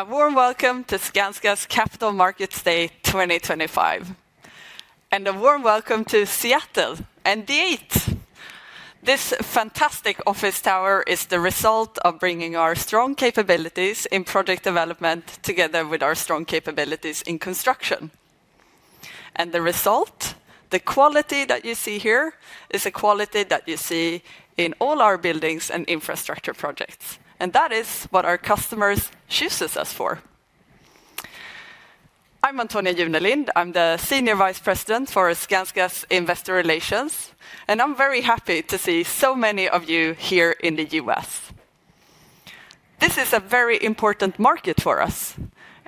A warm welcome to Skanska's Capital Markets Day 2025, and a warm welcome to Seattle and The Eight. This fantastic office tower is the result of bringing our strong capabilities in project development together with our strong capabilities in construction. The result, the quality that you see here, is a quality that you see in all our buildings and infrastructure projects. That is what our customers choose us for. I'm Antonia Junelind. I'm the Senior Vice President for Skanska's Investor Relations, and I'm very happy to see so many of you here in the U.S. This is a very important market for us,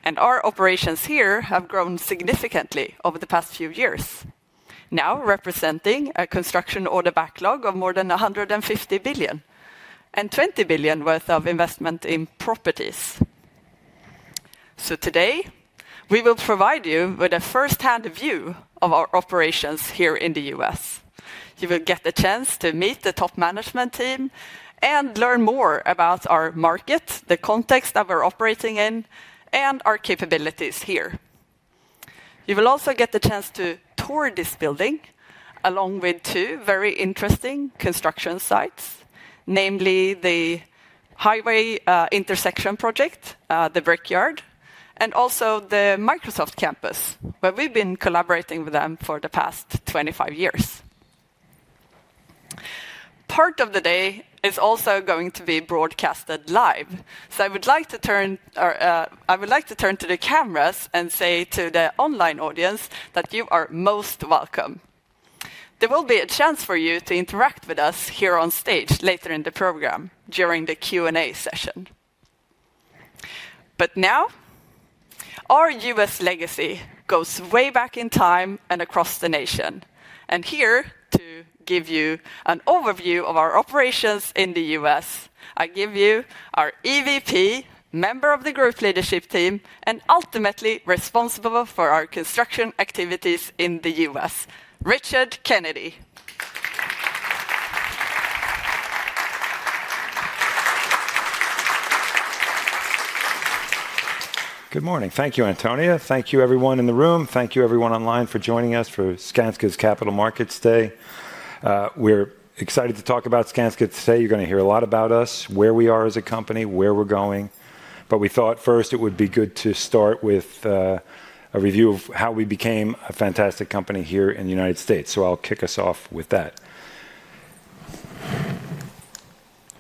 and our operations here have grown significantly over the past few years, now representing a construction order backlog of more than 150 billion and 20 billion worth of investment in properties. Today, we will provide you with a firsthand view of our operations here in the U.S. You will get a chance to meet the top management team and learn more about our market, the context that we're operating in, and our capabilities here. You will also get the chance to tour this building along with two very interesting construction sites, namely the highway intersection project, the Brickyard, and also the Microsoft campus, where we've been collaborating with them for the past 25 years. Part of the day is also going to be broadcasted live, so I would like to turn to the cameras and say to the online audience that you are most welcome. There will be a chance for you to interact with us here on stage later in the program during the Q&A session. Our U.S. legacy goes way back in time and across the nation. Here, to give you an overview of our operations in the U.S., I give you our EVP, Member of the Growth Leadership Team, and ultimately responsible for our construction activities in the U.S., Richard Kennedy. Good morning. Thank you, Antonia. Thank you, everyone in the room. Thank you, everyone online, for joining us for Skanska's Capital Markets Day. We're excited to talk about Skanska today. You're going to hear a lot about us, where we are as a company, where we're going. We thought first it would be good to start with a review of how we became a fantastic company here in the United States. I'll kick us off with that.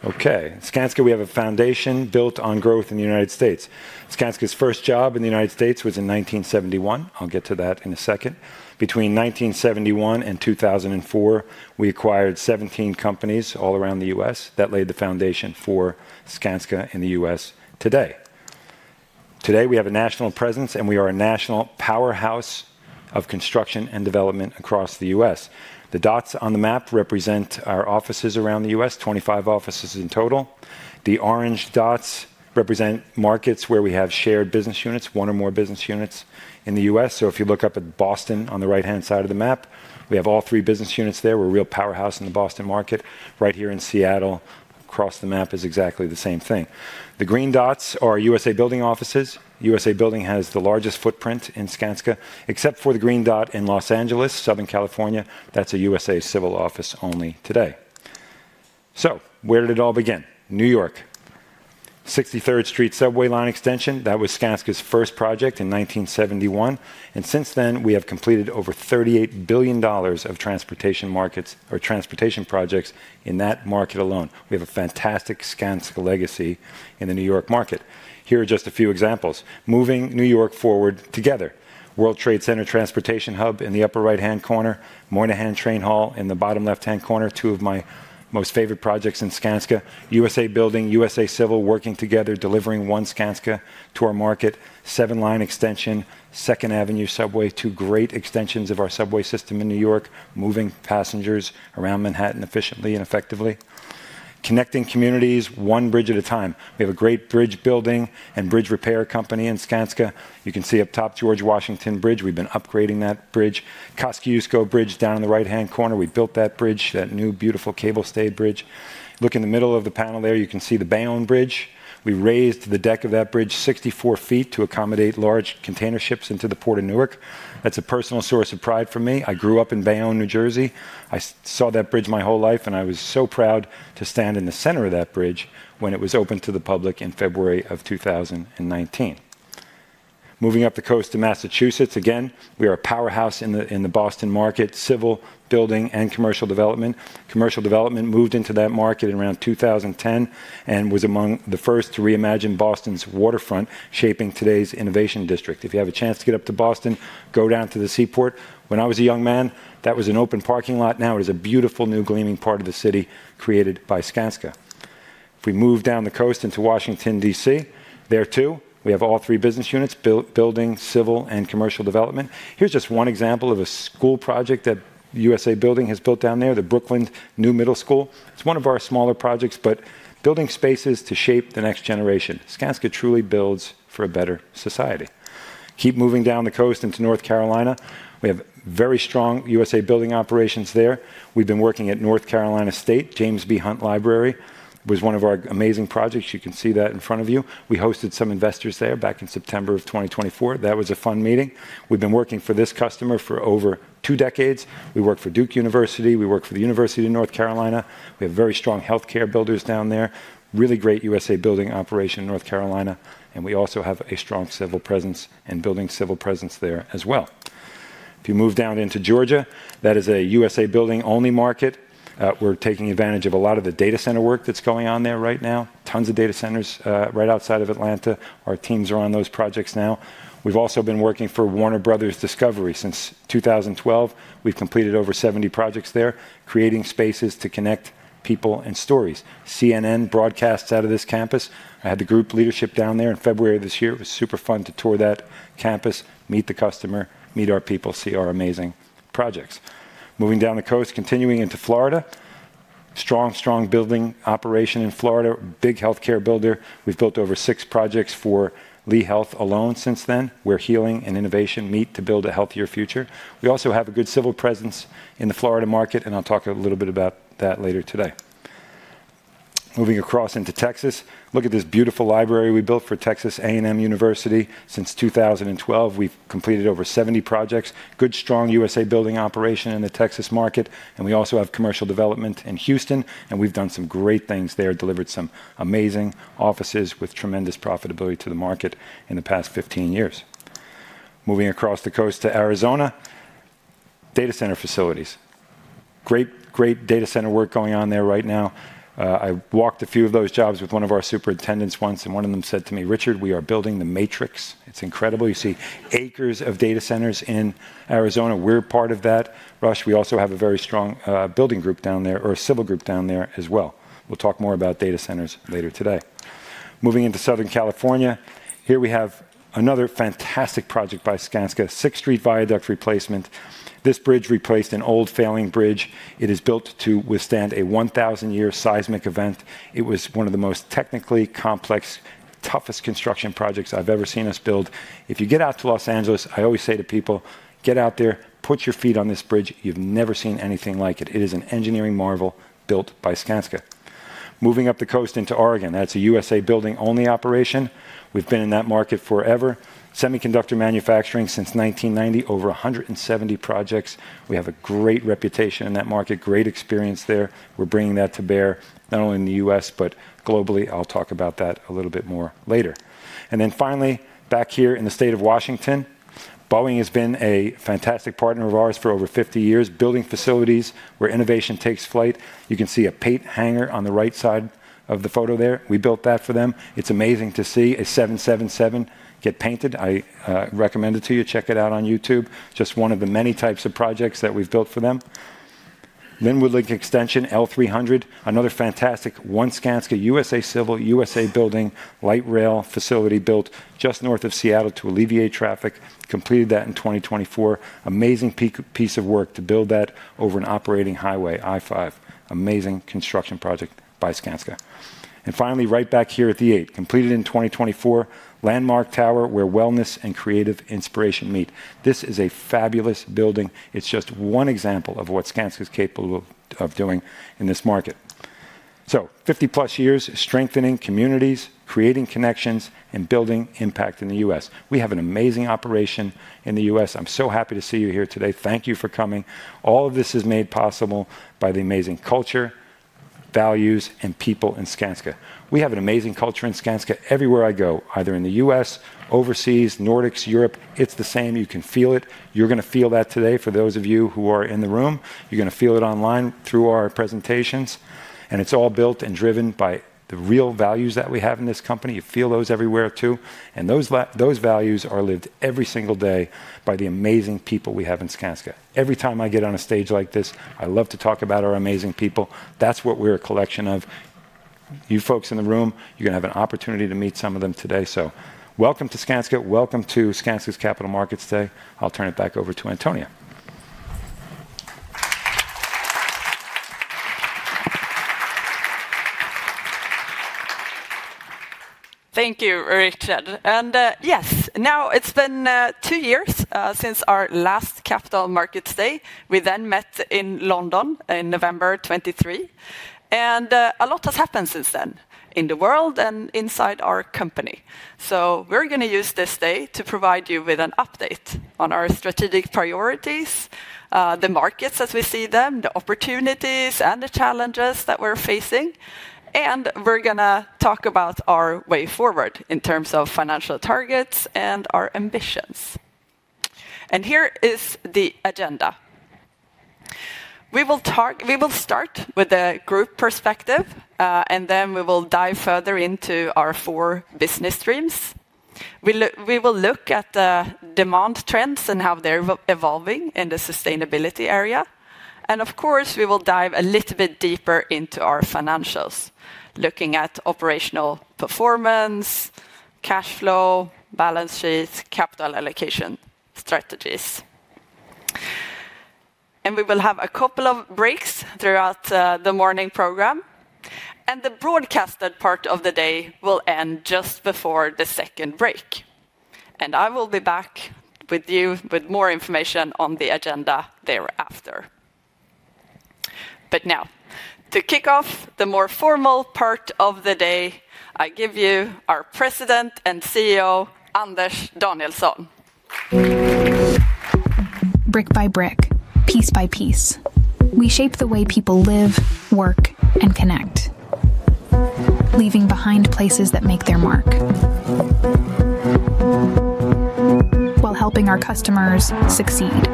Okay. Skanska, we have a foundation built on growth in the United States. Skanska's first job in the United States was in 1971. I'll get to that in a second. Between 1971 and 2004, we acquired 17 companies all around the U.S. that laid the foundation for Skanska in the U.S. today. Today, we have a national presence, and we are a national powerhouse of construction and development across the U.S. The dots on the map represent our offices around the U.S., 25 offices in total. The orange dots represent markets where we have shared business units, one or more business units in the U.S. If you look up at Boston on the right-hand side of the map, we have all three business units there. We're a real powerhouse in the Boston market. Right here in Seattle, across the map is exactly the same thing. The green dots are U.S.A. Building offices. U.S.A. Building has the largest footprint in Skanska, except for the green dot in Los Angeles, Southern California. That's a U.S.A. civil office only today. Where did it all begin? New York. 63rd Street Subway Line extension, that was Skanska's first project in 1971. Since then, we have completed over $38 billion of transportation markets or transportation projects in that market alone. We have a fantastic Skanska legacy in the New York market. Here are just a few examples. Moving New York forward together. World Trade Center Transportation Hub in the upper right-hand corner, Moynihan Train Hall in the bottom left-hand corner, two of my most favorite projects in Skanska. U.S.A. Building, U.S.A. Civil working together, delivering one Skanska to our market, Seven Line extension, Second Avenue Subway, two great extensions of our subway system in New York, moving passengers around Manhattan efficiently and effectively. Connecting communities, one bridge at a time. We have a great bridge building and bridge repair company in Skanska. You can see up top George Washington Bridge. We've been upgrading that bridge. Kosciuszko Bridge down in the right-hand corner. We built that bridge, that new beautiful cable-stayed bridge. Look in the middle of the panel there. You can see the Bayonne Bridge. We raised the deck of that bridge 64 feet to accommodate large container ships into the Port of Newark. That's a personal source of pride for me. I grew up in Bayonne, New Jersey. I saw that bridge my whole life, and I was so proud to stand in the center of that bridge when it was opened to the public in February of 2019. Moving up the coast to Massachusetts, again, we are a powerhouse in the Boston market, civil building and commercial development. Commercial development moved into that market in around 2010 and was among the first to reimagine Boston's waterfront, shaping today's innovation district. If you have a chance to get up to Boston, go down to the seaport. When I was a young man, that was an open parking lot. Now it is a beautiful new gleaming part of the city created by Skanska. If we move down the coast into Washington, D.C., there too, we have all three business units, building, civil, and commercial development. Here's just one example of a school project that U.S.A. Building has built down there, the Brooklyn New Middle School. It's one of our smaller projects, but building spaces to shape the next generation. Skanska truly builds for a better society. Keep moving down the coast into North Carolina. We have very strong U.S.A. Building operations there. We've been working at North Carolina State, James B. Hunt Library, was one of our amazing projects. You can see that in front of you. We hosted some investors there back in September of 2024. That was a fun meeting. We've been working for this customer for over two decades. We work for Duke University. We work for the University of North Carolina. We have very strong healthcare builders down there, really great U.S.A. Building operation in North Carolina, and we also have a strong civil presence and building civil presence there as well. If you move down into Georgia, that is a U.S.A. Building only market. We're taking advantage of a lot of the data center work that's going on there right now. Tons of data centers right outside of Atlanta. Our teams are on those projects now. We've also been working for Warner Brothers Discovery since 2012. We've completed over 70 projects there, creating spaces to connect people and stories. CNN broadcasts out of this campus. I had the group leadership down there in February of this year. It was super fun to tour that campus, meet the customer, meet our people, see our amazing projects. Moving down the coast, continuing into Florida, strong, strong building operation in Florida, big healthcare builder. We've built over six projects for Lee Health alone since then. We're healing and innovation meet to build a healthier future. We also have a good civil presence in the Florida market, and I'll talk a little bit about that later today. Moving across into Texas, look at this beautiful library we built for Texas A&M University. Since 2012, we've completed over 70 projects, good strong U.S. building operation in the Texas market, and we also have commercial development in Houston, and we've done some great things there, delivered some amazing offices with tremendous profitability to the market in the past 15 years. Moving across the coast to Arizona, data center facilities, great, great data center work going on there right now. I walked a few of those jobs with one of our superintendents once, and one of them said to me, "Richard, we are building the matrix. It's incredible. You see acres of data centers in Arizona. We're part of that rush." We also have a very strong building group down there, or a civil group down there as well. We'll talk more about data centers later today. Moving into Southern California, here we have another fantastic project by Skanska, Sixth Street Viaduct replacement. This bridge replaced an old failing bridge. It is built to withstand a 1,000-year seismic event. It was one of the most technically complex, toughest construction projects I've ever seen us build. If you get out to Los Angeles, I always say to people, "Get out there, put your feet on this bridge. You've never seen anything like it. It is an engineering marvel built by Skanska. Moving up the coast into Oregon, that's a U.S. building only operation. We've been in that market forever. Semiconductor manufacturing since 1990, over 170 projects. We have a great reputation in that market, great experience there. We're bringing that to bear not only in the U.S., but globally. I'll talk about that a little bit more later. Finally, back here in the state of Washington, Boeing has been a fantastic partner of ours for over 50 years, building facilities where innovation takes flight. You can see a paint hangar on the right side of the photo there. We built that for them. It's amazing to see a 777 get painted. I recommend it to you. Check it out on YouTube. Just one of the many types of projects that we've built for them. Lynnwood Link Extension L300, another fantastic one Skanska U.S.A. Civil, U.S.A. Building light rail facility built just north of Seattle to alleviate traffic. Completed that in 2024. Amazing piece of work to build that over an operating highway, I-5. Amazing construction project by Skanska. Finally, right back here at The Eight, completed in 2024, Landmark Tower, where wellness and creative inspiration meet. This is a fabulous building. It's just one example of what Skanska is capable of doing in this market. Fifty plus years strengthening communities, creating connections, and building impact in the U.S. We have an amazing operation in the U.S. I'm so happy to see you here today. Thank you for coming. All of this is made possible by the amazing culture, values, and people in Skanska. We have an amazing culture in Skanska everywhere I go, either in the U.S., overseas, Nordics, Europe. It's the same. You can feel it. You're going to feel that today. For those of you who are in the room, you're going to feel it online through our presentations. It's all built and driven by the real values that we have in this company. You feel those everywhere too. Those values are lived every single day by the amazing people we have in Skanska. Every time I get on a stage like this, I love to talk about our amazing people. That's what we're a collection of. You folks in the room, you're going to have an opportunity to meet some of them today. Welcome to Skanska. Welcome to Skanska's Capital Markets Day. I'll turn it back over to Antonia. Thank you, Richard. Yes, now it has been two years since our last Capital Markets Day. We then met in London in November 2023. A lot has happened since then in the world and inside our company. We are going to use this day to provide you with an update on our strategic priorities, the markets as we see them, the opportunities, and the challenges that we are facing. We are going to talk about our way forward in terms of financial targets and our ambitions. Here is the agenda. We will start with the group perspective, and then we will dive further into our four business streams. We will look at the demand trends and how they are evolving in the sustainability area. Of course, we will dive a little bit deeper into our financials, looking at operational performance, cash flow, balance sheets, and capital allocation strategies. We will have a couple of breaks throughout the morning program. The broadcasted part of the day will end just before the second break. I will be back with you with more information on the agenda thereafter. Now, to kick off the more formal part of the day, I give you our President and CEO, Anders Danielsson. Brick by brick, piece by piece, we shape the way people live, work, and connect, leaving behind places that make their mark while helping our customers succeed.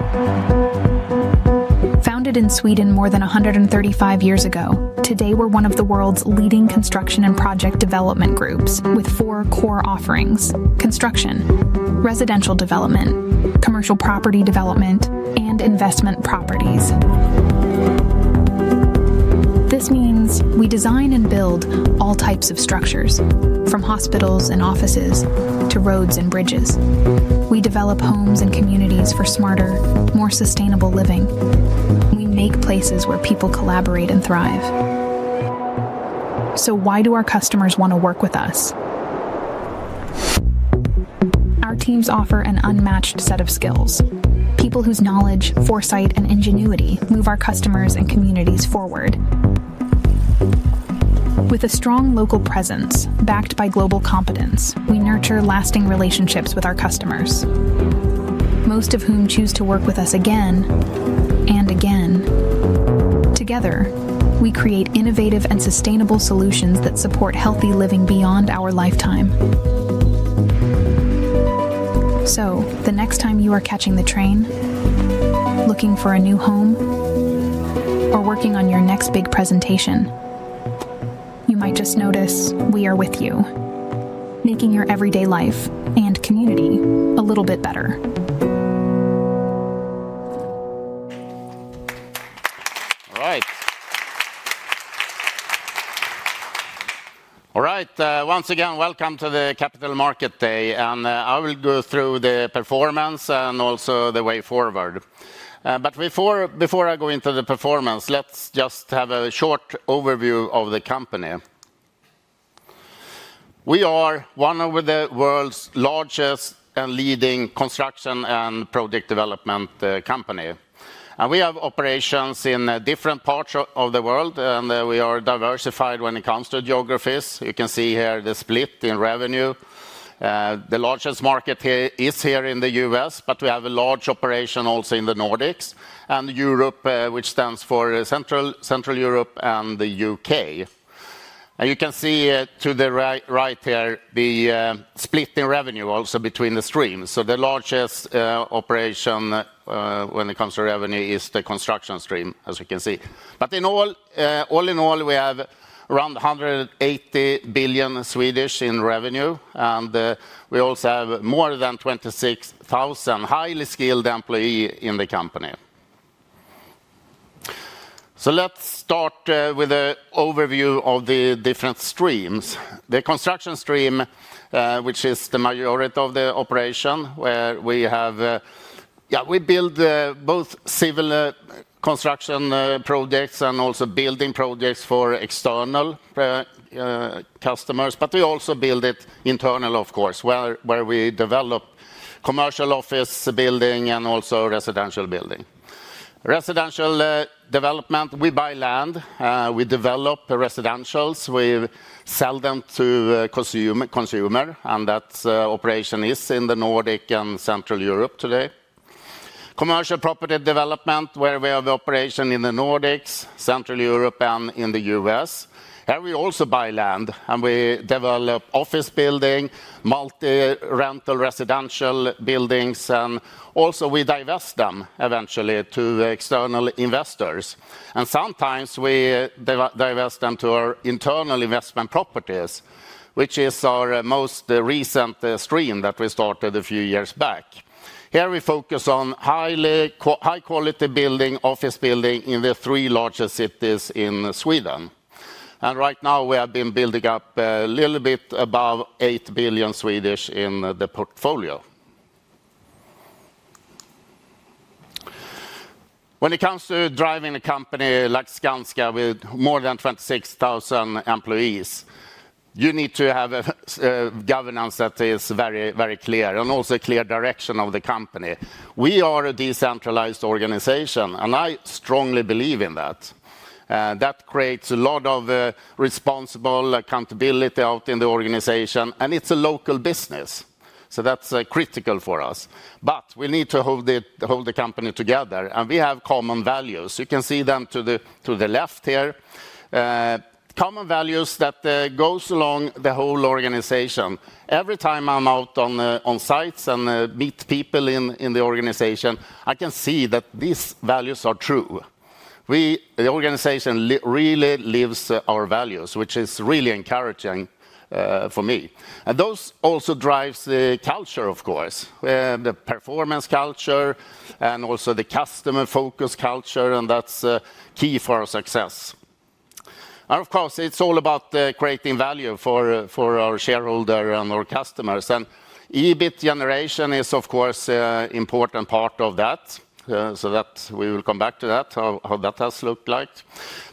Founded in Sweden more than 135 years ago, today we're one of the world's leading construction and project development groups with four core offerings: construction, residential development, commercial property development, and investment properties. This means we design and build all types of structures, from hospitals and offices to roads and bridges. We develop homes and communities for smarter, more sustainable living. We make places where people collaborate and thrive. Why do our customers want to work with us? Our teams offer an unmatched set of skills, people whose knowledge, foresight, and ingenuity move our customers and communities forward. With a strong local presence backed by global competence, we nurture lasting relationships with our customers, most of whom choose to work with us again and again. Together, we create innovative and sustainable solutions that support healthy living beyond our lifetime. The next time you are catching the train, looking for a new home, or working on your next big presentation, you might just notice we are with you, making your everyday life and community a little bit better. All right. All right. Once again, welcome to the Capital Markets Day. I will go through the performance and also the way forward. Before I go into the performance, let's just have a short overview of the company. We are one of the world's largest and leading construction and project development companies. We have operations in different parts of the world, and we are diversified when it comes to geographies. You can see here the split in revenue. The largest market is here in the U.S., but we have a large operation also in the Nordics and Europe, which stands for Central Europe and the U.K. You can see to the right here the split in revenue also between the streams. The largest operation when it comes to revenue is the construction stream, as we can see. All in all, we have around 180 billion in revenue, and we also have more than 26,000 highly skilled employees in the company. Let's start with an overview of the different streams. The construction stream, which is the majority of the operation, where we build both civil construction projects and also building projects for external customers, but we also build it internal, of course, where we develop commercial office building and also residential building. Residential development, we buy land. We develop residentials. We sell them to consumers, and that operation is in the Nordics and Central Europe today. Commercial property development, where we have operation in the Nordics, Central Europe, and in the U.S. We also buy land, and we develop office building, multi-rental residential buildings, and also we divest them eventually to external investors. Sometimes we divest them to our internal investment properties, which is our most recent stream that we started a few years back. Here we focus on high-quality office building in the three largest cities in Sweden. Right now we have been building up a little bit above 8 billion in the portfolio. When it comes to driving a company like Skanska with more than 26,000 employees, you need to have a governance that is very, very clear and also a clear direction of the company. We are a decentralized organization, and I strongly believe in that. That creates a lot of responsible accountability out in the organization, and it is a local business. That is critical for us. We need to hold the company together, and we have common values. You can see them to the left here. Common values that go along the whole organization. Every time I'm out on sites and meet people in the organization, I can see that these values are true. The organization really lives our values, which is really encouraging for me. Those also drive the culture, of course, the performance culture and also the customer-focused culture, and that's key for our success. Of course, it's all about creating value for our shareholders and our customers. EBIT generation is, of course, an important part of that. We will come back to that, how that has looked like.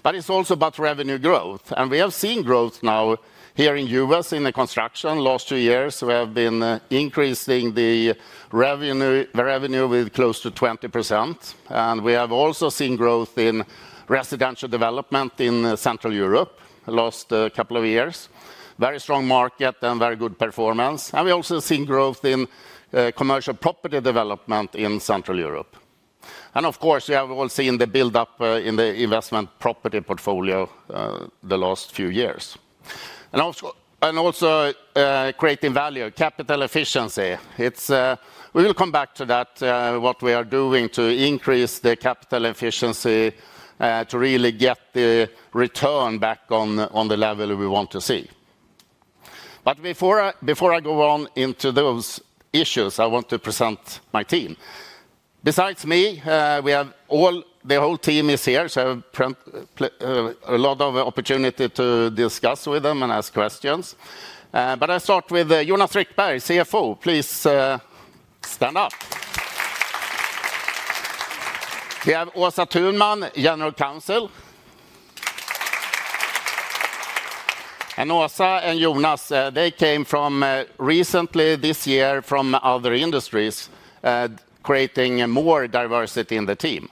It's also about revenue growth. We have seen growth now here in the U.S. in the construction. Last two years, we have been increasing the revenue with close to 20%. We have also seen growth in residential development in Central Europe the last couple of years. Very strong market and very good performance. We also see growth in commercial property development in Central Europe. Of course, we have all seen the build-up in the investment property portfolio the last few years. Also creating value, capital efficiency. We will come back to that, what we are doing to increase the capital efficiency to really get the return back on the level we want to see. Before I go on into those issues, I want to present my team. Besides me, the whole team is here, so I have a lot of opportunity to discuss with them and ask questions. I start with Jonas Rickberg, CFO. Please stand up. We have Åsa Thunman, General Counsel. Åsa and Jonas, they came from recently this year from other industries, creating more diversity in the team.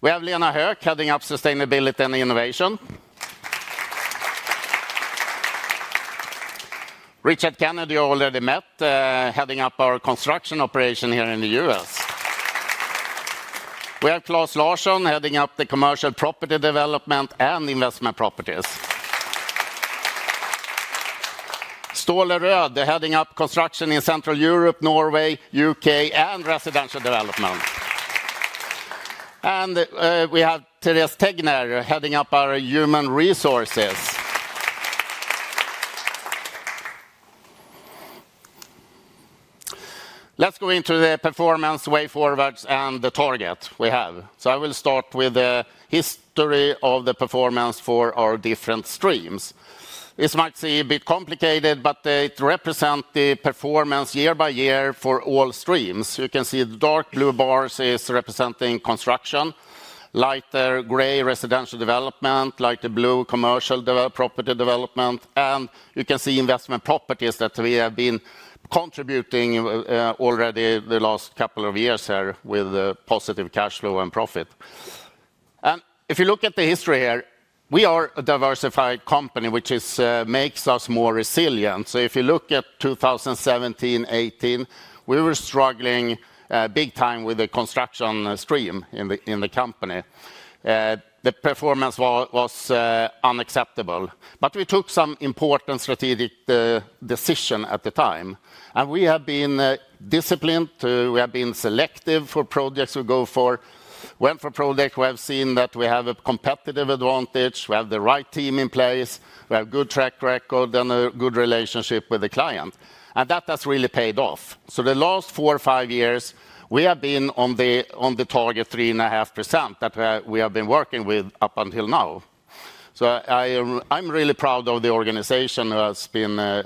We have Lena Hök, heading up sustainability and innovation. Richard Kennedy, you already met, heading up our construction operation here in the U.S. We have Claes Larsson, heading up the commercial property development and investment properties. Ståle Rød, heading up construction in Central Europe, Norway, U.K., and residential development. We have Therese Tegner, heading up our human resources. Let's go into the performance, way forwards, and the target we have. I will start with the history of the performance for our different streams. This might seem a bit complicated, but it represents the performance year by year for all streams. You can see the dark blue bars are representing construction, lighter gray residential development, lighter blue commercial property development, and you can see investment properties that we have been contributing already the last couple of years here with positive cash flow and profit. If you look at the history here, we are a diversified company, which makes us more resilient. If you look at 2017, 2018, we were struggling big time with the construction stream in the company. The performance was unacceptable. We took some important strategic decisions at the time. We have been disciplined. We have been selective for projects we go for. When for projects, we have seen that we have a competitive advantage. We have the right team in place. We have a good track record and a good relationship with the client. That has really paid off. The last four or five years, we have been on the target 3.5% that we have been working with up until now. I'm really proud of the organization who has been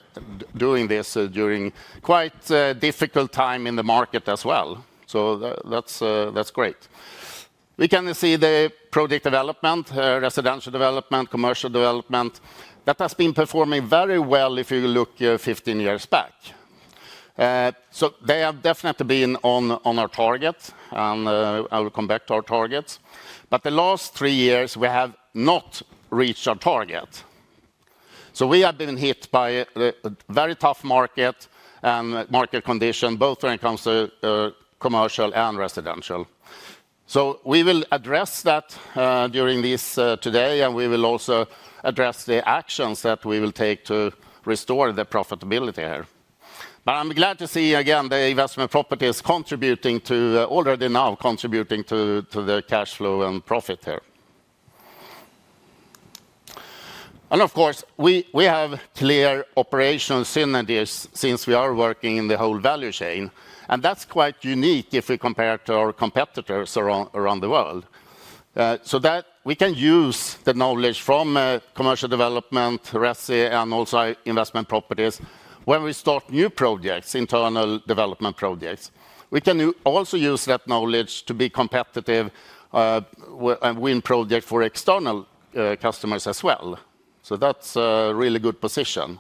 doing this during quite a difficult time in the market as well. That is great. We can see the project development, residential development, commercial development that has been performing very well if you look 15 years back. They have definitely been on our target, and I will come back to our targets. The last three years, we have not reached our target. We have been hit by a very tough market and market condition, both when it comes to commercial and residential. We will address that during this today, and we will also address the actions that we will take to restore the profitability here. I am glad to see again the investment properties contributing to, already now contributing to the cash flow and profit here. Of course, we have clear operations synergies since we are working in the whole value chain. That is quite unique if we compare to our competitors around the world. We can use the knowledge from commercial development, resi, and also investment properties when we start new projects, internal development projects. We can also use that knowledge to be competitive and win projects for external customers as well. That is a really good position.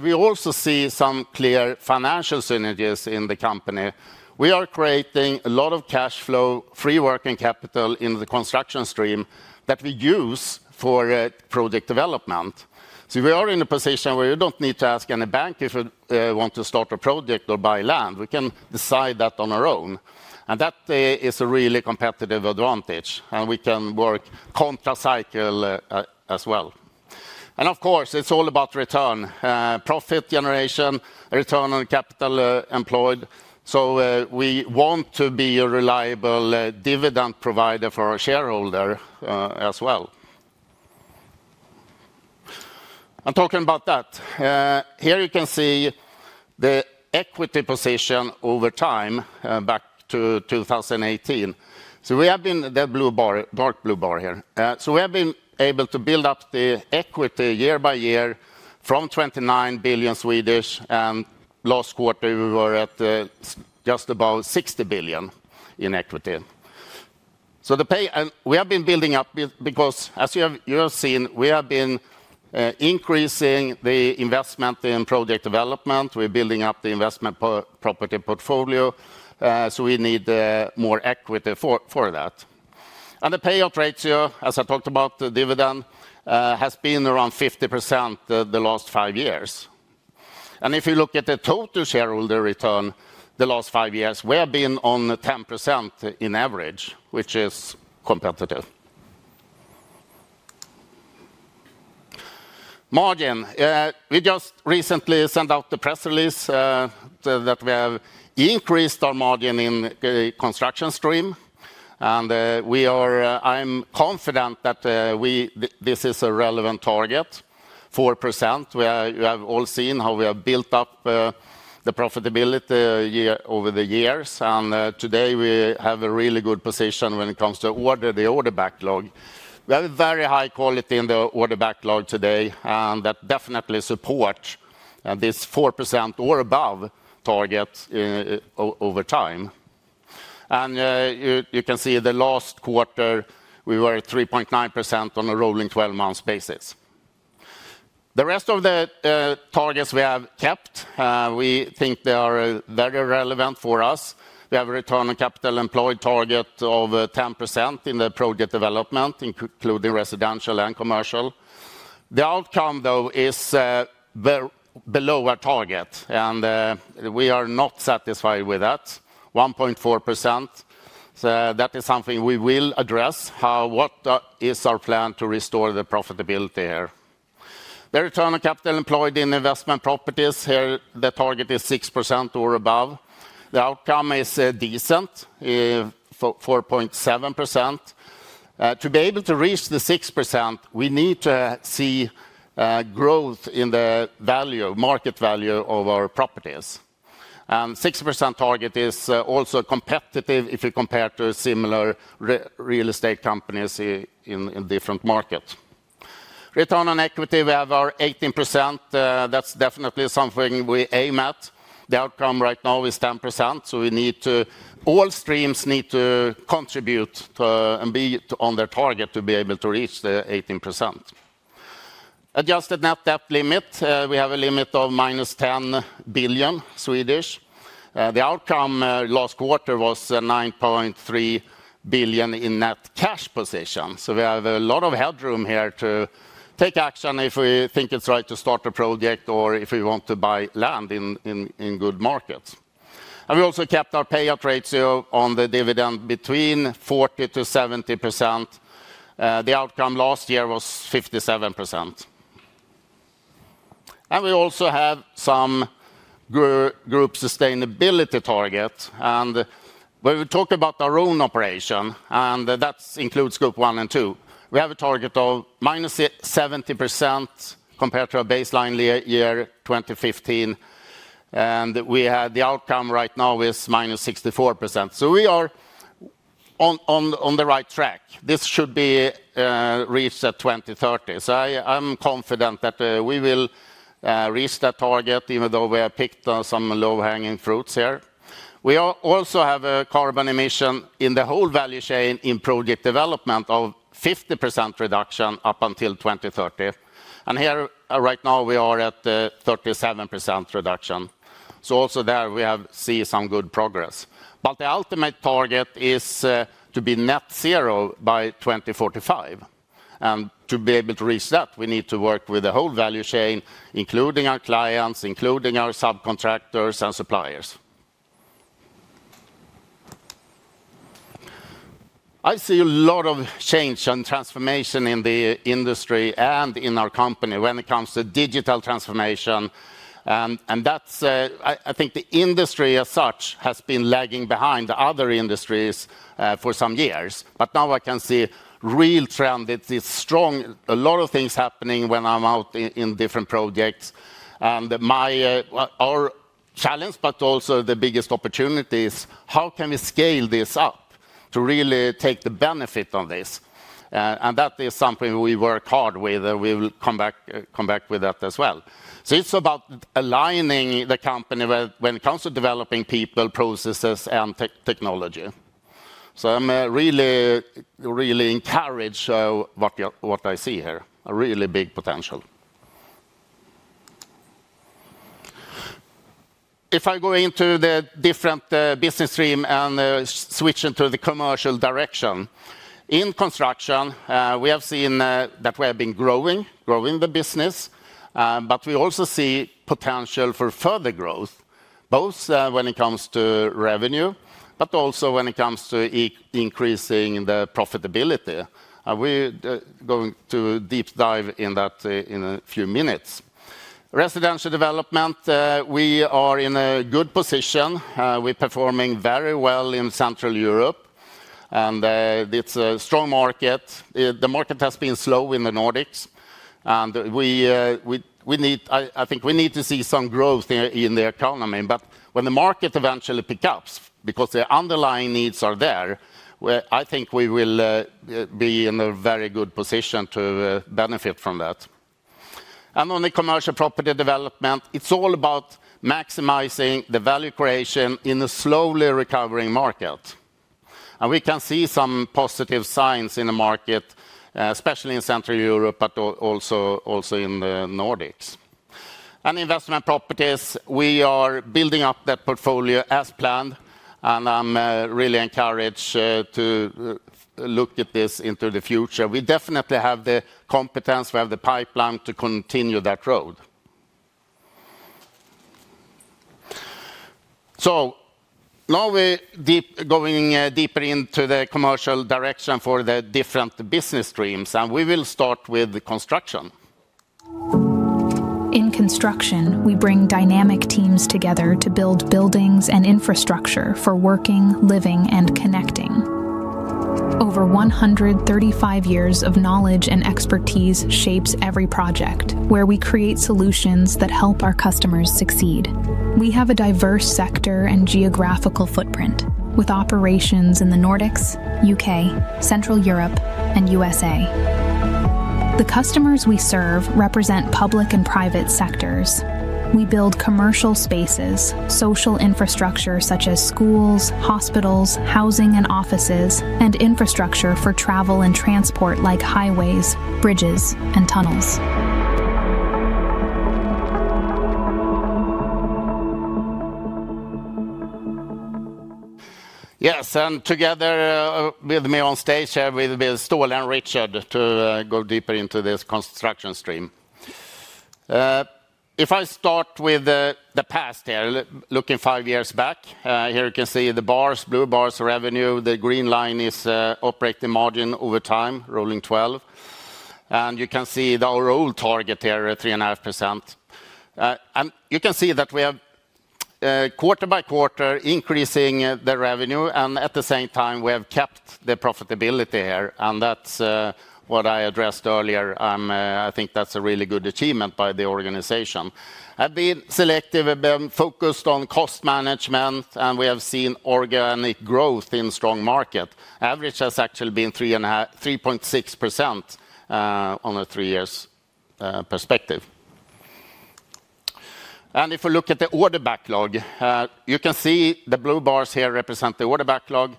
We also see some clear financial synergies in the company. We are creating a lot of cash flow, free working capital in the construction stream that we use for project development. We are in a position where you do not need to ask any bank if you want to start a project or buy land. We can decide that on our own. That is a really competitive advantage. We can work contra cycle as well. Of course, it is all about return, profit generation, return on capital employed. We want to be a reliable dividend provider for our shareholder as well. I'm talking about that. Here you can see the equity position over time back to 2018. We have been that blue bar, dark blue bar here. We have been able to build up the equity year by year from 29 billion. Last quarter, we were at just about 60 billion in equity. The payout, we have been building up because, as you have seen, we have been increasing the investment in project development. We're building up the investment property portfolio. We need more equity for that. The payout ratio, as I talked about, the dividend has been around 50% the last five years. If you look at the total shareholder return the last five years, we have been on 10% in average, which is competitive. Margin. We just recently sent out the press release that we have increased our margin in the construction stream. I'm confident that this is a relevant target, 4%. You have all seen how we have built up the profitability over the years. Today, we have a really good position when it comes to the order backlog. We have a very high quality in the order backlog today. That definitely supports this 4% or above target over time. You can see the last quarter, we were at 3.9% on a rolling 12-month basis. The rest of the targets we have kept, we think they are very relevant for us. We have a return on capital employed target of 10% in the project development, including residential and commercial. The outcome, though, is below our target. We are not satisfied with that, 1.4%. That is something we will address. What is our plan to restore the profitability here? The return on capital employed in investment properties here, the target is 6% or above. The outcome is decent, 4.7%. To be able to reach the 6%, we need to see growth in the value, market value of our properties. The 6% target is also competitive if you compare to similar real estate companies in different markets. Return on equity, we have our 18%. That's definitely something we aim at. The outcome right now is 10%. We need to, all streams need to contribute and be on their target to be able to reach the 18%. Adjusted net debt limit, we have a limit of -10 billion. The outcome last quarter was 9.3 billion in net cash position. We have a lot of headroom here to take action if we think it is right to start a project or if we want to buy land in good markets. We also kept our payout ratio on the dividend between 40%-70%. The outcome last year was 57%. We also have some group sustainability target. When we talk about our own operation, and that includes group one and two, we have a target of minus 70% compared to our baseline year 2015. The outcome right now is minus 64%. We are on the right track. This should be reached at 2030. I am confident that we will reach that target, even though we have picked some low-hanging fruits here. We also have a carbon emission in the whole value chain in project development of 50% reduction up until 2030. Here right now, we are at 37% reduction. Also there, we have seen some good progress. The ultimate target is to be net zero by 2045. To be able to reach that, we need to work with the whole value chain, including our clients, including our subcontractors and suppliers. I see a lot of change and transformation in the industry and in our company when it comes to digital transformation. I think the industry as such has been lagging behind other industries for some years. Now I can see a real trend. It is strong. A lot of things are happening when I am out in different projects. Our challenge, but also the biggest opportunity, is how can we scale this up to really take the benefit on this? That is something we work hard with. We will come back with that as well. It is about aligning the company when it comes to developing people, processes, and technology. I am really, really encouraged by what I see here. A really big potential. If I go into the different business stream and switch into the commercial direction, in construction, we have seen that we have been growing, growing the business. We also see potential for further growth, both when it comes to revenue, but also when it comes to increasing the profitability. We are going to deep dive in that in a few minutes. Residential development, we are in a good position. We are performing very well in Central Europe. It is a strong market. The market has been slow in the Nordics. I think we need to see some growth in the economy. When the market eventually picks up, because the underlying needs are there, I think we will be in a very good position to benefit from that. On the commercial property development, it's all about maximizing the value creation in a slowly recovering market. We can see some positive signs in the market, especially in Central Europe, but also in the Nordics. Investment properties, we are building up that portfolio as planned. I'm really encouraged to look at this into the future. We definitely have the competence. We have the pipeline to continue that road. Now we're going deeper into the commercial direction for the different business streams. We will start with construction. In construction, we bring dynamic teams together to build buildings and infrastructure for working, living, and connecting. Over 135 years of knowledge and expertise shapes every project where we create solutions that help our customers succeed. We have a diverse sector and geographical footprint with operations in the Nordics, U.K., Central Europe, and U.S.A. The customers we serve represent public and private sectors. We build commercial spaces, social infrastructure such as schools, hospitals, housing and offices, and infrastructure for travel and transport like highways, bridges, and tunnels. Yes, and together with me on stage here with Ståle and Richard to go deeper into this construction stream. If I start with the past here, looking five years back, here you can see the bars, blue bars are revenue. The green line is operating margin over time, rolling 12. And you can see our old target here, 3.5%. And you can see that we have quarter by quarter increasing the revenue. At the same time, we have kept the profitability here. That is what I addressed earlier. I think that is a really good achievement by the organization. I have been selective, I have been focused on cost management, and we have seen organic growth in strong market. Average has actually been 3.6% on a three-year perspective. If we look at the order backlog, you can see the blue bars here represent the order backlog.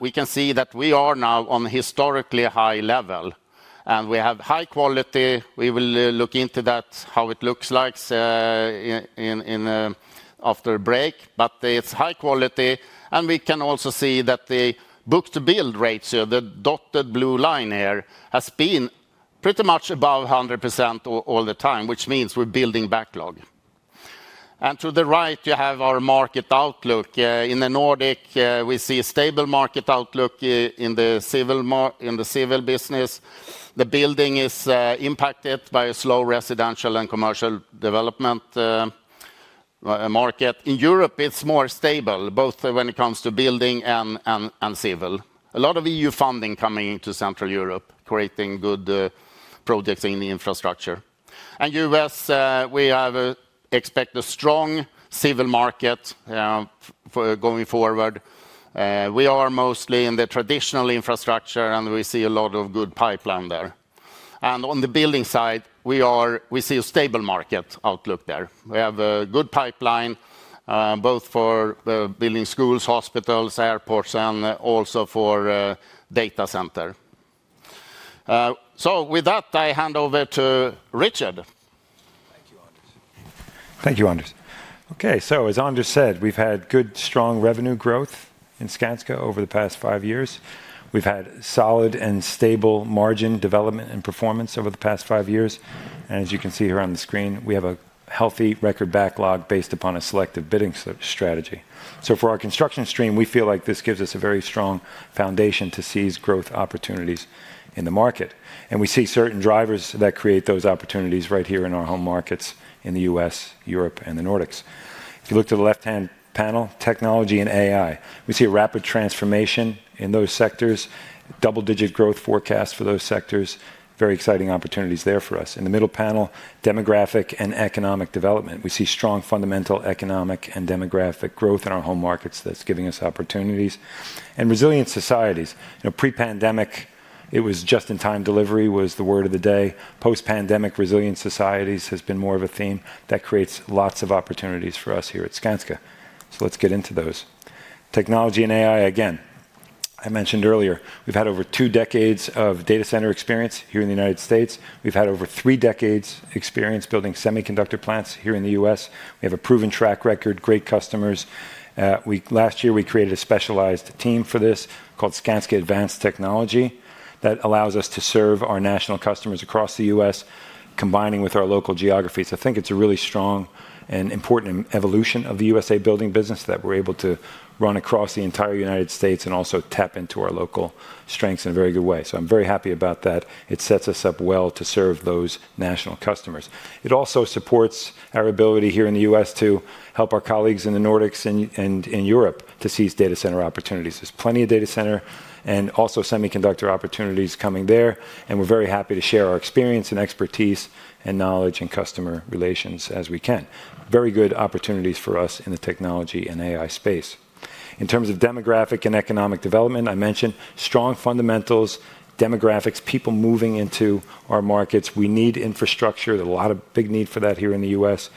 We can see that we are now on a historically high level. We have high quality. We will look into that, how it looks like after a break. It is high quality. We can also see that the book-to-build ratio, the dotted blue line here, has been pretty much above 100% all the time, which means we are building backlog. To the right, you have our market outlook. In the Nordics, we see a stable market outlook in the civil business. The building is impacted by a slow residential and commercial development market. In Europe, it is more stable, both when it comes to building and civil. A lot of EU funding coming into Central Europe, creating good projects in the infrastructure. In the U.S., we expect a strong civil market going forward. We are mostly in the traditional infrastructure, and we see a lot of good pipeline there. On the building side, we see a stable market outlook there. We have a good pipeline, both for building schools, hospitals, airports, and also for data center. With that, I hand over to Richard. Thank you, Anders. Okay, as Anders said, we have had good, strong revenue growth in Skanska over the past five years. We have had solid and stable margin development and performance over the past five years. As you can see here on the screen, we have a healthy record backlog based upon a selective bidding strategy. For our construction stream, we feel like this gives us a very strong foundation to seize growth opportunities in the market. We see certain drivers that create those opportunities right here in our home markets in the U.S., Europe, and the Nordics. If you look to the left-hand panel, technology and AI, we see a rapid transformation in those sectors, double-digit growth forecast for those sectors, very exciting opportunities there for us. In the middle panel, demographic and economic development. We see strong fundamental economic and demographic growth in our home markets that is giving us opportunities. Resilient societies. Pre-pandemic, it was just-in-time delivery was the word of the day. Post-pandemic, resilient societies has been more of a theme that creates lots of opportunities for us here at Skanska. Let's get into those. Technology and AI, again, I mentioned earlier, we've had over two decades of data center experience here in the United States. We've had over three decades experience building semiconductor plants here in the U.S. We have a proven track record, great customers. Last year, we created a specialized team for this called Skanska Advanced Technology that allows us to serve our national customers across the U.S., combining with our local geographies. I think it's a really strong and important evolution of the U.S. building business that we're able to run across the entire United States and also tap into our local strengths in a very good way. I'm very happy about that. It sets us up well to serve those national customers. It also supports our ability here in the U.S. to help our colleagues in the Nordics and in Europe to seize data center opportunities. There's plenty of data center and also semiconductor opportunities coming there. We're very happy to share our experience and expertise and knowledge and customer relations as we can. Very good opportunities for us in the technology and AI space. In terms of demographic and economic development, I mentioned strong fundamentals, demographics, people moving into our markets. We need infrastructure. There's a lot of big need for that here in the U.S.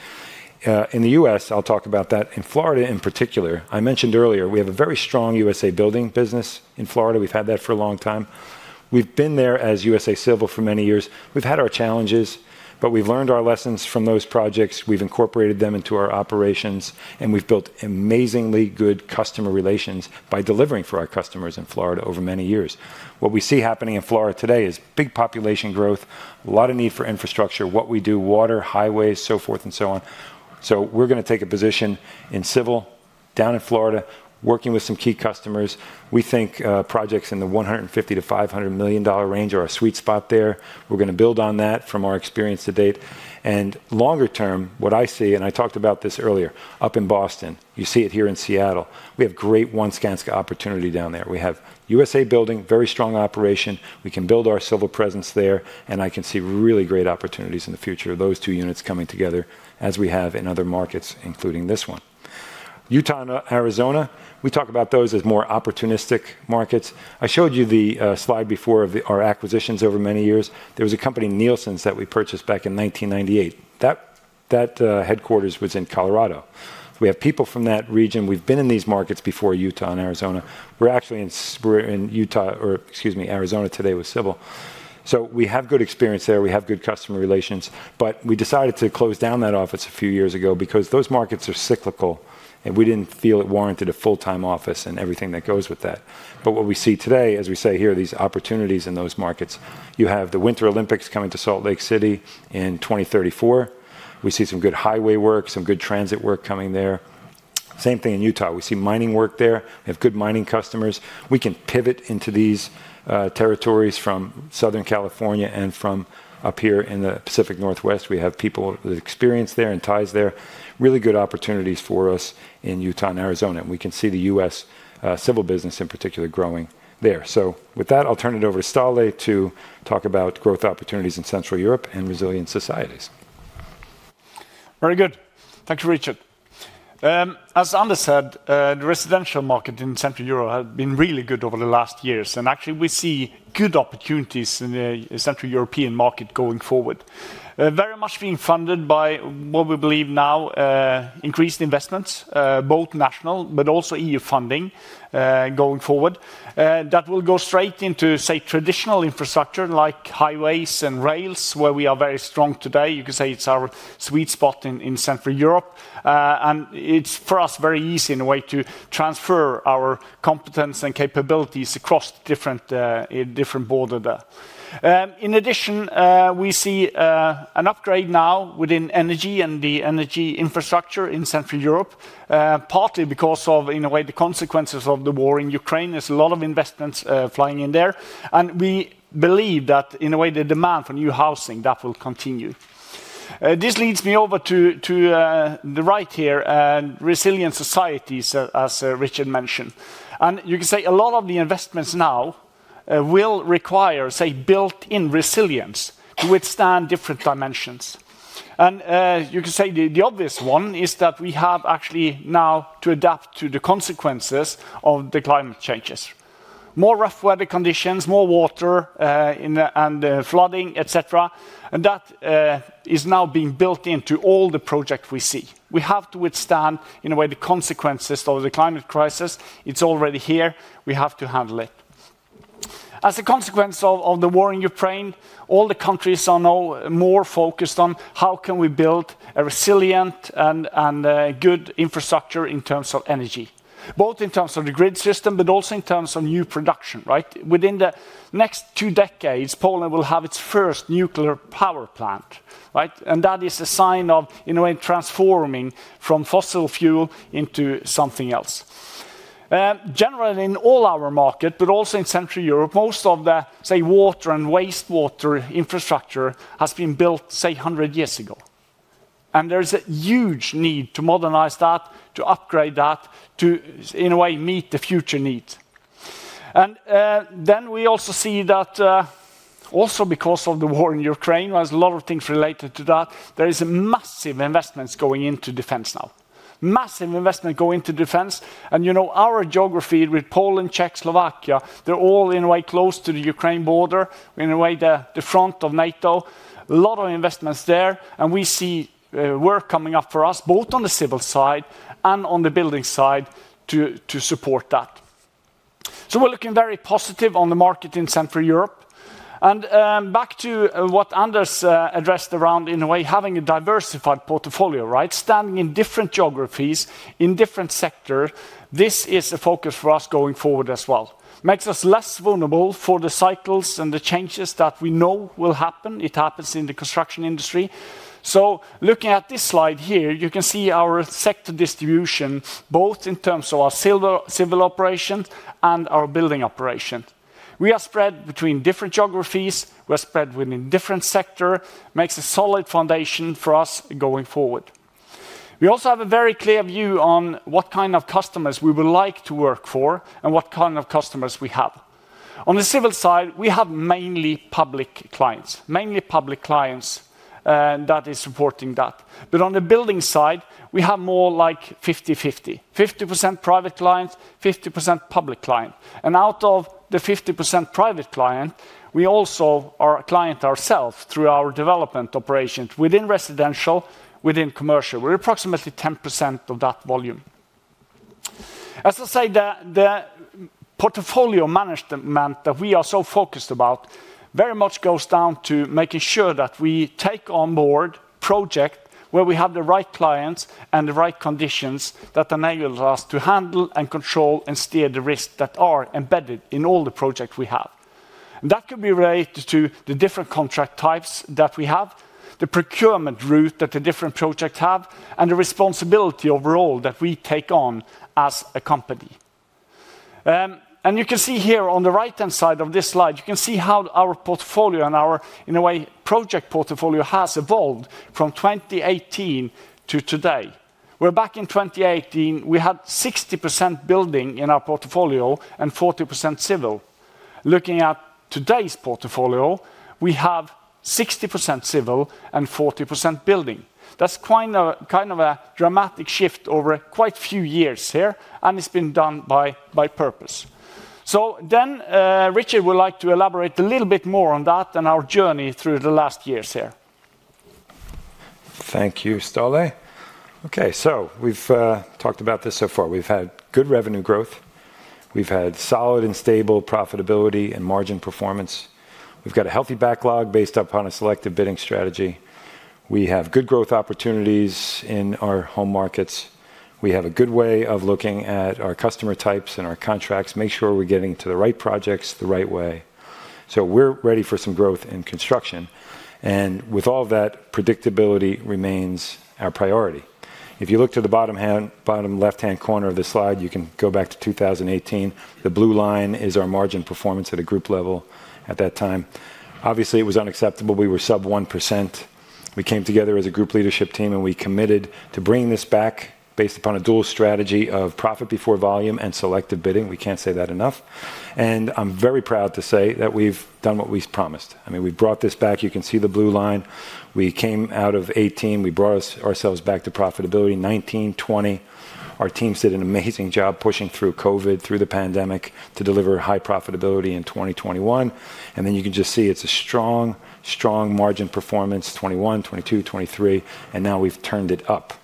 In the U.S., I'll talk about that. In Florida, in particular, I mentioned earlier, we have a very strong U.S. building business in Florida. We've had that for a long time. We've been there as U.S. civil for many years. We've had our challenges, but we've learned our lessons from those projects. We've incorporated them into our operations, and we've built amazingly good customer relations by delivering for our customers in Florida over many years. What we see happening in Florida today is big population growth, a lot of need for infrastructure, what we do, water, highways, so forth and so on. We are going to take a position in civil down in Florida, working with some key customers. We think projects in the $150 million-$500 million range are our sweet spot there. We are going to build on that from our experience to date. Longer term, what I see, and I talked about this earlier, up in Boston, you see it here in Seattle. We have great one Skanska opportunity down there. We have U.S. building, very strong operation. We can build our civil presence there, and I can see really great opportunities in the future of those two units coming together as we have in other markets, including this one. Utah and Arizona, we talk about those as more opportunistic markets. I showed you the slide before of our acquisitions over many years. There was a company, Nielsens, that we purchased back in 1998. That headquarters was in Colorado. We have people from that region. We've been in these markets before Utah and Arizona. We're actually in Utah, or excuse me, Arizona today with civil. So we have good experience there. We have good customer relations. We decided to close down that office a few years ago because those markets are cyclical, and we didn't feel it warranted a full-time office and everything that goes with that. What we see today, as we say here, these opportunities in those markets, you have the Winter Olympics coming to Salt Lake City in 2034. We see some good highway work, some good transit work coming there. Same thing in Utah. We see mining work there. We have good mining customers. We can pivot into these territories from Southern California and from up here in the Pacific Northwest. We have people with experience there and ties there. Really good opportunities for us in Utah and Arizona. We can see the U.S. civil business in particular growing there. With that, I'll turn it over to Ståle to talk about growth opportunities in Central Europe and resilient societies. Very good. Thanks, Richard. As Anders said, the residential market in Central Europe has been really good over the last years. Actually, we see good opportunities in the Central European market going forward, very much being funded by what we believe now, increased investments, both national, but also EU funding going forward that will go straight into, say, traditional infrastructure like highways and rails, where we are very strong today. You can say it's our sweet spot in Central Europe. It's for us very easy in a way to transfer our competence and capabilities across different borders there. In addition, we see an upgrade now within energy and the energy infrastructure in Central Europe, partly because of, in a way, the consequences of the war in Ukraine. There's a lot of investments flying in there. We believe that, in a way, the demand for new housing will continue. This leads me over to the right here, resilient societies, as Richard mentioned. You can say a lot of the investments now will require, say, built-in resilience to withstand different dimensions. The obvious one is that we have actually now to adapt to the consequences of the climate changes: more rough weather conditions, more water and flooding, etc. That is now being built into all the projects we see. We have to withstand, in a way, the consequences of the climate crisis. It's already here. We have to handle it. As a consequence of the war in Ukraine, all the countries are now more focused on how can we build a resilient and good infrastructure in terms of energy, both in terms of the grid system, but also in terms of new production. Within the next two decades, Poland will have its first nuclear power plant. That is a sign of, in a way, transforming from fossil fuel into something else. Generally, in all our markets, but also in Central Europe, most of the, say, water and wastewater infrastructure has been built, say, 100 years ago. There is a huge need to modernize that, to upgrade that, to, in a way, meet the future needs. We also see that because of the war in Ukraine, there are a lot of things related to that. There is a massive investment going into defense now, massive investment going into defense. Our geography with Poland, Czech, Slovakia, they are all, in a way, close to the Ukraine border, in a way, the front of NATO. A lot of investments there. We see work coming up for us, both on the civil side and on the building side to support that. We're looking very positive on the market in Central Europe. Back to what Anders addressed around, in a way, having a diversified portfolio, standing in different geographies, in different sectors, this is a focus for us going forward as well. Makes us less vulnerable for the cycles and the changes that we know will happen. It happens in the construction industry. Looking at this slide here, you can see our sector distribution, both in terms of our civil operations and our building operations. We are spread between different geographies. We are spread within different sectors. Makes a solid foundation for us going forward. We also have a very clear view on what kind of customers we would like to work for and what kind of customers we have. On the civil side, we have mainly public clients, mainly public clients that are supporting that. On the building side, we have more like 50-50, 50% private clients, 50% public clients. Out of the 50% private clients, we also are a client ourselves through our development operations within residential, within commercial. We're approximately 10% of that volume. As I say, the portfolio management that we are so focused about very much goes down to making sure that we take on board projects where we have the right clients and the right conditions that enable us to handle and control and steer the risks that are embedded in all the projects we have. That could be related to the different contract types that we have, the procurement route that the different projects have, and the responsibility overall that we take on as a company. You can see here on the right-hand side of this slide, you can see how our portfolio and our, in a way, project portfolio has evolved from 2018 to today. Back in 2018, we had 60% building in our portfolio and 40% civil. Looking at today's portfolio, we have 60% civil and 40% building. That is kind of a dramatic shift over quite a few years here, and it has been done by purpose. Richard would like to elaborate a little bit more on that and our journey through the last years here. Thank you, Ståle. Okay, we have talked about this so far. We have had good revenue growth. We have had solid and stable profitability and margin performance. We have got a healthy backlog based upon a selective bidding strategy. We have good growth opportunities in our home markets. We have a good way of looking at our customer types and our contracts, make sure we're getting to the right projects the right way. We are ready for some growth in construction. With all of that, predictability remains our priority. If you look to the bottom left-hand corner of the slide, you can go back to 2018. The blue line is our margin performance at a group level at that time. Obviously, it was unacceptable. We were sub 1%. We came together as a group leadership team, and we committed to bringing this back based upon a dual strategy of profit before volume and selective bidding. We cannot say that enough. I am very proud to say that we have done what we promised. I mean, we have brought this back. You can see the blue line. We came out of 2018. We brought ourselves back to profitability, 2019, 2020. Our team did an amazing job pushing through COVID, through the pandemic, to deliver high profitability in 2021. You can just see it is a strong, strong margin performance, 2021, 2022, 2023. We have turned it up.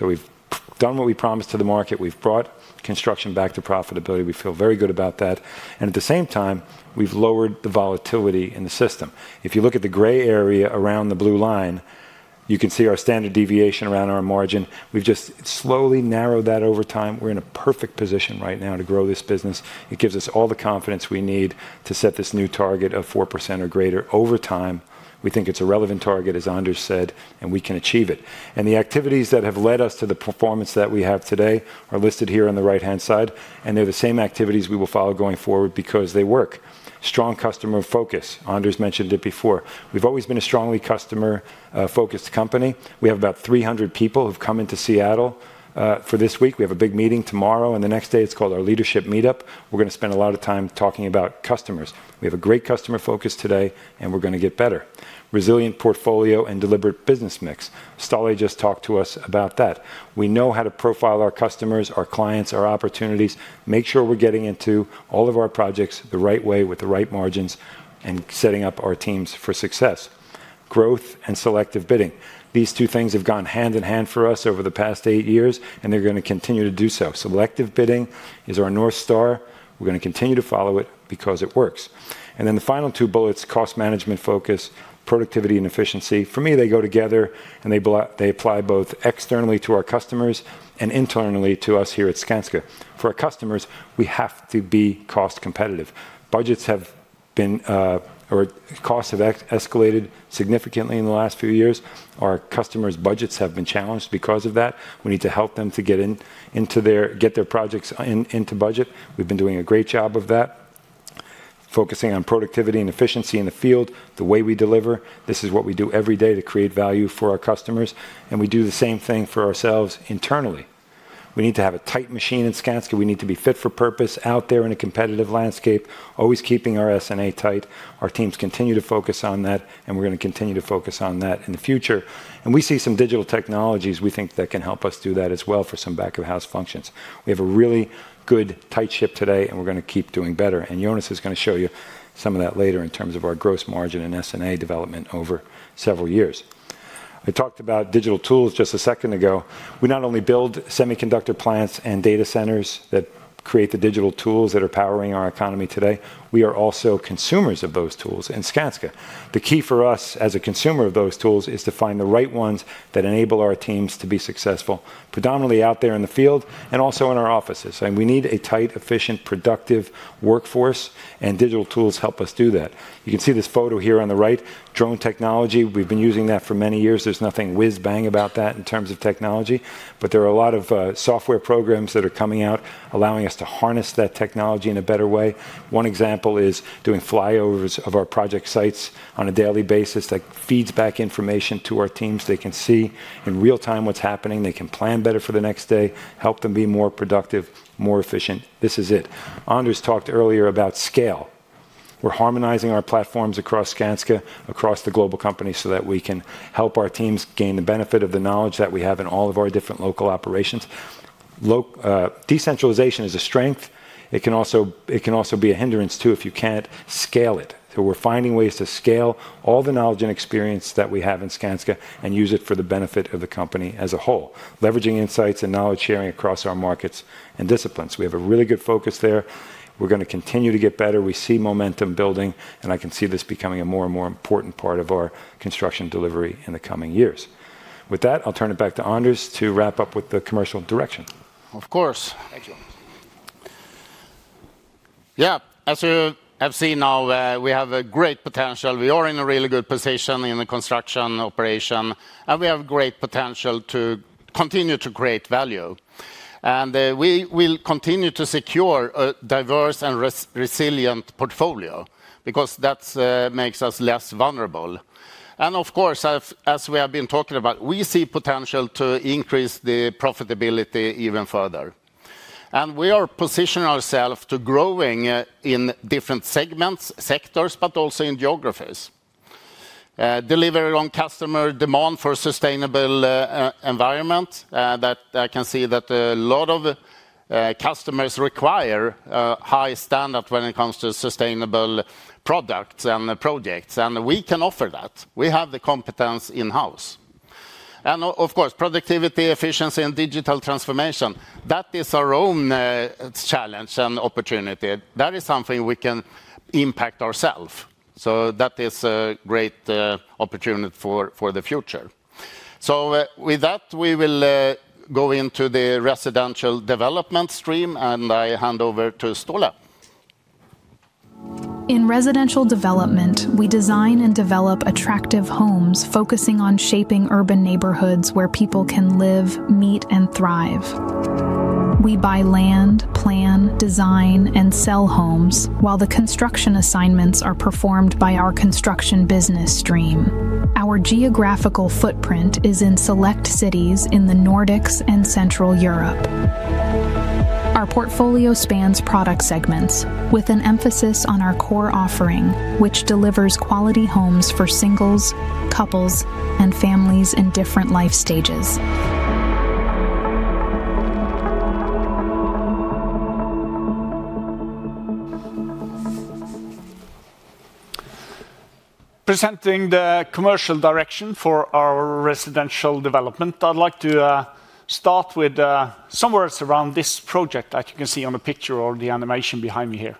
We have done what we promised to the market. We have brought construction back to profitability. We feel very good about that. At the same time, we have lowered the volatility in the system. If you look at the gray area around the blue line, you can see our standard deviation around our margin. We have just slowly narrowed that over time. We are in a perfect position right now to grow this business. It gives us all the confidence we need to set this new target of 4% or greater over time. We think it is a relevant target, as Anders said, and we can achieve it. The activities that have led us to the performance that we have today are listed here on the right-hand side. They are the same activities we will follow going forward because they work. Strong customer focus. Anders mentioned it before. We have always been a strongly customer-focused company. We have about 300 people who have come into Seattle for this week. We have a big meeting tomorrow and the next day, it is called our leadership meetup. We are going to spend a lot of time talking about customers. We have a great customer focus today, and we are going to get better. Resilient portfolio and deliberate business mix. Ståle just talked to us about that. We know how to profile our customers, our clients, our opportunities, make sure we are getting into all of our projects the right way with the right margins and setting up our teams for success. Growth and selective bidding. These two things have gone hand in hand for us over the past eight years, and they're going to continue to do so. Selective bidding is our North Star. We're going to continue to follow it because it works. The final two bullets, cost management focus, productivity, and efficiency. For me, they go together, and they apply both externally to our customers and internally to us here at Skanska. For our customers, we have to be cost competitive. Budgets have been, or costs have escalated significantly in the last few years. Our customers' budgets have been challenged because of that. We need to help them to get their projects into budget. We've been doing a great job of that, focusing on productivity and efficiency in the field, the way we deliver. This is what we do every day to create value for our customers. We do the same thing for ourselves internally. We need to have a tight machine in Skanska. We need to be fit for purpose out there in a competitive landscape, always keeping our S&A tight. Our teams continue to focus on that, and we're going to continue to focus on that in the future. We see some digital technologies we think that can help us do that as well for some back-of-house functions. We have a really good tight ship today, and we're going to keep doing better. Jonas is going to show you some of that later in terms of our gross margin and S&A development over several years. I talked about digital tools just a second ago. We not only build semiconductor plants and data centers that create the digital tools that are powering our economy today. We are also consumers of those tools in Skanska. The key for us as a consumer of those tools is to find the right ones that enable our teams to be successful, predominantly out there in the field and also in our offices. We need a tight, efficient, productive workforce, and digital tools help us do that. You can see this photo here on the right, drone technology. We've been using that for many years. There's nothing whiz bang about that in terms of technology. There are a lot of software programs that are coming out allowing us to harness that technology in a better way. One example is doing flyovers of our project sites on a daily basis that feeds back information to our teams. They can see in real time what's happening. They can plan better for the next day, help them be more productive, more efficient. This is it. Anders talked earlier about scale. We're harmonizing our platforms across Skanska, across the global company so that we can help our teams gain the benefit of the knowledge that we have in all of our different local operations. Decentralization is a strength. It can also be a hindrance too if you can't scale it. We are finding ways to scale all the knowledge and experience that we have in Skanska and use it for the benefit of the company as a whole, leveraging insights and knowledge sharing across our markets and disciplines. We have a really good focus there. We're going to continue to get better. We see momentum building, and I can see this becoming a more and more important part of our construction delivery in the coming years. With that, I'll turn it back to Anders to wrap up with the commercial direction. Of course. Thank you. Yeah, as you have seen now, we have great potential. We are in a really good position in the construction operation, and we have great potential to continue to create value. We will continue to secure a diverse and resilient portfolio because that makes us less vulnerable. Of course, as we have been talking about, we see potential to increase the profitability even further. We are positioning ourselves to growing in different segments, sectors, but also in geographies, delivering on customer demand for a sustainable environment. I can see that a lot of customers require high standard when it comes to sustainable products and projects. We can offer that. We have the competence in-house. Of course, productivity, efficiency, and digital transformation, that is our own challenge and opportunity. That is something we can impact ourselves. That is a great opportunity for the future. With that, we will go into the residential development stream, and I hand over to Ståle. In residential development, we design and develop attractive homes focusing on shaping urban neighborhoods where people can live, meet, and thrive. We buy land, plan, design, and sell homes while the construction assignments are performed by our construction business stream. Our geographical footprint is in select cities in the Nordics and Central Europe. Our portfolio spans product segments with an emphasis on our core offering, which delivers quality homes for singles, couples, and families in different life stages. Presenting the commercial direction for our residential development, I'd like to start with some words around this project that you can see on the picture or the animation behind me here.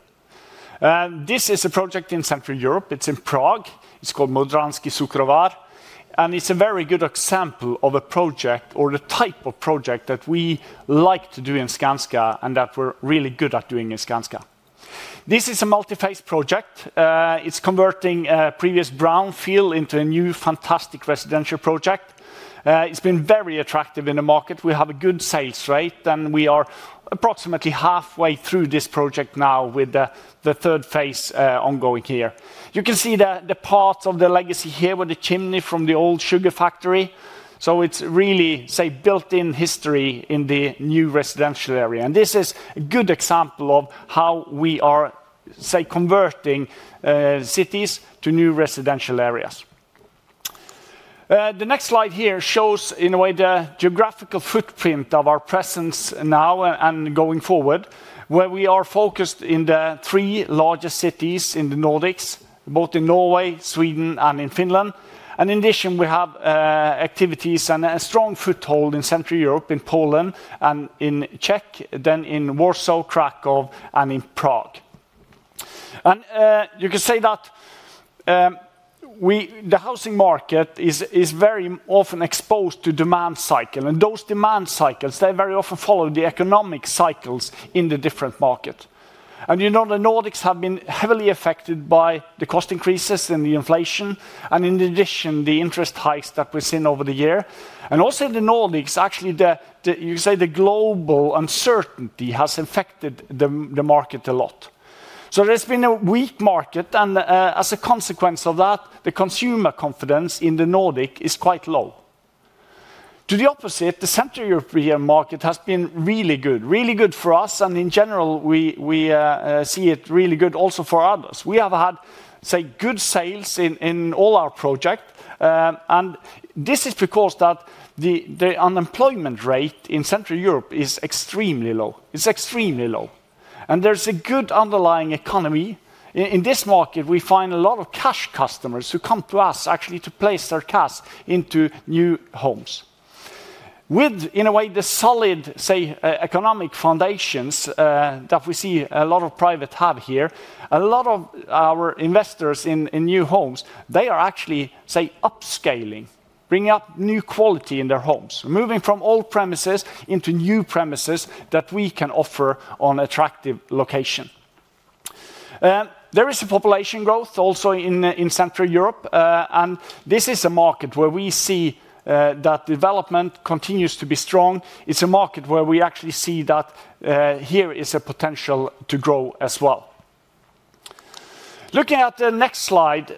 This is a project in Central Europe. It's in Prague. It's called Modranský cukrovar. And it's a very good example of a project or the type of project that we like to do in Skanska and that we're really good at doing in Skanska. This is a multi-phase project. It's converting a previous brownfield into a new fantastic residential project. It's been very attractive in the market. We have a good sales rate, and we are approximately halfway through this project now with the third phase ongoing here. You can see the parts of the legacy here with the chimney from the old sugar factory. So it's really, say, built-in history in the new residential area. This is a good example of how we are, say, converting cities to new residential areas. The next slide here shows, in a way, the geographical footprint of our presence now and going forward, where we are focused in the three largest cities in the Nordics, both in Norway, Sweden, and in Finland. In addition, we have activities and a strong foothold in Central Europe, in Poland, and in Czech, then in Warsaw, Krakow, and in Prague. You can say that the housing market is very often exposed to demand cycles. Those demand cycles very often follow the economic cycles in the different markets. You know the Nordics have been heavily affected by the cost increases and the inflation, and in addition, the interest hikes that we've seen over the year. Also in the Nordics, actually, you can say the global uncertainty has affected the market a lot. There has been a weak market, and as a consequence of that, the consumer confidence in the Nordics is quite low. To the opposite, the Central European market has been really good, really good for us, and in general, we see it really good also for others. We have had, say, good sales in all our projects, and this is because the unemployment rate in Central Europe is extremely low. It is extremely low. There is a good underlying economy. In this market, we find a lot of cash customers who come to us actually to place their cash into new homes. With, in a way, the solid, say, economic foundations that we see a lot of private have here, a lot of our investors in new homes, they are actually, say, upscaling, bringing up new quality in their homes, moving from old premises into new premises that we can offer on attractive locations. There is a population growth also in Central Europe, and this is a market where we see that development continues to be strong. It is a market where we actually see that here is a potential to grow as well. Looking at the next slide,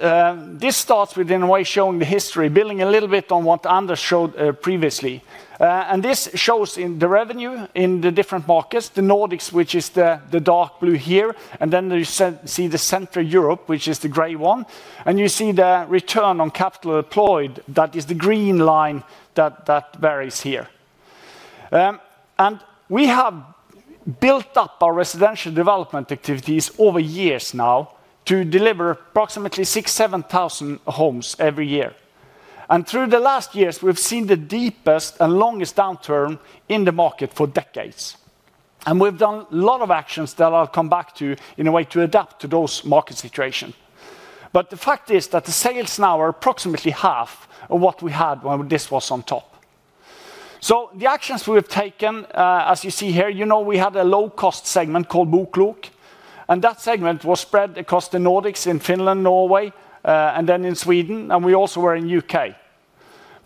this starts with, in a way, showing the history, building a little bit on what Anders showed previously. This shows in the revenue in the different markets, the Nordics, which is the dark blue here, and then you see the Central Europe, which is the gray one. You see the return on capital deployed, that is the green line that varies here. We have built up our residential development activities over years now to deliver approximately 6,000-7,000 homes every year. Through the last years, we've seen the deepest and longest downturn in the market for decades. We've done a lot of actions that I'll come back to in a way to adapt to those market situations. The fact is that the sales now are approximately half of what we had when this was on top. The actions we have taken, as you see here, you know, we had a low-cost segment called BookLook, and that segment was spread across the Nordics in Finland, Norway, and then in Sweden, and we also were in the U.K.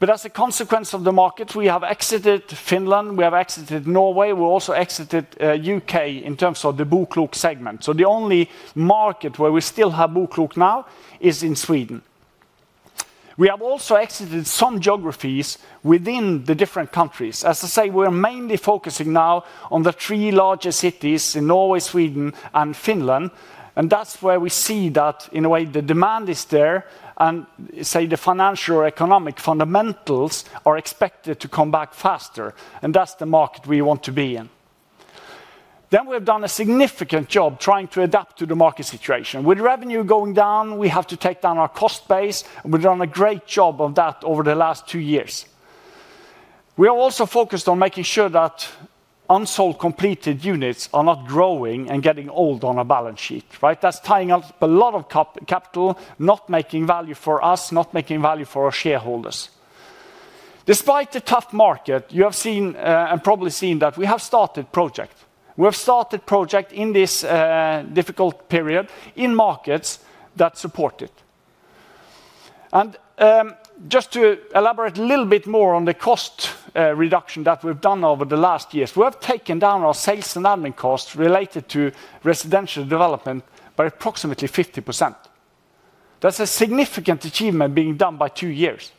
As a consequence of the market, we have exited Finland, we have exited Norway, we also exited the U.K. in terms of the BookLook segment. The only market where we still have BookLook now is in Sweden. We have also exited some geographies within the different countries. As I say, we're mainly focusing now on the three larger cities in Norway, Sweden, and Finland. That's where we see that, in a way, the demand is there, and the financial or economic fundamentals are expected to come back faster. That's the market we want to be in. We've done a significant job trying to adapt to the market situation. With revenue going down, we have to take down our cost base, and we've done a great job of that over the last two years. We are also focused on making sure that unsold completed units are not growing and getting old on our balance sheet. Right? That is tying up a lot of capital, not making value for us, not making value for our shareholders. Despite the tough market, you have seen and probably seen that we have started projects. We have started projects in this difficult period in markets that support it. Just to elaborate a little bit more on the cost reduction that we have done over the last years, we have taken down our sales and admin costs related to residential development by approximately 50%. That is a significant achievement being done by two years.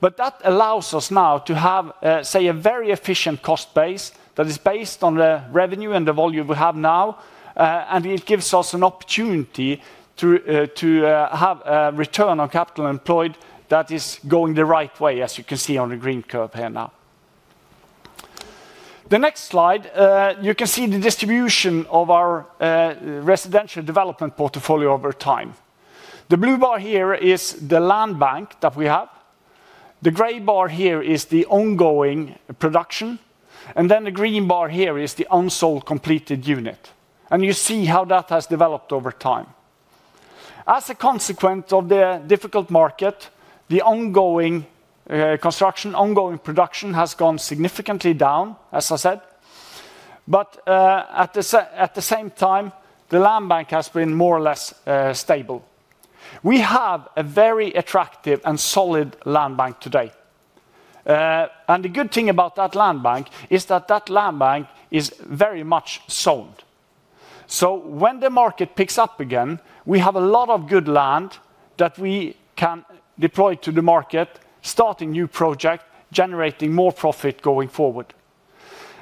That allows us now to have, say, a very efficient cost base that is based on the revenue and the volume we have now, and it gives us an opportunity to have a return on capital employed that is going the right way, as you can see on the green curve here now. The next slide, you can see the distribution of our residential development portfolio over time. The blue bar here is the land bank that we have. The gray bar here is the ongoing production, and then the green bar here is the unsold completed unit. You see how that has developed over time. As a consequence of the difficult market, the ongoing construction, ongoing production has gone significantly down, as I said. At the same time, the land bank has been more or less stable. We have a very attractive and solid land bank today. The good thing about that land bank is that that land bank is very much sold. When the market picks up again, we have a lot of good land that we can deploy to the market, starting new projects, generating more profit going forward.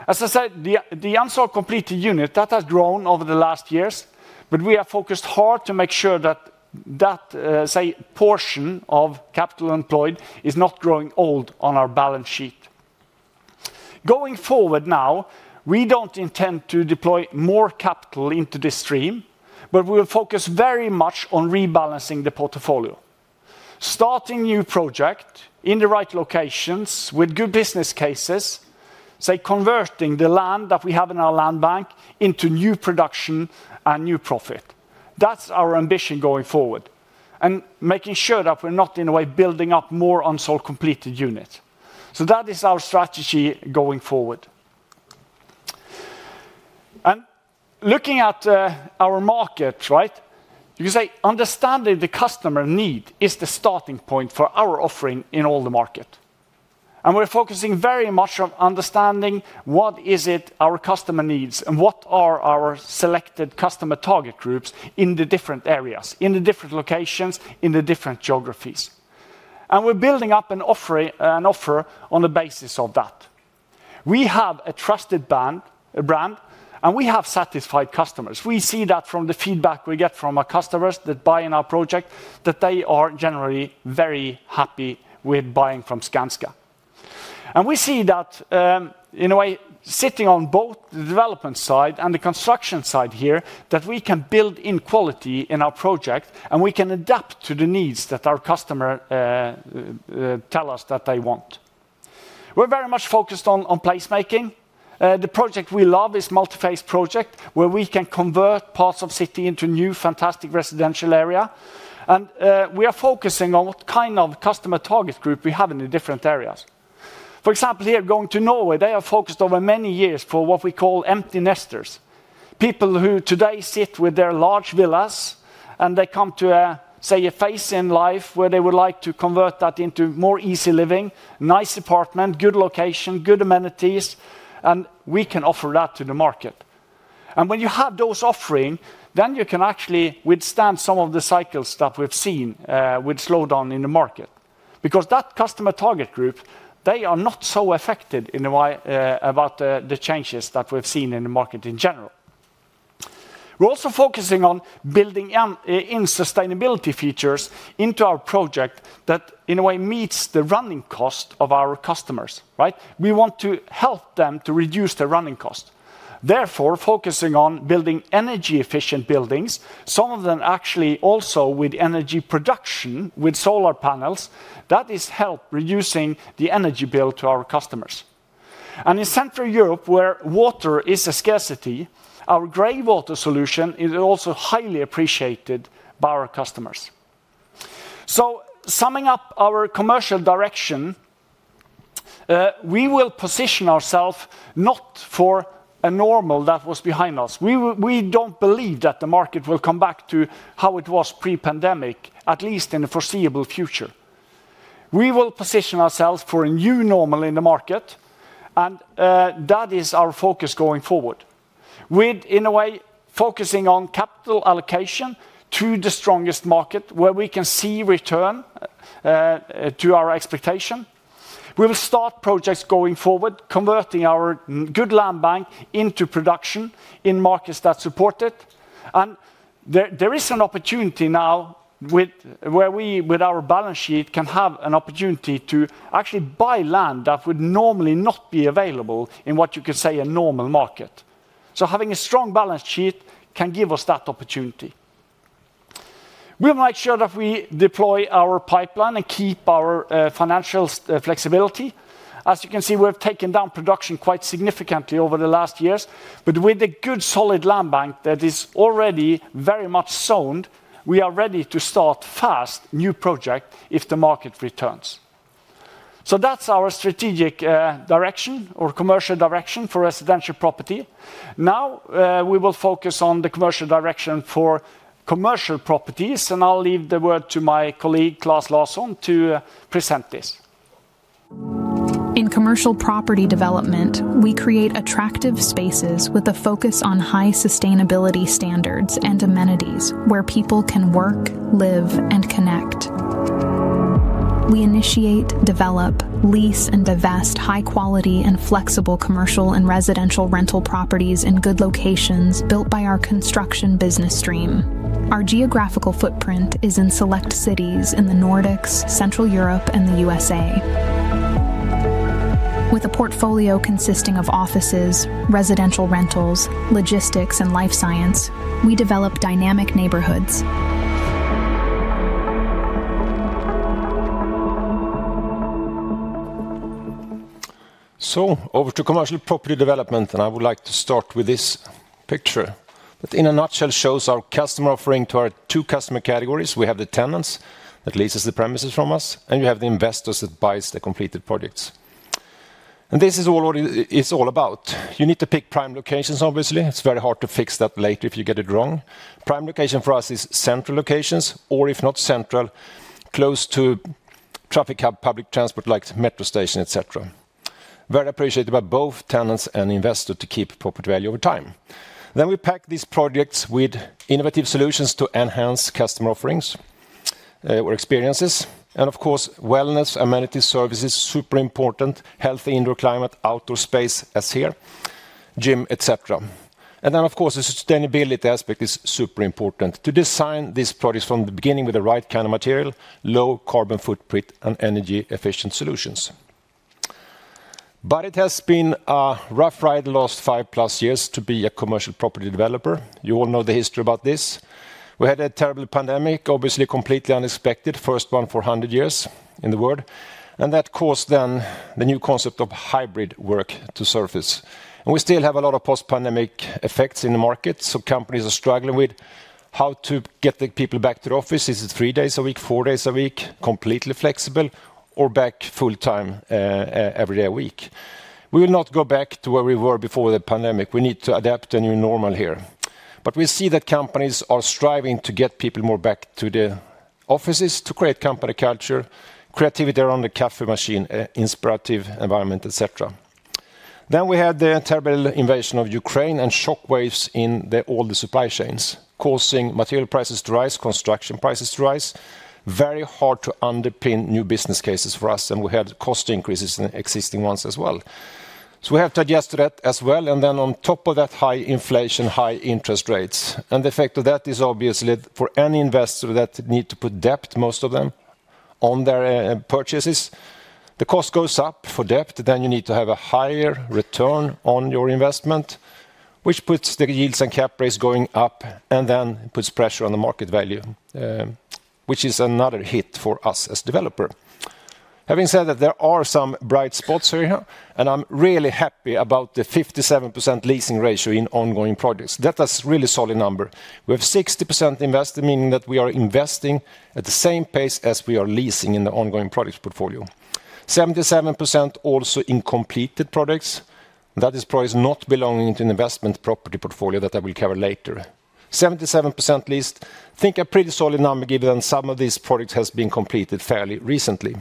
As I said, the unsold completed unit that has grown over the last years, but we have focused hard to make sure that that, say, portion of capital employed is not growing old on our balance sheet. Going forward now, we do not intend to deploy more capital into this stream, but we will focus very much on rebalancing the portfolio, starting new projects in the right locations with good business cases, say, converting the land that we have in our land bank into new production and new profit. That's our ambition going forward and making sure that we're not, in a way, building up more unsold completed units. That is our strategy going forward. Looking at our market, right, you can say understanding the customer need is the starting point for our offering in all the market. We're focusing very much on understanding what is it our customer needs and what are our selected customer target groups in the different areas, in the different locations, in the different geographies. We're building up an offer on the basis of that. We have a trusted brand, and we have satisfied customers. We see that from the feedback we get from our customers that buy in our project, that they are generally very happy with buying from Skanska. We see that, in a way, sitting on both the development side and the construction side here, we can build in quality in our project, and we can adapt to the needs that our customers tell us that they want. We are very much focused on placemaking. The project we love is a multi-phase project where we can convert parts of the city into new fantastic residential areas. We are focusing on what kind of customer target group we have in the different areas. For example, here going to Norway, they have focused over many years for what we call empty nesters, people who today sit with their large villas, and they come to, say, a phase in life where they would like to convert that into more easy living, nice apartment, good location, good amenities, and we can offer that to the market. When you have those offerings, you can actually withstand some of the cycles that we've seen with slowdown in the market because that customer target group, they are not so affected in a way about the changes that we've seen in the market in general. We're also focusing on building in sustainability features into our project that, in a way, meets the running cost of our customers, right? We want to help them to reduce their running cost. Therefore, focusing on building energy-efficient buildings, some of them actually also with energy production with solar panels, that is help reducing the energy bill to our customers. In Central Europe, where water is a scarcity, our gray water solution is also highly appreciated by our customers. Summing up our commercial direction, we will position ourselves not for a normal that was behind us. We do not believe that the market will come back to how it was pre-pandemic, at least in the foreseeable future. We will position ourselves for a new normal in the market, and that is our focus going forward, with, in a way, focusing on capital allocation to the strongest market where we can see return to our expectation. We will start projects going forward, converting our good land bank into production in markets that support it. There is an opportunity now where we, with our balance sheet, can have an opportunity to actually buy land that would normally not be available in what you could say a normal market. Having a strong balance sheet can give us that opportunity. We will make sure that we deploy our pipeline and keep our financial flexibility. As you can see, we have taken down production quite significantly over the last years. With a good solid land bank that is already very much zoned, we are ready to start fast new projects if the market returns. That is our strategic direction or commercial direction for residential property. Now we will focus on the commercial direction for commercial properties, and I'll leave the word to my colleague, Claes Larsson, to present this. In commercial property development, we create attractive spaces with a focus on high sustainability standards and amenities where people can work, live, and connect. We initiate, develop, lease, and divest high-quality and flexible commercial and residential rental properties in good locations built by our construction business stream. Our geographical footprint is in select cities in the Nordics, Central Europe, and the U.S.A. With a portfolio consisting of offices, residential rentals, logistics, and life science, we develop dynamic neighborhoods. Over to commercial property development, and I would like to start with this picture that in a nutshell shows our customer offering to our two customer categories. We have the tenants that lease the premises from us, and you have the investors that buy the completed projects. This is what it is all about. You need to pick prime locations, obviously. It is very hard to fix that later if you get it wrong. Prime location for us is central locations, or if not central, close to traffic hub, public transport, like metro station, etc. Very appreciated by both tenants and investors to keep proper value over time. We pack these projects with innovative solutions to enhance customer offerings or experiences. Of course, wellness, amenities, services are super important. Healthy indoor climate, outdoor space, as here, gym, etc. Of course, the sustainability aspect is super important to design these projects from the beginning with the right kind of material, low carbon footprint, and energy-efficient solutions. It has been a rough ride the last five plus years to be a commercial property developer. You all know the history about this. We had a terrible pandemic, obviously completely unexpected, first one for 100 years in the world. That caused then the new concept of hybrid work to surface. We still have a lot of post-pandemic effects in the market. Companies are struggling with how to get the people back to the office. Is it three days a week, four days a week, completely flexible, or back full-time every day a week? We will not go back to where we were before the pandemic. We need to adapt to a new normal here. We see that companies are striving to get people more back to the offices to create company culture, creativity around the café machine, inspirative environment, etc. We had the terrible invasion of Ukraine and shockwaves in all the supply chains, causing material prices to rise, construction prices to rise. It is very hard to underpin new business cases for us. We had cost increases in existing ones as well. We have to adjust to that as well. On top of that, high inflation, high interest rates. The effect of that is obviously for any investor that needs to put debt, most of them on their purchases. The cost goes up for debt. You need to have a higher return on your investment, which puts the yields and cap rates going up and then puts pressure on the market value, which is another hit for us as a developer. Having said that, there are some bright spots here, and I'm really happy about the 57% leasing ratio in ongoing projects. That is a really solid number. We have 60% invested, meaning that we are investing at the same pace as we are leasing in the ongoing projects portfolio. 77% also in completed projects. That is projects not belonging to an investment property portfolio that I will cover later. 77% leased. I think a pretty solid number given some of these projects have been completed fairly recently.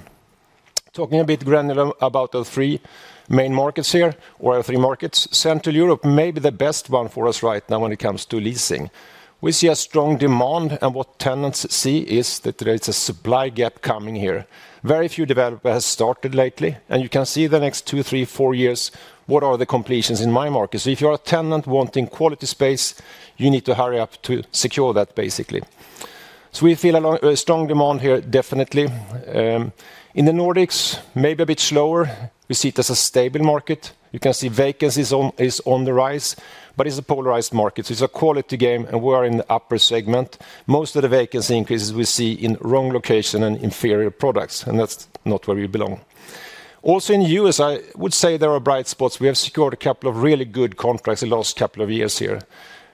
Talking a bit granular about our three main markets here, or our three markets, Central Europe may be the best one for us right now when it comes to leasing. We see a strong demand, and what tenants see is that there is a supply gap coming here. Very few developers have started lately, and you can see the next two, three, four years, what are the completions in my market. If you are a tenant wanting quality space, you need to hurry up to secure that, basically. We feel a strong demand here, definitely. In the Nordics, maybe a bit slower. We see it as a stable market. You can see vacancies is on the rise, but it is a polarized market. It is a quality game, and we are in the upper segment. Most of the vacancy increases we see are in wrong location and inferior products, and that's not where we belong. Also in the U.S., I would say there are bright spots. We have secured a couple of really good contracts in the last couple of years here.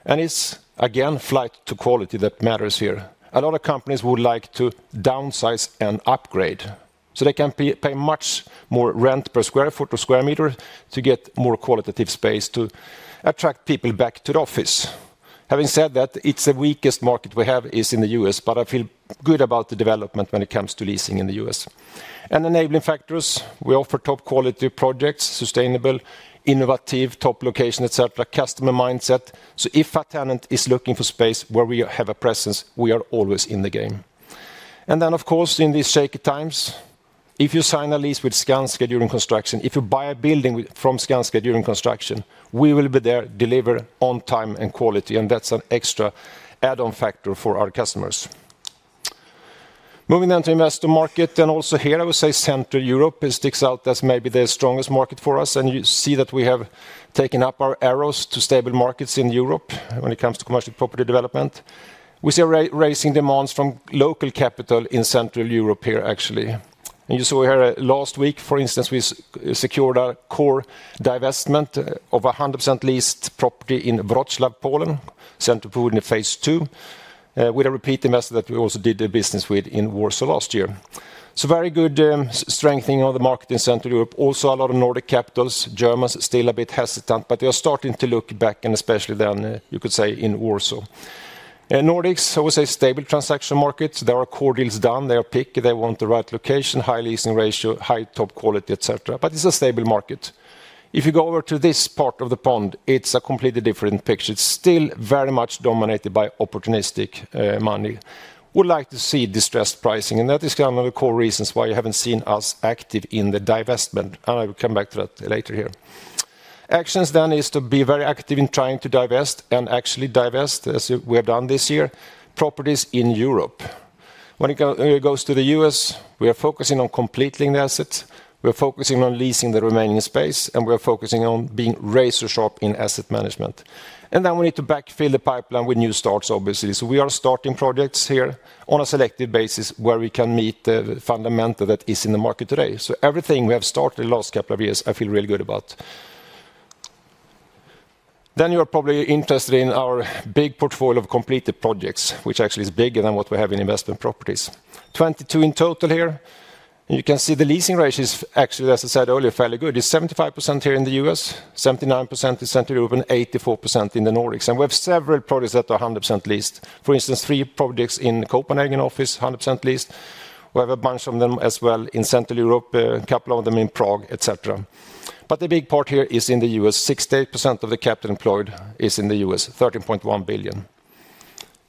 It's again flight to quality that matters here. A lot of companies would like to downsize and upgrade so they can pay much more rent per sq ft or sq m to get more qualitative space to attract people back to the office. Having said that, the weakest market we have is in the U.S., but I feel good about the development when it comes to leasing in the U.S. Enabling factors, we offer top quality projects, sustainable, innovative, top location, etc., customer mindset. If a tenant is looking for space where we have a presence, we are always in the game. Of course, in these shaky times, if you sign a lease with Skanska during construction, if you buy a building from Skanska during construction, we will be there to deliver on time and quality. That is an extra add-on factor for our customers. Moving then to investor market, and also here, I would say Central Europe sticks out as maybe the strongest market for us. You see that we have taken up our arrows to stable markets in Europe when it comes to commercial property development. We see a rising demand from local capital in Central Europe here, actually. You saw here last week, for instance, we secured a core divestment of a 100% leased property in Wrocław, Poland, Central Poland in phase two, with a repeat investor that we also did business with in Warsaw last year. Very good strengthening of the market in Central Europe. Also, a lot of Nordic capitals, Germans, still a bit hesitant, but they are starting to look back, and especially then, you could say, in Warsaw. Nordics, I would say, stable transaction markets. There are core deals done. They are picky. They want the right location, high leasing ratio, high top quality, etc. It is a stable market. If you go over to this part of the pond, it is a completely different picture. It is still very much dominated by opportunistic money. We'd like to see distressed pricing, and that is one of the core reasons why you haven't seen us active in the divestment. I will come back to that later here. Actions then is to be very active in trying to divest and actually divest, as we have done this year, properties in Europe. When it goes to the U.S., we are focusing on completing the assets. We are focusing on leasing the remaining space, and we are focusing on being razor sharp in asset management. We need to backfill the pipeline with new starts, obviously. We are starting projects here on a selective basis where we can meet the fundamental that is in the market today. Everything we have started the last couple of years, I feel really good about. You are probably interested in our big portfolio of completed projects, which actually is bigger than what we have in investment properties. There are 22 in total here. You can see the leasing rate is actually, as I said earlier, fairly good. It is 75% here in the U.S., 79% in Central Europe, and 84% in the Nordics. We have several projects that are 100% leased. For instance, three projects in Copenhagen office, 100% leased. We have a bunch of them as well in Central Europe, a couple of them in Prague, etc. The big part here is in the U.S. 68% of the capital employed is in the U.S., 13.1 billion.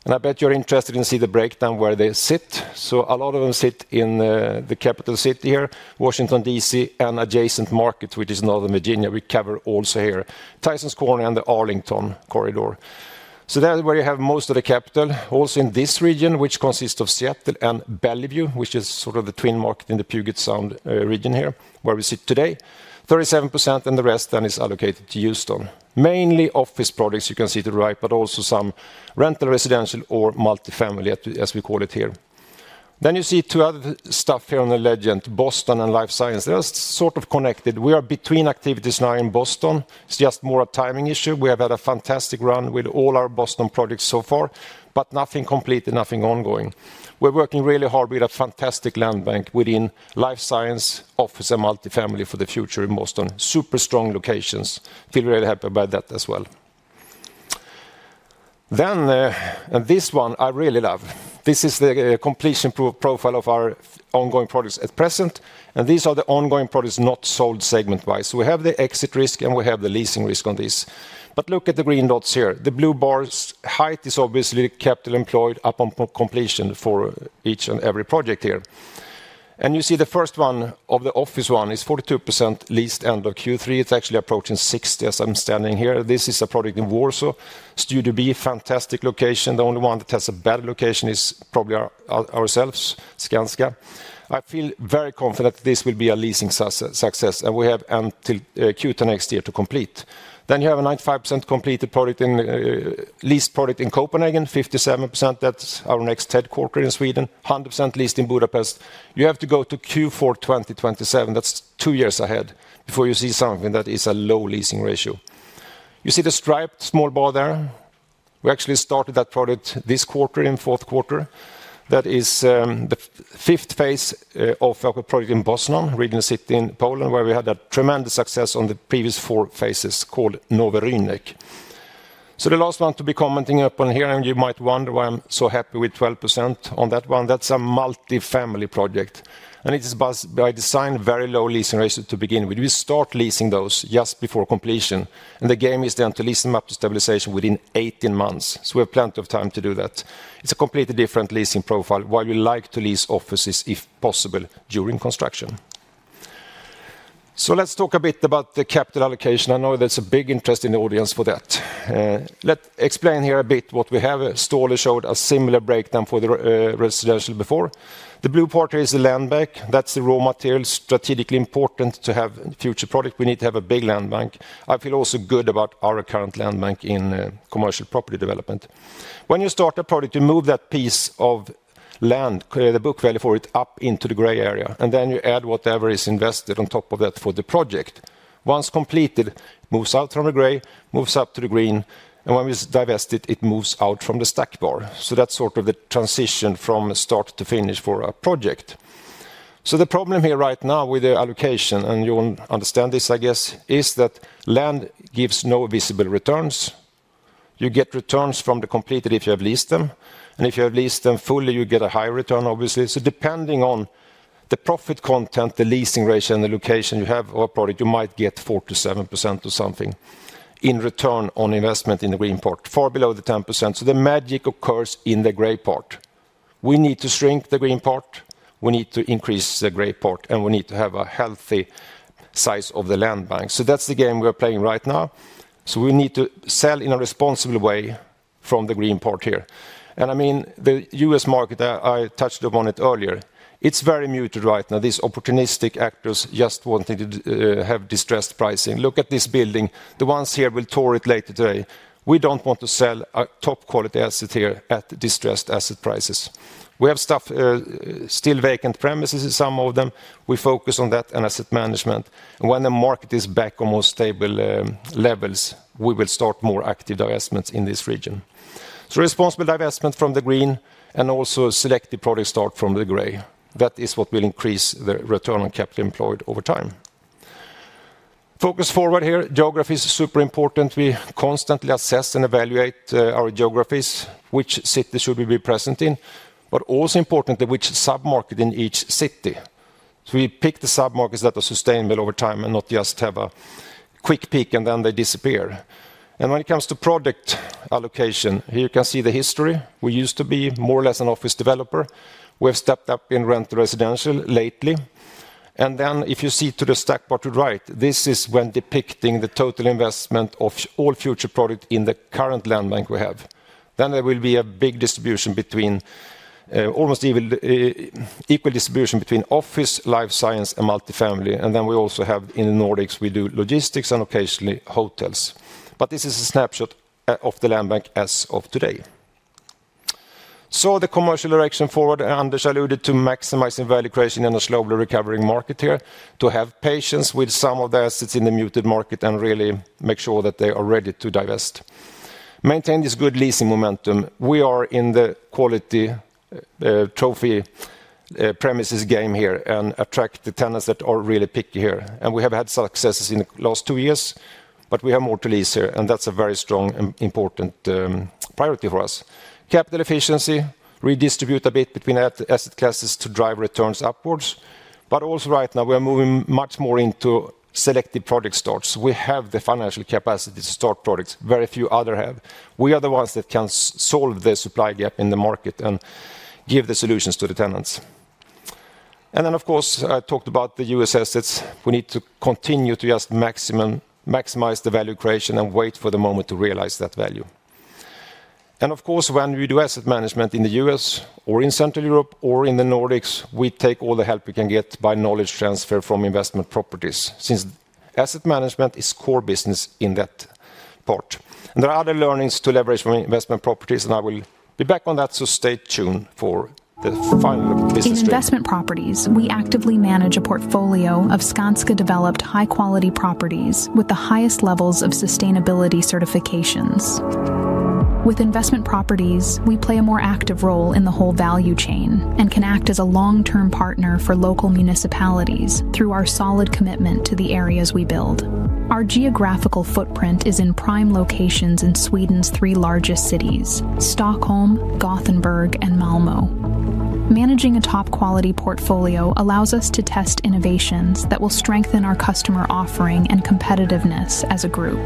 I bet you are interested in seeing the breakdown where they sit. A lot of them sit in the capital city here, Washington, D.C., and adjacent markets, which is Northern Virginia. We cover also here Tysons Corner and the Arlington Corridor. That is where you have most of the capital, also in this region, which consists of Seattle and Bellevue, which is sort of the twin market in the Puget Sound region here, where we sit today. 37% and the rest then is allocated to Houston. Mainly office projects, you can see to the right, but also some rental residential or multifamily, as we call it here. You see two other stuff here on the legend, Boston and life science. They are sort of connected. We are between activities now in Boston. It is just more a timing issue. We have had a fantastic run with all our Boston projects so far, but nothing complete, nothing ongoing. We are working really hard with a fantastic land bank within life science, office, and multifamily for the future in Boston. Super strong locations. Feel really happy about that as well. This one I really love. This is the completion profile of our ongoing projects at present. These are the ongoing projects not sold segment-wise. We have the exit risk and we have the leasing risk on these. Look at the green dots here. The blue bar's height is obviously capital employed upon completion for each and every project here. You see the first one of the office one is 42% leased end of Q3. It's actually approaching 60% as I'm standing here. This is a project in Warsaw, Studio B, fantastic location. The only one that has a bad location is probably ourselves, Skanska. I feel very confident that this will be a leasing success, and we have until Q2 next year to complete. You have a 95% completed leased project in Copenhagen, 57%. That's our next headquarter in Sweden, 100% leased in Budapest. You have to go to Q4 2027. That's two years ahead before you see something that is a low leasing ratio. You see the striped small bar there. We actually started that project this quarter in fourth quarter. That is the fifth phase of our project in Bosnia, region city in Poland, where we had a tremendous success on the previous four phases called Novorynek. The last one to be commenting up on here, and you might wonder why I'm so happy with 12% on that one. That's a multifamily project, and it is by design very low leasing rates to begin with. We start leasing those just before completion, and the game is then to lease them up to stabilization within 18 months. We have plenty of time to do that. It's a completely different leasing profile where we like to lease offices if possible during construction. Let's talk a bit about the capital allocation. I know there's a big interest in the audience for that. Let's explain here a bit what we have. Ståle showed a similar breakdown for the residential before. The blue part here is the land bank. That's the raw material, strategically important to have future project. We need to have a big land bank. I feel also good about our current land bank in commercial property development. When you start a project, you move that piece of land, the book value for it, up into the gray area, and then you add whatever is invested on top of that for the project. Once completed, it moves out from the gray, moves up to the green, and when we divest it, it moves out from the stack bar. That is sort of the transition from start to finish for a project. The problem here right now with the allocation, and you will understand this, I guess, is that land gives no visible returns. You get returns from the completed if you have leased them, and if you have leased them fully, you get a high return, obviously. Depending on the profit content, the leasing ratio, and the location you have for a project, you might get 4%-7% or something in return on investment in the green part, far below the 10%. The magic occurs in the gray part. We need to shrink the green part. We need to increase the gray part, and we need to have a healthy size of the land bank. That is the game we are playing right now. We need to sell in a responsible way from the green part here. I mean, the U.S. market, I touched upon it earlier. It is very muted right now. These opportunistic actors just wanting to have distressed pricing. Look at this building. The ones here will tour it later today. We do not want to sell a top quality asset here at distressed asset prices. We have still vacant premises in some of them. We focus on that and asset management. When the market is back on more stable levels, we will start more active divestments in this region. Responsible divestment from the green and also selective projects start from the gray. That is what will increase the return on capital employed over time. Focus forward here. Geography is super important. We constantly assess and evaluate our geographies, which city should we be present in, but also importantly, which submarket in each city. We pick the submarkets that are sustainable over time and not just have a quick peak and then they disappear. When it comes to project allocation, here you can see the history. We used to be more or less an office developer. We have stepped up in rental residential lately. If you see to the stack bar to the right, this is when depicting the total investment of all future projects in the current land bank we have. There will be a big distribution between almost equal distribution between office, life science, and multifamily. In the Nordics, we do logistics and occasionally hotels. This is a snapshot of the land bank as of today. The commercial direction forward, and I just alluded to maximizing value creation in a slowly recovering market here, is to have patience with some of the assets in the muted market and really make sure that they are ready to divest. Maintain this good leasing momentum. We are in the quality trophy premises game here and attract the tenants that are really picky here. We have had successes in the last two years, but we have more to lease here, and that is a very strong and important priority for us. Capital efficiency, redistribute a bit between asset classes to drive returns upwards. Also, right now, we are moving much more into selective project starts. We have the financial capacity to start projects. Very few others have. We are the ones that can solve the supply gap in the market and give the solutions to the tenants. Of course, I talked about the U.S. assets. We need to continue to just maximize the value creation and wait for the moment to realize that value. Of course, when we do asset management in the U.S. or in Central Europe or in the Nordics, we take all the help we can get by knowledge transfer from investment properties since asset management is core business in that part. There are other learnings to leverage from investment properties, and I will be back on that, so stay tuned for the final business. In investment properties, we actively manage a portfolio of Skanska-developed high-quality properties with the highest levels of sustainability certifications. With investment properties, we play a more active role in the whole value chain and can act as a long-term partner for local municipalities through our solid commitment to the areas we build. Our geographical footprint is in prime locations in Sweden's three largest cities, Stockholm, Gothenburg, and Malmö. Managing a top-quality portfolio allows us to test innovations that will strengthen our customer offering and competitiveness as a group.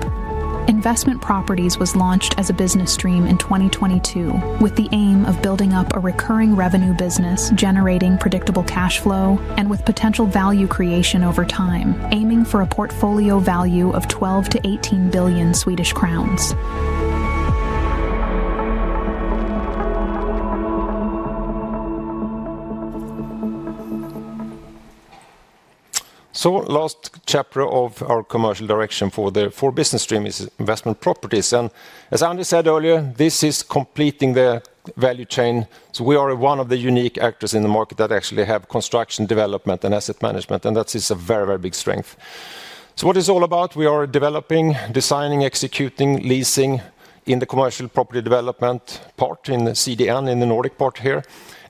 Investment properties was launched as a business stream in 2022 with the aim of building up a recurring revenue business generating predictable cash flow and with potential value creation over time, aiming for a portfolio value of 12 billion-18 billion Swedish crowns. The last chapter of our commercial direction for the four business stream is investment properties. As Anders said earlier, this is completing the value chain. We are one of the unique actors in the market that actually have construction, development, and asset management, and that is a very, very big strength. What is it all about? We are developing, designing, executing, leasing in the commercial property development part in the CDN, in the Nordic part here.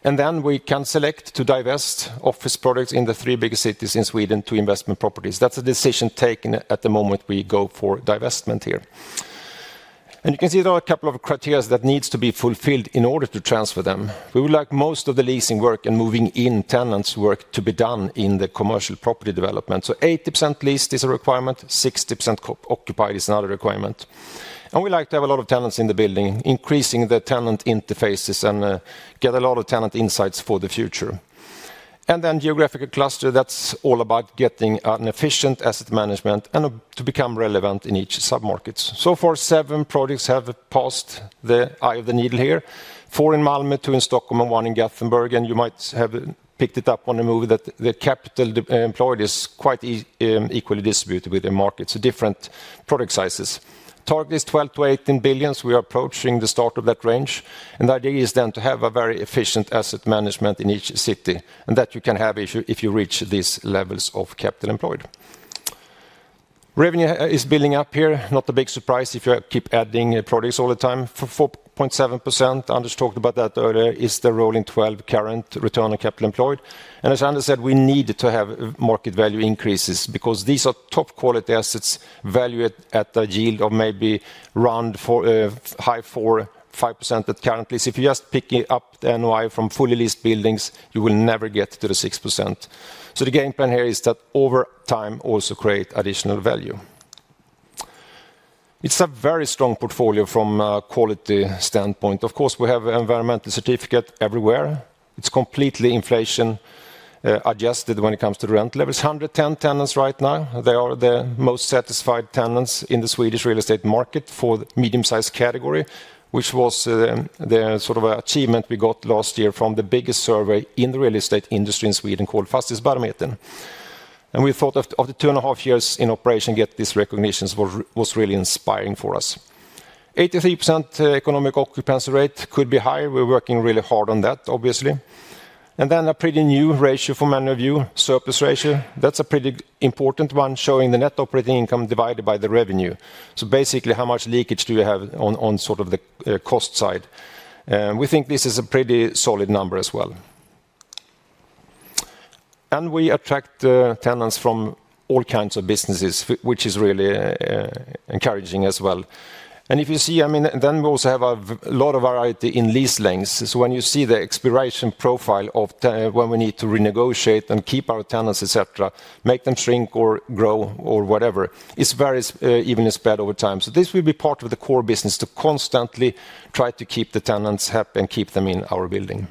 Then we can select to divest office products in the three biggest cities in Sweden to investment properties. That is a decision taken at the moment we go for divestment here. You can see there are a couple of criteria that need to be fulfilled in order to transfer them. We would like most of the leasing work and moving-in tenants' work to be done in the commercial property development. 80% leased is a requirement. 60% occupied is another requirement. We like to have a lot of tenants in the building, increasing the tenant interfaces and get a lot of tenant insights for the future. The geographical cluster is all about getting an efficient asset management and to become relevant in each submarket. So far, seven projects have passed the eye of the needle here: four in Malmö, two in Stockholm, and one in Gothenburg. You might have picked it up on the move that the capital employed is quite equally distributed within markets, so different product sizes. The target is 12 billion-18 billion. We are approaching the start of that range. The idea is to have a very efficient asset management in each city, and you can have that if you reach these levels of capital employed. Revenue is building up here. Not a big surprise if you keep adding products all the time. 4.7%, Anders talked about that earlier, is the rolling 12 current return on capital employed. As Anders said, we need to have market value increases because these are top-quality assets valued at a yield of maybe around high 4%, 5% at currently. If you just pick up the NOI from fully leased buildings, you will never get to the 6%. The game plan here is that over time also create additional value. It's a very strong portfolio from a quality standpoint. Of course, we have an environmental certificate everywhere. It's completely inflation-adjusted when it comes to rent levels. 110 tenants right now. They are the most satisfied tenants in the Swedish real estate market for the medium-sized category, which was the sort of achievement we got last year from the biggest survey in the real estate industry in Sweden called Fastighetsbarometern. We thought after two and a half years in operation, getting this recognition was really inspiring for us. 83% economic occupancy rate could be higher. We are working really hard on that, obviously. A pretty new ratio for many of you, surplus ratio. That is a pretty important one showing the net operating income divided by the revenue. Basically, how much leakage do you have on the cost side? We think this is a pretty solid number as well. We attract tenants from all kinds of businesses, which is really encouraging as well. If you see, I mean, we also have a lot of variety in lease lengths. When you see the expiration profile of when we need to renegotiate and keep our tenants, etc., make them shrink or grow or whatever, it is very evenly spread over time. This will be part of the core business to constantly try to keep the tenants happy and keep them in our building.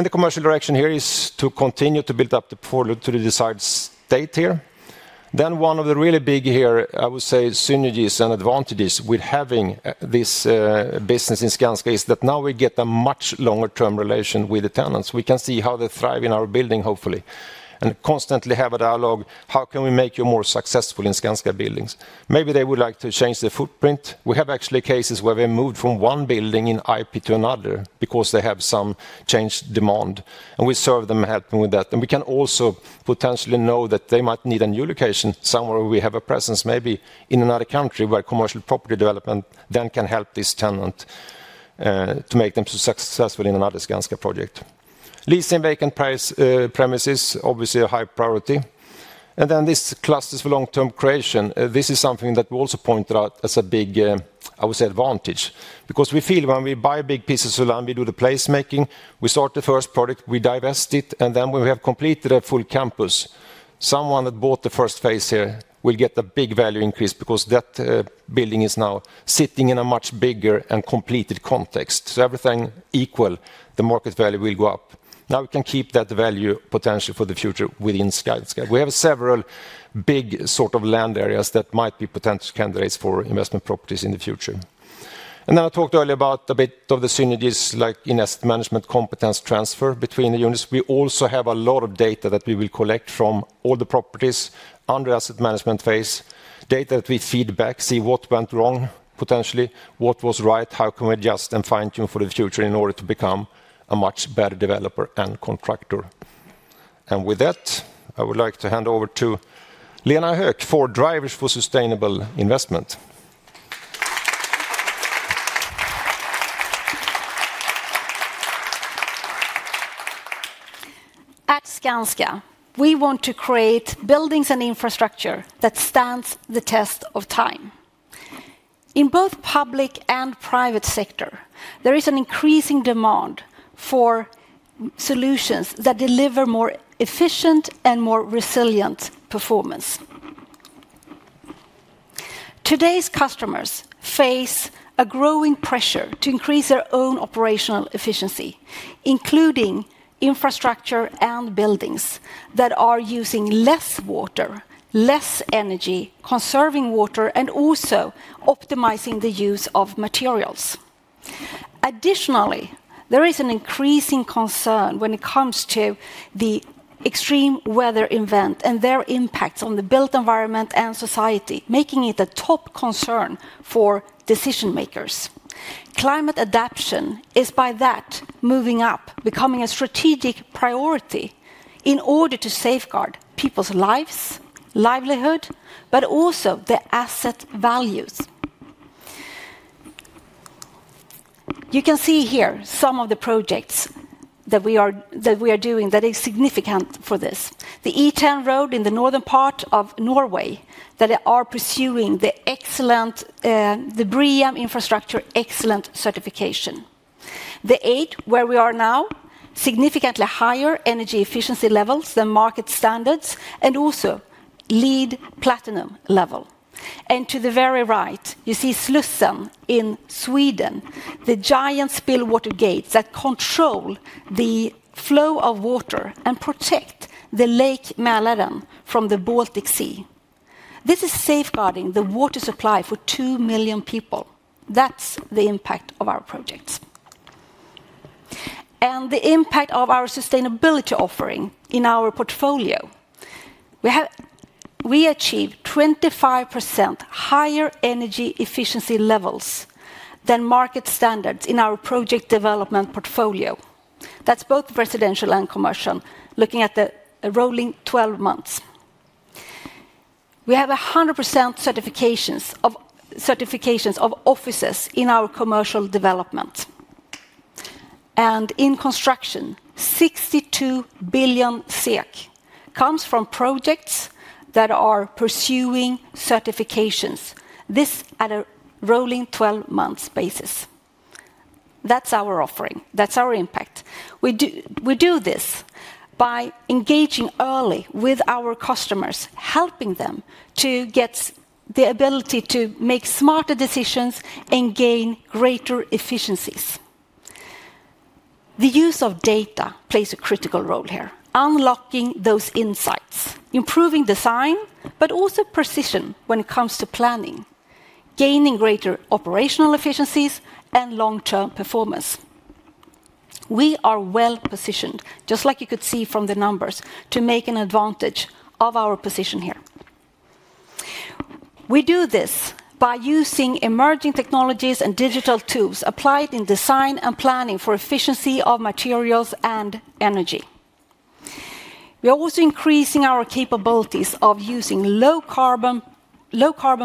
The commercial direction here is to continue to build up the portal to the desired state here. One of the really big, I would say, synergies and advantages with having this business in Skanska is that now we get a much longer-term relation with the tenants. We can see how they thrive in our building, hopefully, and constantly have a dialogue. How can we make you more successful in Skanska buildings? Maybe they would like to change the footprint. We have actually cases where they moved from one building in IP to another because they have some change demand, and we serve them and help them with that. We can also potentially know that they might need a new location somewhere where we have a presence, maybe in another country where commercial property development then can help this tenant to make them successful in another Skanska project. Leasing vacant premises, obviously a high priority. This clusters for long-term creation. This is something that we also pointed out as a big, I would say, advantage because we feel when we buy big pieces of land, we do the placemaking. We start the first product, we divest it, and then when we have completed a full campus, someone that bought the first phase here will get a big value increase because that building is now sitting in a much bigger and completed context. Everything equal, the market value will go up. Now we can keep that value potentially for the future within Skanska. We have several big sort of land areas that might be potential candidates for investment properties in the future. I talked earlier about a bit of the synergies like in asset management competence transfer between the units. We also have a lot of data that we will collect from all the properties under asset management phase, data that we feed back, see what went wrong potentially, what was right, how can we adjust and fine-tune for the future in order to become a much better developer and contractor. With that, I would like to hand over to Lena Hök for Drivers for Sustainable Investment. At Skanska, we want to create buildings and infrastructure that stand the test of time. In both public and private sector, there is an increasing demand for solutions that deliver more efficient and more resilient performance. Today's customers face a growing pressure to increase their own operational efficiency, including infrastructure and buildings that are using less water, less energy, conserving water, and also optimizing the use of materials. Additionally, there is an increasing concern when it comes to the extreme weather event and their impacts on the built environment and society, making it a top concern for decision makers. Climate adaption is by that moving up, becoming a strategic priority in order to safeguard people's lives, livelihood, but also the asset values. You can see here some of the projects that we are doing that are significant for this. The E10 road in the northern part of Norway that are pursuing the excellent BREEAM infrastructure, excellent certification. The Eight where we are now, significantly higher energy efficiency levels than market standards and also LEED Platinum level. To the very right, you see Slussen in Sweden, the giant spillwater gates that control the flow of water and protect the Lake Mälaren from the Baltic Sea. This is safeguarding the water supply for two million people. That's the impact of our projects. The impact of our sustainability offering in our portfolio. We achieve 25% higher energy efficiency levels than market standards in our project development portfolio. That's both residential and commercial, looking at the rolling 12 months. We have 100% certifications of offices in our commercial development. In construction, 62 billion SEK comes from projects that are pursuing certifications. This at a rolling 12-month basis. That's our offering. That's our impact. We do this by engaging early with our customers, helping them to get the ability to make smarter decisions and gain greater efficiencies. The use of data plays a critical role here, unlocking those insights, improving design, but also precision when it comes to planning, gaining greater operational efficiencies and long-term performance. We are well positioned, just like you could see from the numbers, to make an advantage of our position here. We do this by using emerging technologies and digital tools applied in design and planning for efficiency of materials and energy. We are also increasing our capabilities of using low-carbon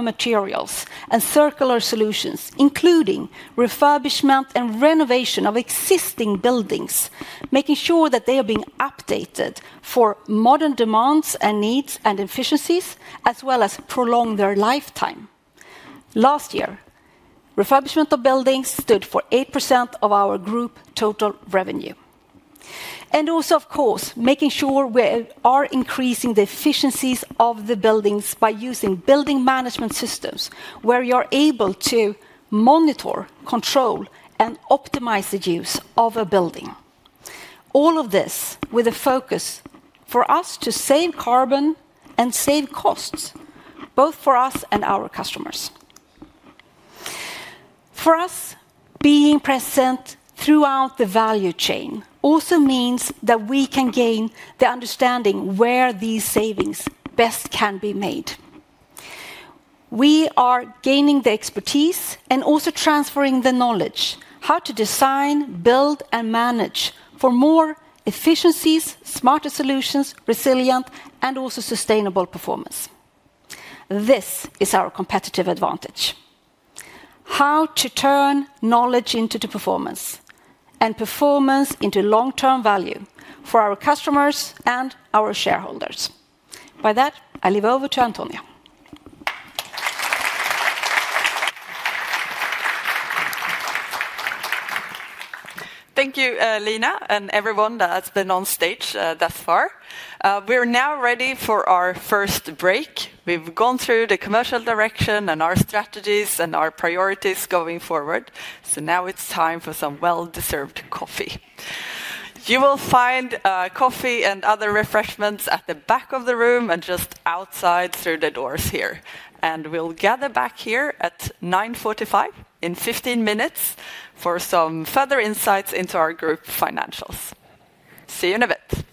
materials and circular solutions, including refurbishment and renovation of existing buildings, making sure that they are being updated for modern demands and needs and efficiencies, as well as prolong their lifetime. Last year, refurbishment of buildings stood for 8% of our group total revenue. Also, of course, making sure we are increasing the efficiencies of the buildings by using building management systems where you are able to monitor, control, and optimize the use of a building. All of this with a focus for us to save carbon and save costs, both for us and our customers. For us, being present throughout the value chain also means that we can gain the understanding where these savings best can be made. We are gaining the expertise and also transferring the knowledge how to design, build, and manage for more efficiencies, smarter solutions, resilient, and also sustainable performance. This is our competitive advantage. How to turn knowledge into performance and performance into long-term value for our customers and our shareholders. By that, I leave it over to Antonia. Thank you, Lena, and everyone that's been on stage thus far. We're now ready for our first break. We've gone through the commercial direction and our strategies and our priorities going forward. Now it's time for some well-deserved coffee. You will find coffee and other refreshments at the back of the room and just outside through the doors here. We'll gather back here at 9:45 A.M. in 15 minutes for some further insights into our group financials. See you in a bit.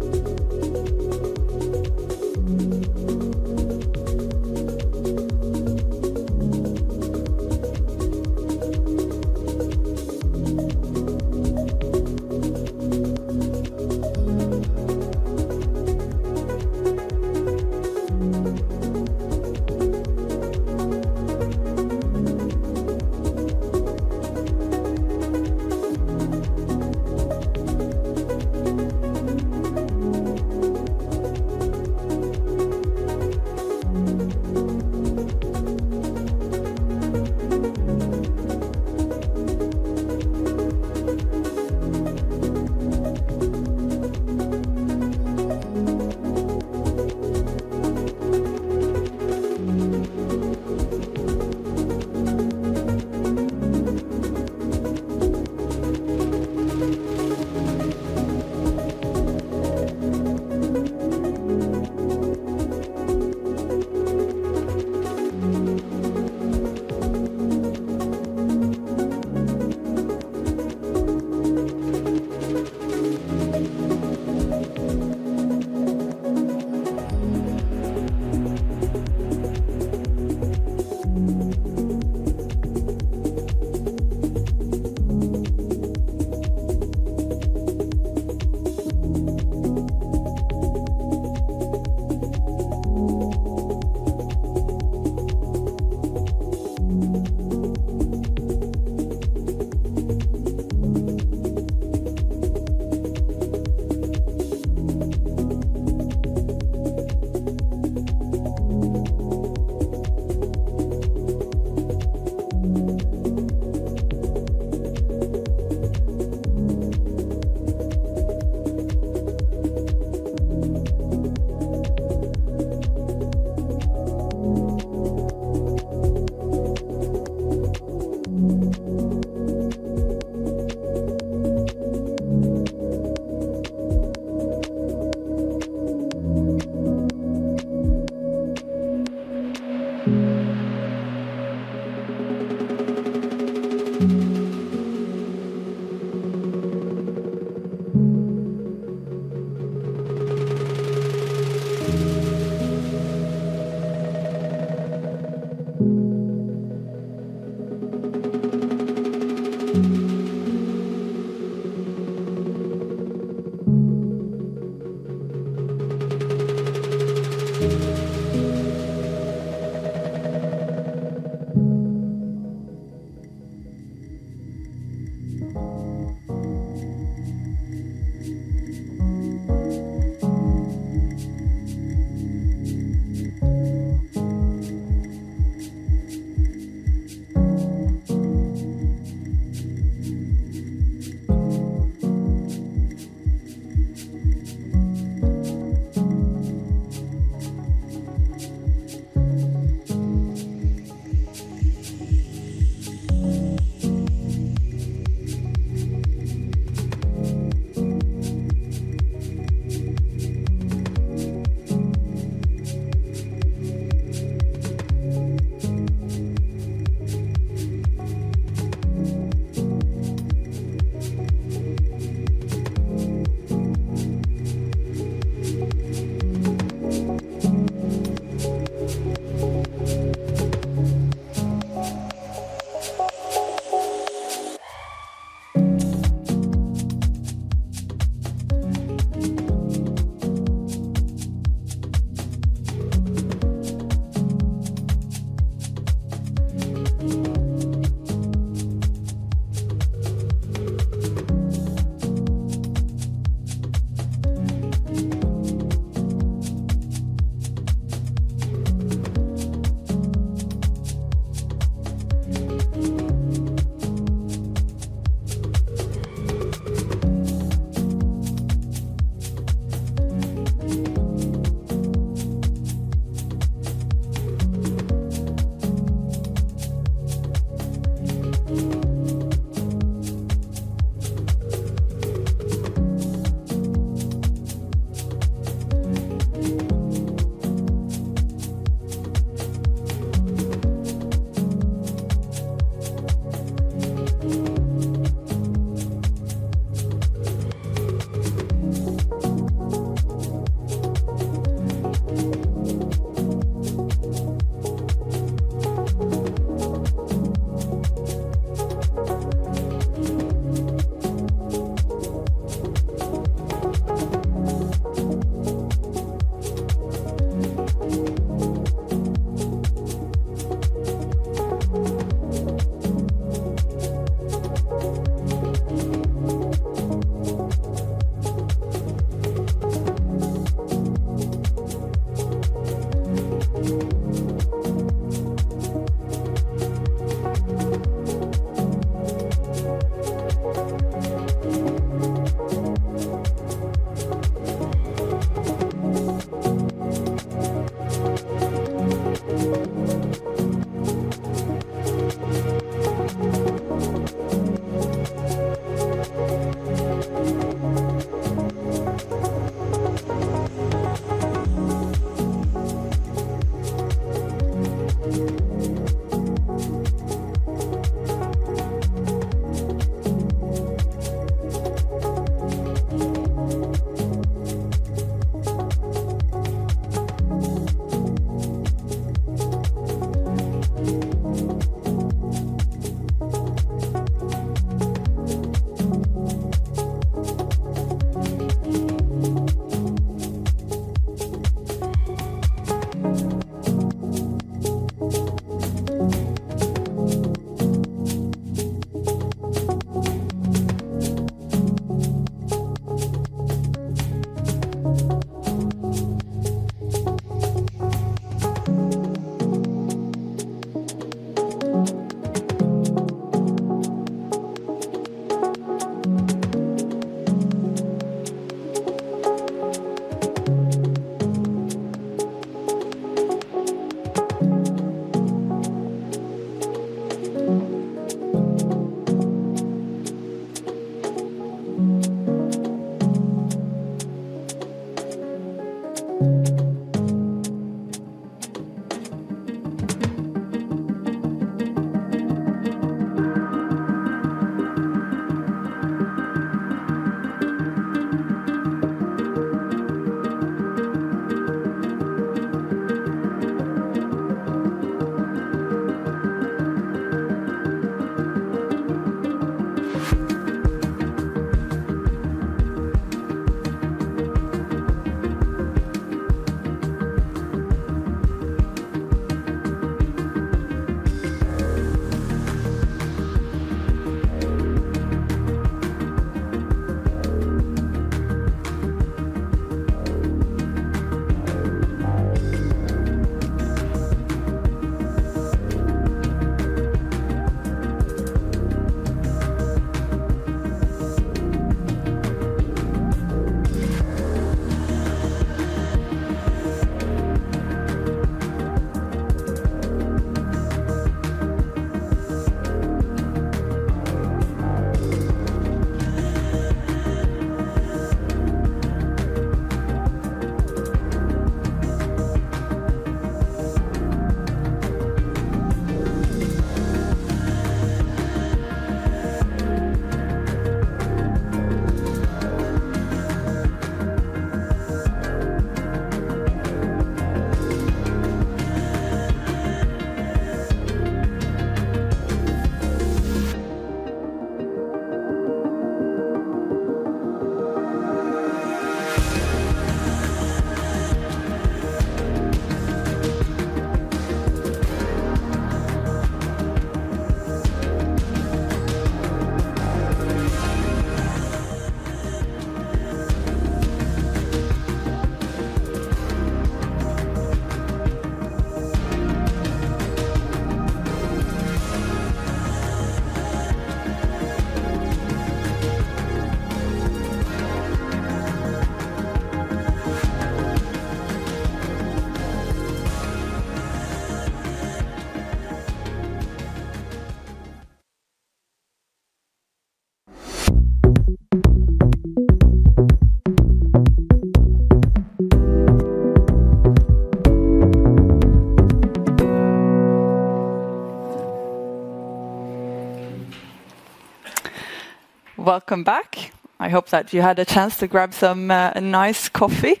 Welcome back. I hope that you had a chance to grab some nice coffee.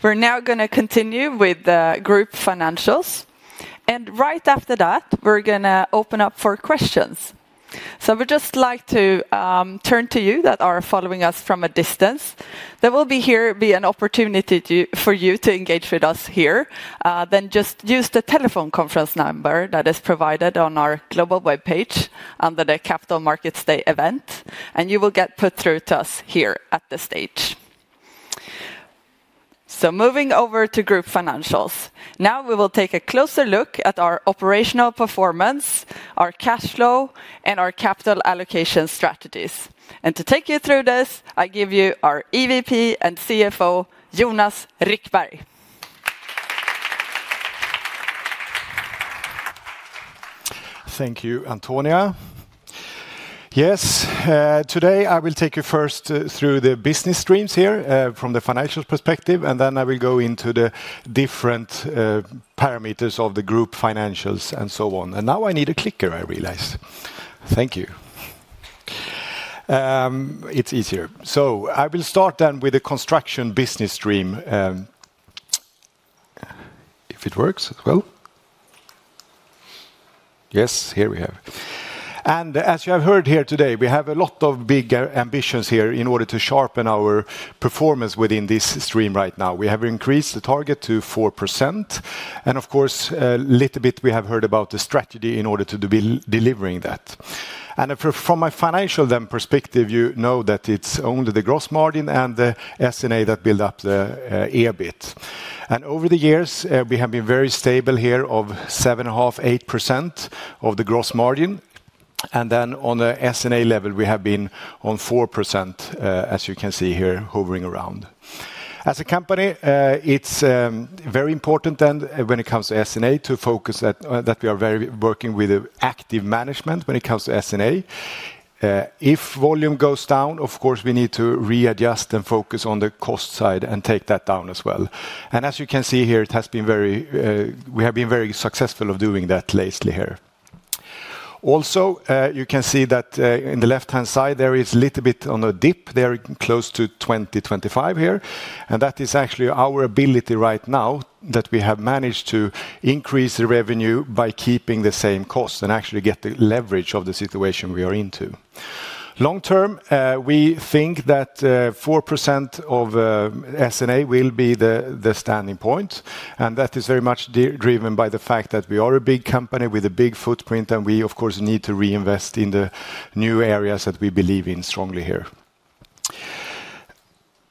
We're now going to continue with the group financials. Right after that, we're going to open up for questions. We'd just like to turn to you that are following us from a distance. There will be an opportunity for you to engage with us here. Just use the telephone conference number that is provided on our global web page under the Capital Markets Day event, and you will get put through to us here at the stage. Moving over to group financials. Now we will take a closer look at our operational performance, our cash flow, and our capital allocation strategies. To take you through this, I give you our EVP and CFO, Jonas Rickberg. Thank you, Antonia. Yes, today I will take you first through the business streams here from the financial perspective, and then I will go into the different parameters of the group financials and so on. Now I need a clicker, I realize. Thank you. It's easier. I will start then with the construction business stream. If it works as well. Yes, here we have. As you have heard here today, we have a lot of bigger ambitions here in order to sharpen our performance within this stream right now. We have increased the target to 4%. Of course, a little bit we have heard about the strategy in order to be delivering that. From a financial then perspective, you know that it's the gross margin and the S&A that build up the EBIT. Over the years, we have been very stable here of 7.5%-8% of the gross margin. On the S&A level, we have been at 4%, as you can see here, hovering around. As a company, it is very important when it comes to S&A to focus, that we are working with active management when it comes to S&A. If volume goes down, of course, we need to readjust and focus on the cost side and take that down as well. As you can see here, we have been very successful at doing that lately. Also, you can see that on the left-hand side, there is a little bit of a dip there close to 2025. That is actually our ability right now that we have managed to increase the revenue by keeping the same cost and actually get the leverage of the situation we are into. Long term, we think that 4% of S&A will be the standing point. That is very much driven by the fact that we are a big company with a big footprint, and we, of course, need to reinvest in the new areas that we believe in strongly here.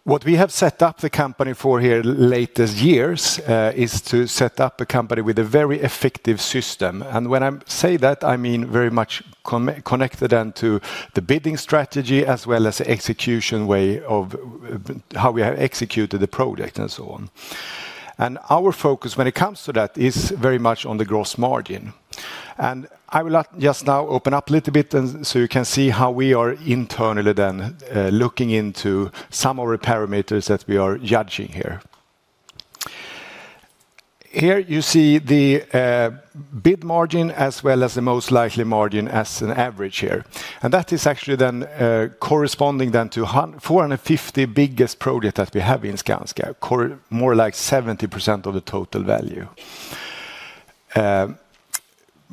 What we have set up the company for here latest years is to set up a company with a very effective system. When I say that, I mean very much connected then to the bidding strategy as well as the execution way of how we have executed the project and so on. Our focus when it comes to that is very much on the gross margin. I will just now open up a little bit so you can see how we are internally then looking into some of our parameters that we are judging here. Here you see the bid margin as well as the most likely margin as an average here. That is actually then corresponding then to 450 biggest projects that we have in Skanska, more like 70% of the total value.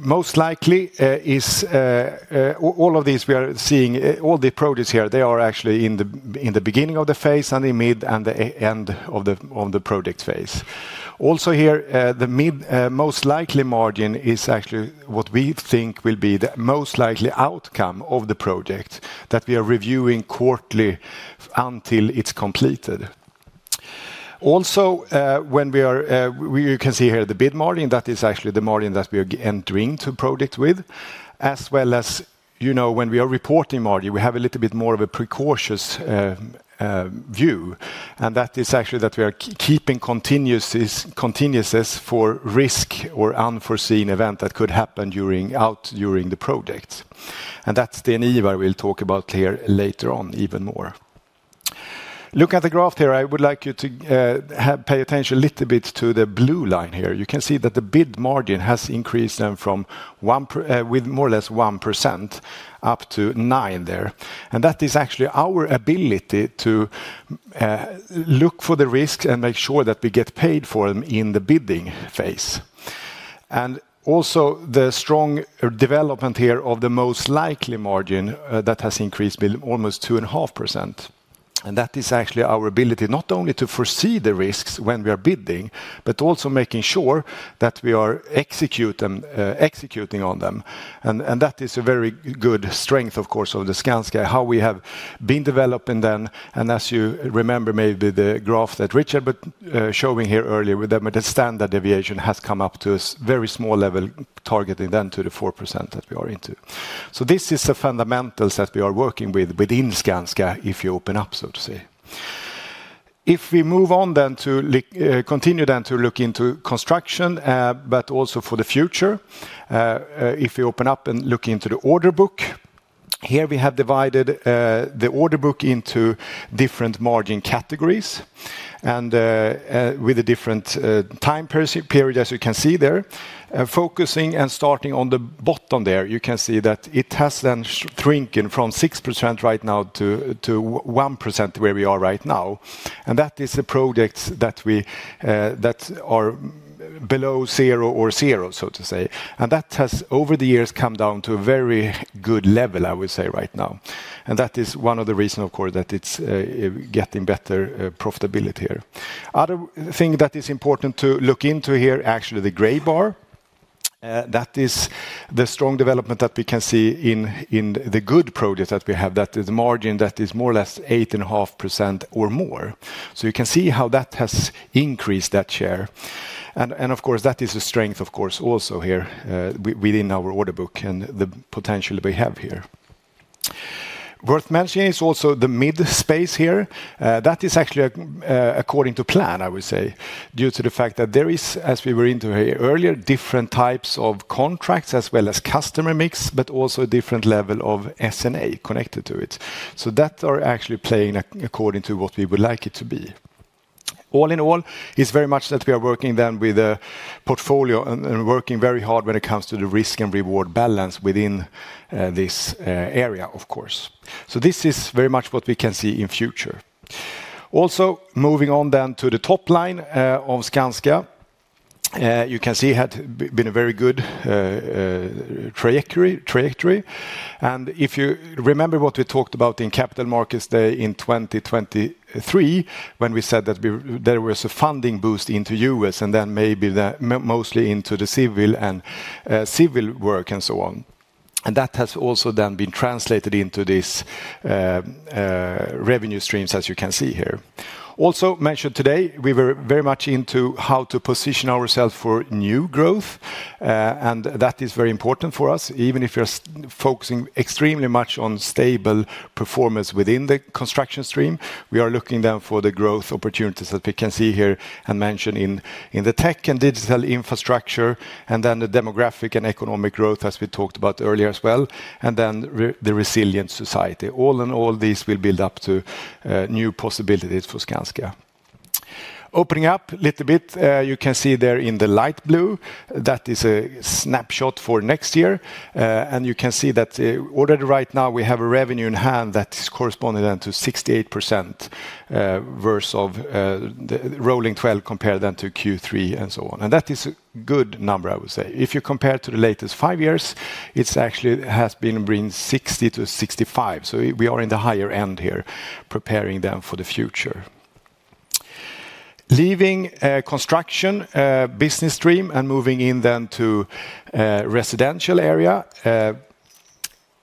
Most likely is all of these we are seeing, all the projects here, they are actually in the beginning of the phase and the mid and the end of the project phase. Also here, the mid most likely margin is actually what we think will be the most likely outcome of the project that we are reviewing quarterly until it is completed. Also, when we are, you can see here the bid margin, that is actually the margin that we are entering to project with. As well as, you know, when we are reporting margin, we have a little bit more of a precautious view. That is actually that we are keeping continuousness for risk or unforeseen event that could happen out during the project. That is the NEIVA we'll talk about here later on even more. Look at the graph here. I would like you to pay attention a little bit to the blue line here. You can see that the bid margin has increased then from one with more or less 1%- 9% there. That is actually our ability to look for the risks and make sure that we get paid for them in the bidding phase. Also the strong development here of the most likely margin that has increased almost 2.5%. That is actually our ability not only to foresee the risks when we are bidding, but also making sure that we are executing on them. That is a very good strength, of course, of Skanska, how we have been developing then. As you remember maybe the graph that Richard was showing here earlier, the standard deviation has come up to a very small level targeting then to the 4% that we are into. This is the fundamentals that we are working with within Skanska, if you open up so to say. If we move on then to continue then to look into construction, but also for the future, if we open up and look into the order book, here we have divided the order book into different margin categories and with a different time period, as you can see there. Focusing and starting on the bottom there, you can see that it has then shrunken from 6% right now to 1% where we are right now. That is the projects that are below zero or zero, so to say. That has over the years come down to a very good level, I would say right now. That is one of the reasons, of course, that it's getting better profitability here. Other thing that is important to look into here, actually the gray bar, that is the strong development that we can see in the good projects that we have, that is the margin that is more or less 8.5% or more. You can see how that has increased that share. Of course, that is a strength, of course, also here within our order book and the potential that we have here. Worth mentioning is also the mid space here. That is actually according to plan, I would say, due to the fact that there is, as we were into here earlier, different types of contracts as well as customer mix, but also a different level of S&A connected to it. That are actually playing according to what we would like it to be. All in all, it's very much that we are working then with a portfolio and working very hard when it comes to the risk and reward balance within this area, of course. This is very much what we can see in future. Also moving on then to the top line of Skanska, you can see it had been a very good trajectory. If you remember what we talked about in Capital Markets Day in 2023, when we said that there was a funding boost into U.S. and then maybe mostly into the civil and civil work and so on. That has also then been translated into these revenue streams, as you can see here. Also mentioned today, we were very much into how to position ourselves for new growth. That is very important for us. Even if you're focusing extremely much on stable performance within the construction stream, we are looking then for the growth opportunities that we can see here and mention in the tech and digital infrastructure and then the demographic and economic growth, as we talked about earlier as well. The resilient society. All in all, these will build up to new possibilities for Skanska. Opening up a little bit, you can see there in the light blue, that is a snapshot for next year. You can see that already right now we have a revenue in hand that is corresponding then to 68% versus the rolling 12 compared then to Q3 and so on. That is a good number, I would say. If you compare to the latest five years, it actually has been bringing 60-65. We are in the higher end here preparing them for the future. Leaving construction business stream and moving in then to residential area,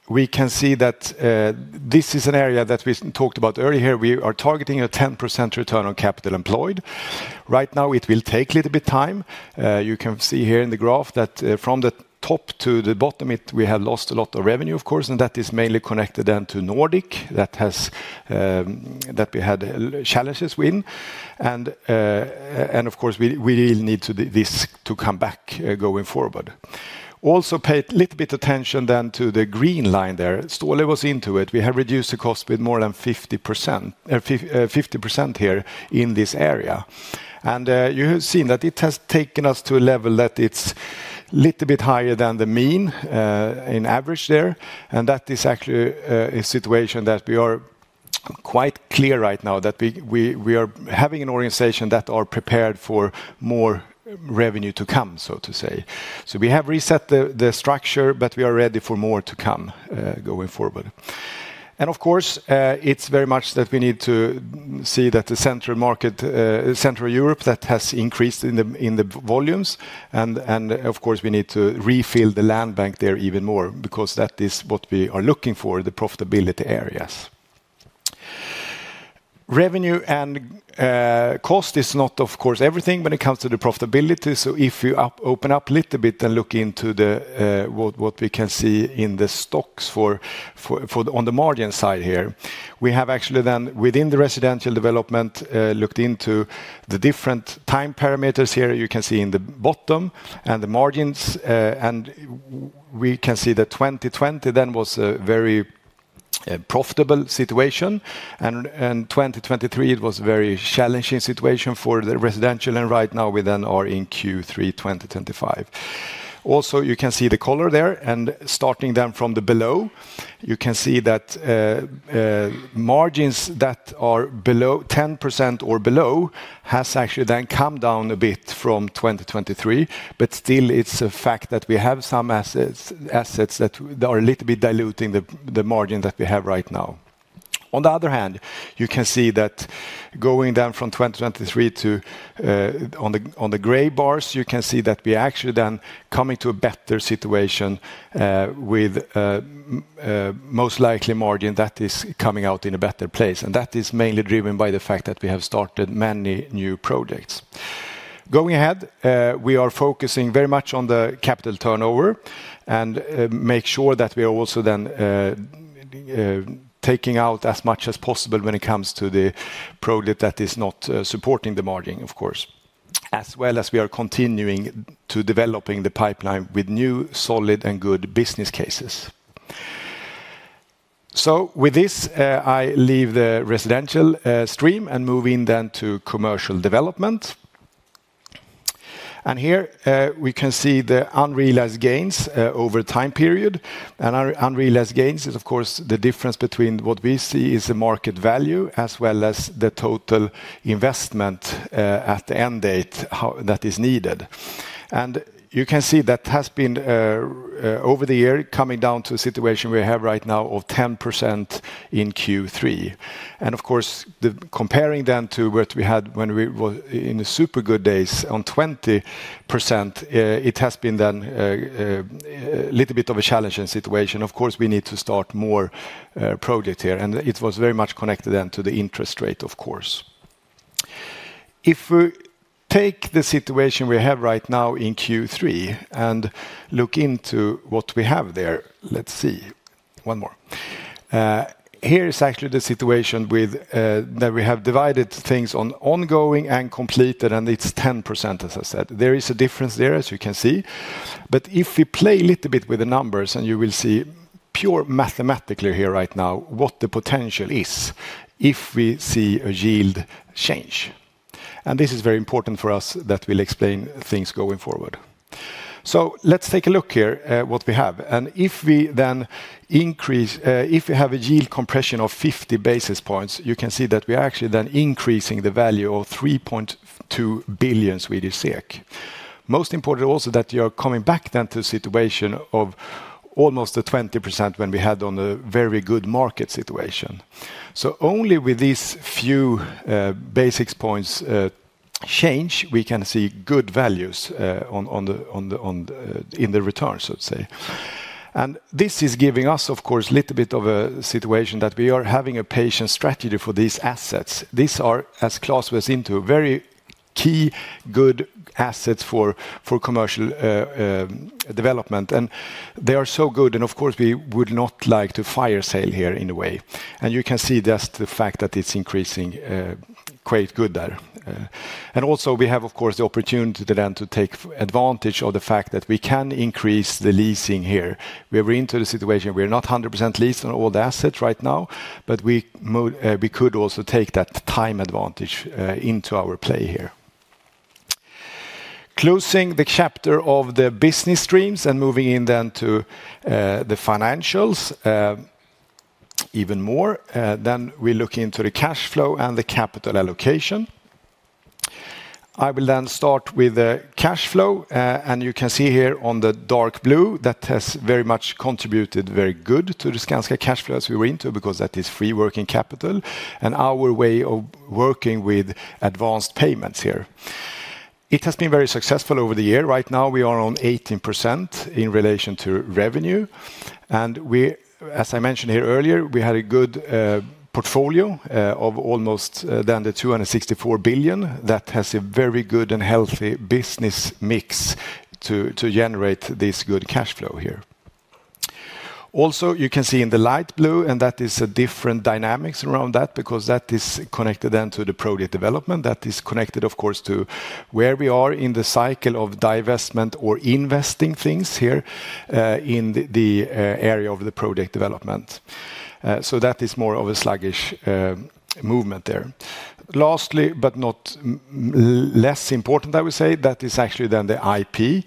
we can see that this is an area that we talked about earlier. We are targeting a 10% return on capital employed. Right now, it will take a little bit of time. You can see here in the graph that from the top to the bottom, we have lost a lot of revenue, of course, and that is mainly connected then to Nordic that we had challenges with. Of course, we really need this to come back going forward. Also pay a little bit of attention then to the green line there. Ståle was into it. We have reduced the cost with more than 50% here in this area. You have seen that it has taken us to a level that is a little bit higher than the mean in average there. That is actually a situation that we are quite clear right now that we are having an organization that is prepared for more revenue to come, so to say. We have reset the structure, but we are ready for more to come going forward. Of course, it is very much that we need to see that the central market, Central Europe, has increased in the volumes. Of course, we need to refill the land bank there even more because that is what we are looking for, the profitability areas. Revenue and cost is not, of course, everything when it comes to the profitability. If you open up a little bit and look into what we can see in the stocks on the margin side here, we have actually then within the residential development looked into the different time parameters here you can see in the bottom and the margins. We can see that 2020 then was a very profitable situation. 2023, it was a very challenging situation for the residential. Right now, we then are in Q3 2025. Also, you can see the color there. Starting then from the below, you can see that margins that are below 10% or below has actually then come down a bit from 2023. Still, it is a fact that we have some assets that are a little bit diluting the margin that we have right now. On the other hand, you can see that going then from 2023 to on the gray bars, you can see that we actually then coming to a better situation with most likely margin that is coming out in a better place. That is mainly driven by the fact that we have started many new projects. Going ahead, we are focusing very much on the capital turnover and make sure that we are also then taking out as much as possible when it comes to the project that is not supporting the margin, of course. As well as we are continuing to developing the pipeline with new solid and good business cases. With this, I leave the residential stream and move in then to commercial development. Here we can see the unrealized gains over time period. Unrealized gains is, of course, the difference between what we see is the market value as well as the total investment at the end date that is needed. You can see that has been over the year coming down to a situation we have right now of 10% in Q3. Of course, comparing then to what we had when we were in super good days on 20%, it has been then a little bit of a challenging situation. Of course, we need to start more projects here. It was very much connected then to the interest rate, of course. If we take the situation we have right now in Q3 and look into what we have there, let's see. One more. Here is actually the situation that we have divided things on ongoing and completed, and it's 10%, as I said. There is a difference there, as you can see. If we play a little bit with the numbers, you will see pure mathematically here right now what the potential is if we see a yield change. This is very important for us that we will explain things going forward. Let's take a look here at what we have. If we then increase, if we have a yield compression of 50 basis points, you can see that we are actually then increasing the value of 3.2 billion SEK. Most important also that you are coming back then to a situation of almost the 20% when we had on a very good market situation. Only with these few basis points change, we can see good values in the return, so to say. This is giving us, of course, a little bit of a situation that we are having a patient strategy for these assets. These are, as Claes was into, very key good assets for commercial development. They are so good. Of course, we would not like to fire sale here in a way. You can see just the fact that it is increasing quite good there. Also, we have, of course, the opportunity then to take advantage of the fact that we can increase the leasing here. We are into the situation. We are not 100% leased on all the assets right now, but we could also take that time advantage into our play here. Closing the chapter of the business streams and moving in then to the financials even more, we look into the cash flow and the capital allocation. I will then start with the cash flow. You can see here on the dark blue that has very much contributed very good to the Skanska cash flows we were into because that is free working capital and our way of working with advanced payments here. It has been very successful over the year. Right now, we are on 18% in relation to revenue. As I mentioned here earlier, we had a good portfolio of almost then the 264 billion that has a very good and healthy business mix to generate this good cash flow here. Also, you can see in the light blue, and that is a different dynamics around that because that is connected then to the project development. That is connected, of course, to where we are in the cycle of divestment or investing things here in the area of the project development. That is more of a sluggish movement there. Lastly, but not less important, I would say, that is actually then the IP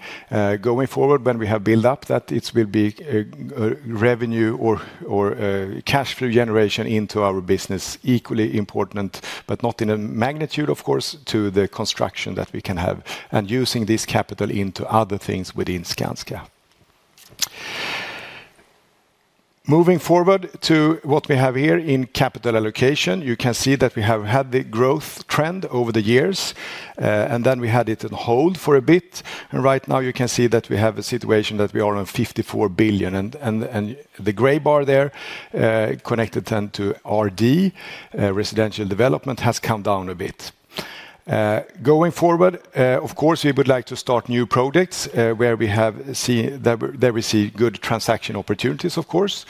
going forward when we have built up that it will be revenue or cash flow generation into our business, equally important, but not in a magnitude, of course, to the construction that we can have and using this capital into other things within Skanska. Moving forward to what we have here in capital allocation, you can see that we have had the growth trend over the years. We had it on hold for a bit. Right now, you can see that we have a situation that we are on 54 billion. The gray bar there connected then to RD, residential development, has come down a bit. Going forward, of course, we would like to start new projects where we have seen that we see good transaction opportunities, of course,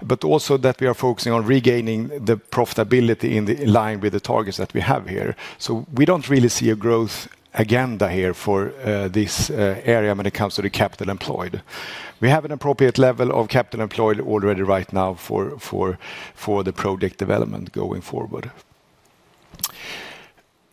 but also that we are focusing on regaining the profitability in line with the targets that we have here. We do not really see a growth agenda here for this area when it comes to the capital employed. We have an appropriate level of capital employed already right now for the project development going forward.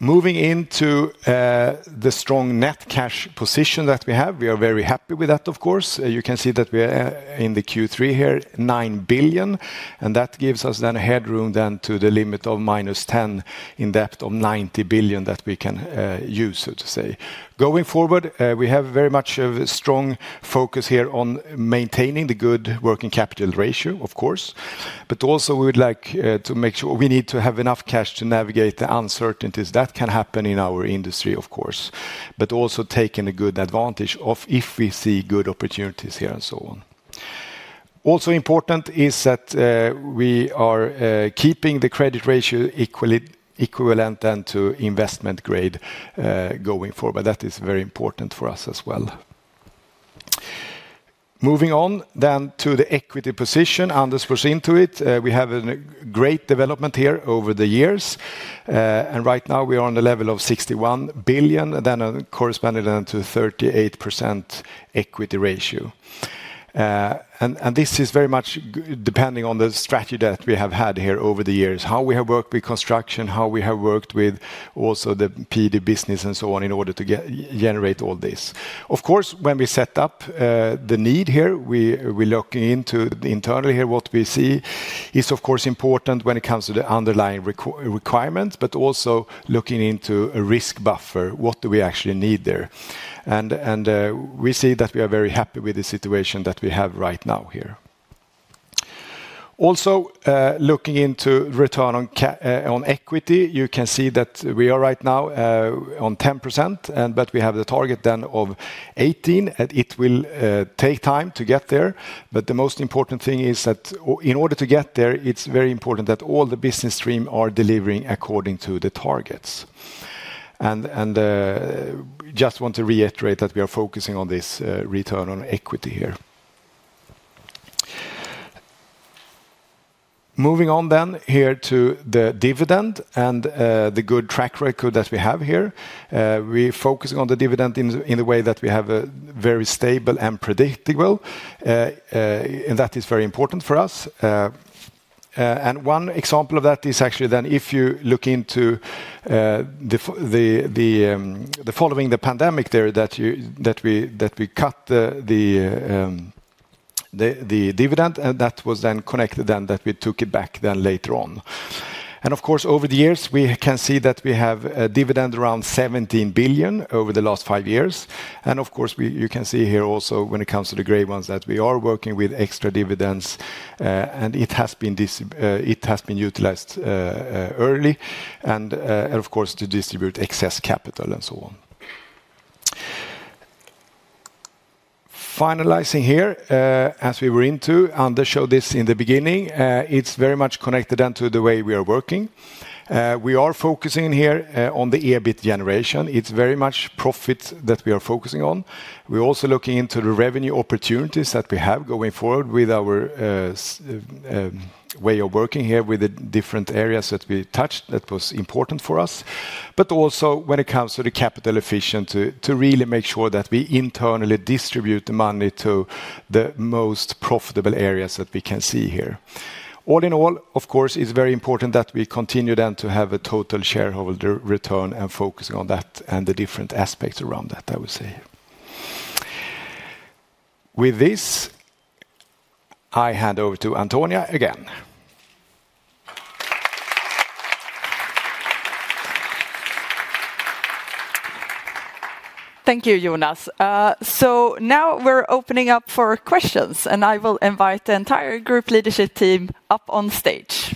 Moving into the strong net cash position that we have, we are very happy with that, of course. You can see that we are in the Q3 here, 9 billion. That gives us then a headroom then to the limit of minus 10 billion in depth of 90 billion that we can use, so to say. Going forward, we have very much a strong focus here on maintaining the good working capital ratio, of course. We would also like to make sure we need to have enough cash to navigate the uncertainties that can happen in our industry, of course, but also taking a good advantage of if we see good opportunities here and so on. Also important is that we are keeping the credit ratio equivalent then to investment grade going forward. That is very important for us as well. Moving on then to the equity position, underscores into it, we have a great development here over the years. And right now we are on the level of 61 billion, then corresponding then to 38% equity ratio. This is very much depending on the strategy that we have had here over the years, how we have worked with construction, how we have worked with also the PD business and so on in order to generate all this. Of course, when we set up the need here, we look into. Internally here, what we see is, of course, important when it comes to the underlying requirements, but also looking into a risk buffer, what do we actually need there. We see that we are very happy with the situation that we have right now here. Also looking into return on equity, you can see that we are right now on 10%, but we have the target then of 18. It will take time to get there. The most important thing is that in order to get there, it's very important that all the business stream are delivering according to the targets. I just want to reiterate that we are focusing on this return on equity here. Moving on then here to the dividend and the good track record that we have here. We are focusing on the dividend in a way that we have a very stable and predictable. That is very important for us. One example of that is actually then if you look into the following the pandemic there that we cut the dividend and that was then connected then that we took it back then later on. Of course, over the years, we can see that we have a dividend around 17 billion over the last five years. Of course, you can see here also when it comes to the gray ones that we are working with extra dividends. It has been utilized early and, of course, to distribute excess capital and so on. Finalizing here, as we were into, Antonia showed this in the beginning. It is very much connected then to the way we are working. We are focusing here on the EBIT generation. It is very much profit that we are focusing on. We are also looking into the revenue opportunities that we have going forward with our way of working here with the different areas that we touched that was important for us. Also, when it comes to the capital efficient to really make sure that we internally distribute the money to the most profitable areas that we can see here. All in all, of course, it is very important that we continue then to have a total shareholder return and focusing on that and the different aspects around that, I would say. With this, I hand over to Antonia again. Thank you, Jonas. Now we are opening up for questions, and I will invite the entire group leadership team up on stage.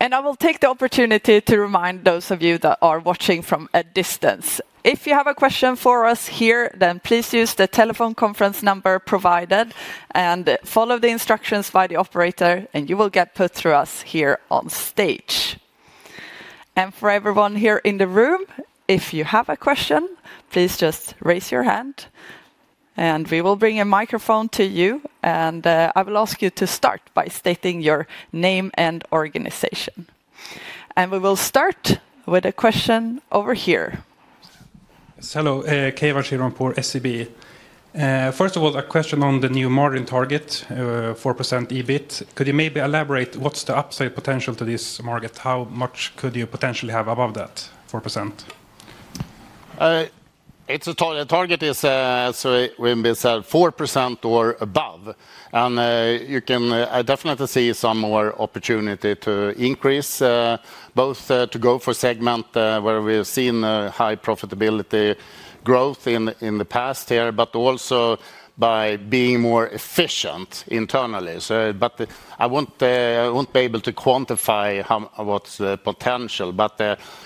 I will take the opportunity to remind those of you that are watching from a distance. If you have a question for us here, then please use the telephone conference number provided and follow the instructions by the operator, and you will get put through to us here on stage. For everyone here in the room, if you have a question, please just raise your hand. We will bring a microphone to you, and I will ask you to start by stating your name and organization. We will start with a question over here. Hello, Keivan Shirvanpour on SEB. First of all, a question on the new margin target, 4% EBIT. Could you maybe elaborate what's the upside potential to this market? How much could you potentially have above that 4%? It's a target is when we said 4% or above. You can definitely see some more opportunity to increase both to go for segment where we've seen high profitability growth in the past here, but also by being more efficient internally. I won't be able to quantify what's the potential, but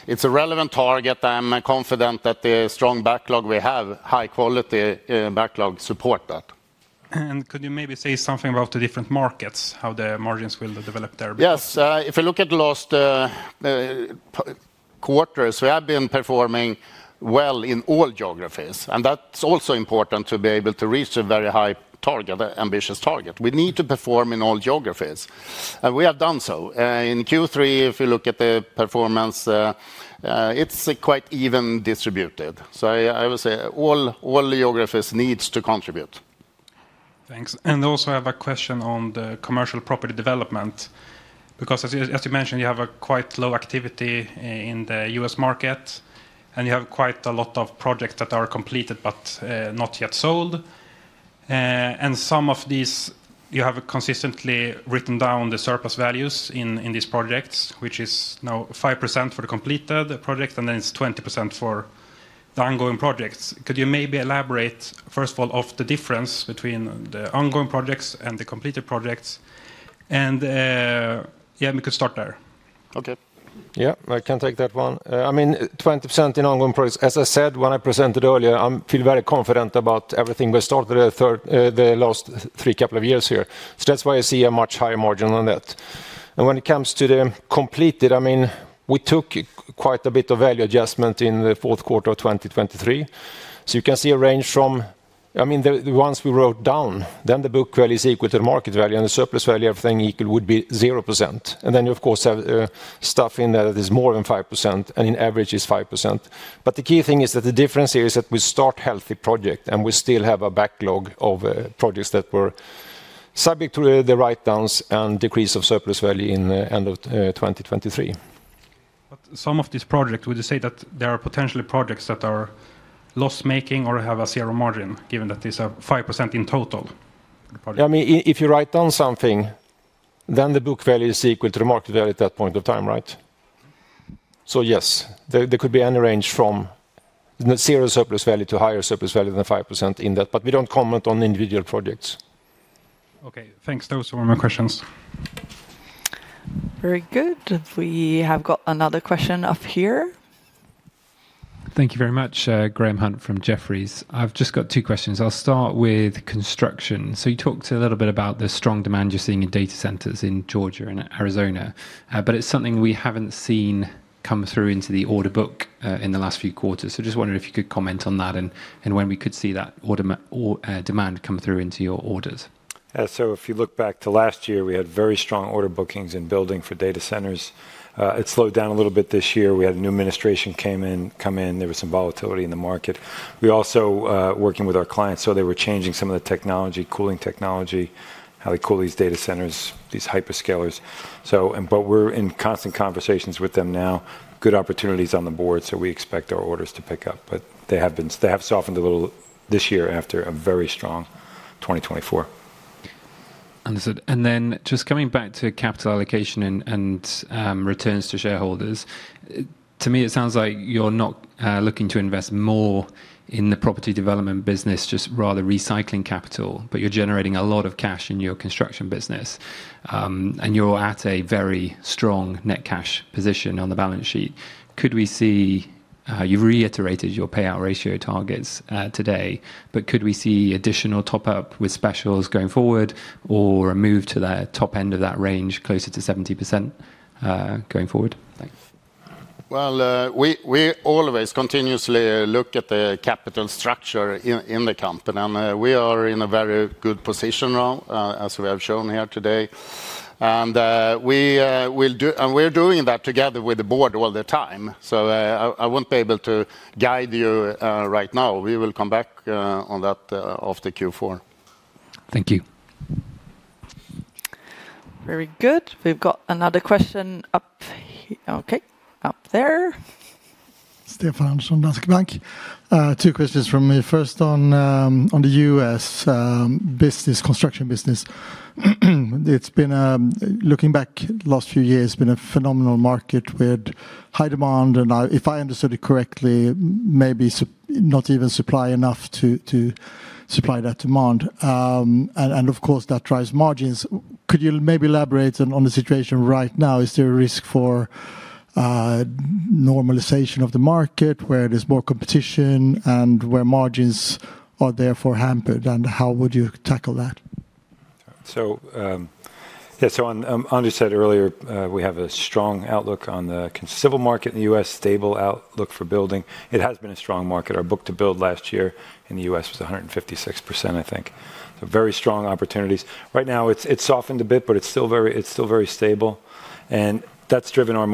it's a relevant target. I'm confident that the strong backlog we have, high quality backlog support that. Could you maybe say something about the different markets, how the margins will develop there? Yes, if you look at the last quarter, we have been performing well in all geographies. That is also important to be able to reach a very high target, ambitious target. We need to perform in all geographies. We have done so. In Q3, if you look at the performance, it is quite evenly distributed. I would say all geographies need to contribute. Thanks. I also have a question on the commercial property development. Because as you mentioned, you have quite low activity in the U.S. market, and you have quite a lot of projects that are completed but not yet sold. Some of these, you have consistently written down the surplus values in these projects, which is now 5% for the completed project, and then it is 20% for the ongoing projects. Could you maybe elaborate, first of all, on the difference between the ongoing projects and the completed projects? We could start there. Okay. Yeah, I can take that one. I mean, 20% in ongoing projects. As I said, when I presented earlier, I feel very confident about everything we started the last three couple of years here. That is why I see a much higher margin on that. When it comes to the completed, I mean, we took quite a bit of value adjustment in the fourth quarter of 2023. You can see a range from, I mean, the ones we wrote down, then the book value is equal to the market value, and the surplus value, everything equal would be 0%. You, of course, have stuff in there that is more than 5%, and in average is 5%. The key thing is that the difference here is that we start healthy projects, and we still have a backlog of projects that were subject to the write-downs and decrease of surplus value in the end of 2023. Some of these projects, would you say that there are potentially projects that are loss-making or have a zero margin, given that it is a 5% in total? I mean, if you write down something, then the book value is equal to the market value at that point of time, right? Yes, there could be any range from zero surplus value to higher surplus value than 5% in that. We do not comment on individual projects. Okay, thanks. Those were my questions. Very good. We have got another question up here. Thank you very much, Graham Hunt from Jefferies. I have just got two questions. I will start with construction. You talked a little bit about the strong demand you're seeing in data centers in Georgia and Arizona, but it's something we haven't seen come through into the order book in the last few quarters. Just wondering if you could comment on that and when we could see that demand come through into your orders. If you look back to last year, we had very strong order bookings in building for data centers. It slowed down a little bit this year. We had a new administration come in. There was some volatility in the market. We're also working with our clients, so they were changing some of the technology, cooling technology, how they cool these data centers, these hyperscalers. We're in constant conversations with them now. Good opportunities on the board, so we expect our orders to pick up. They have softened a little this year after a very strong 2024. Understood. And then just coming back to capital allocation and returns to shareholders, to me, it sounds like you're not looking to invest more in the property development business, just rather recycling capital, but you're generating a lot of cash in your construction business. You're at a very strong net cash position on the balance sheet. Could we see you've reiterated your payout ratio targets today, but could we see additional top-up with specials going forward or a move to the top end of that range closer to 70% going forward? Thanks. We always continuously look at the capital structure in the company. We are in a very good position now, as we have shown here today. We're doing that together with the board all the time. I will not be able to guide you right now. We will come back on that after Q4. Thank you. Very good. We have another question up here. Okay, up there. Stephan from Danske Bank. Two questions for me. First on the U.S. construction business. Looking back the last few years, it has been a phenomenal market with high demand. If I understood it correctly, maybe not even supply enough to supply that demand. Of course, that drives margins. Could you maybe elaborate on the situation right now? Is there a risk for normalization of the market where there is more competition and where margins are therefore hampered? How would you tackle that? Anders said earlier, we have a strong outlook on the civil market in the U.S., stable outlook for building. It has been a strong market. Our book-to-build last year in the U.S. was 156%, I think. Very strong opportunities. Right now, it's softened a bit, but it's still very stable. That's driven our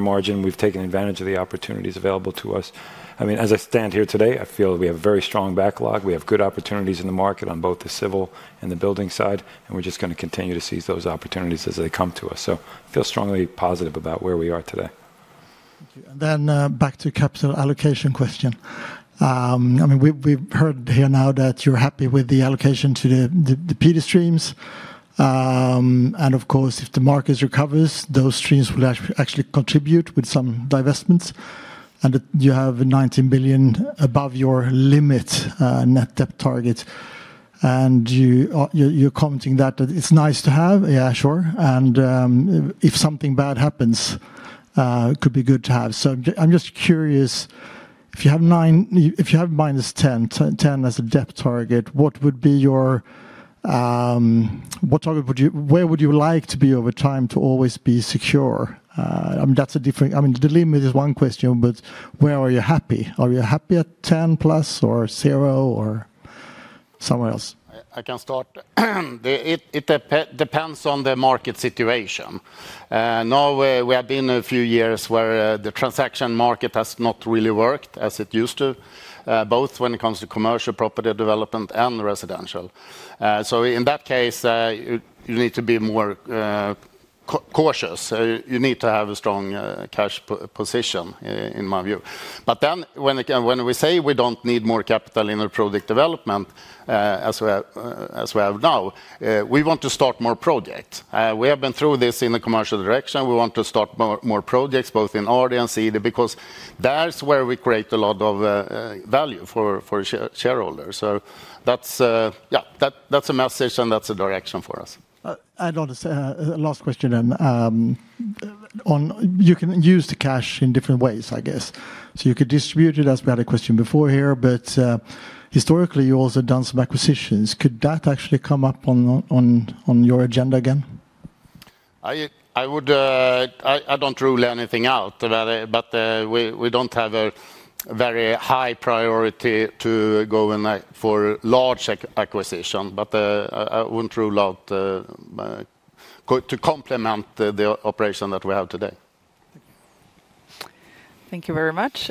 margin. We've taken advantage of the opportunities available to us. I mean, as I stand here today, I feel we have a very strong backlog. We have good opportunities in the market on both the civil and the building side. We're just going to continue to seize those opportunities as they come to us. I feel strongly positive about where we are today. Thank you. Back to the capital allocation question. I mean, we've heard here now that you're happy with the allocation to the PD streams. Of course, if the market recovers, those streams will actually contribute with some divestments. You have 19 billion above your limit net debt target. You're commenting that it's nice to have. Yeah, sure. If something bad happens, it could be good to have. I'm just curious, if you have minus 10, 10 as a debt target, what would be your target? Where would you like to be over time to always be secure? I mean, that's a different—I mean, the limit is one question, but where are you happy? Are you happy at 10 plus or zero or somewhere else? I can start. It depends on the market situation. Now, we have been a few years where the transaction market has not really worked as it used to, both when it comes to commercial property development and residential. In that case, you need to be more cautious. You need to have a strong cash position, in my view. When we say we do not need more capital in project development as we have now, we want to start more projects. We have been through this in the commercial direction. We want to start more projects, both in RD and CED, because that is where we create a lot of value for shareholders. Yeah, that is a message and that is a direction for us. Last question then. You can use the cash in different ways, I guess. You could distribute it, as we had a question before here, but historically, you also have done some acquisitions. Could that actually come up on your agenda again? I do not rule anything out, but we do not have a very high priority to go in for large acquisition. I would not rule out to complement the operation that we have today. Thank you. Thank you very much.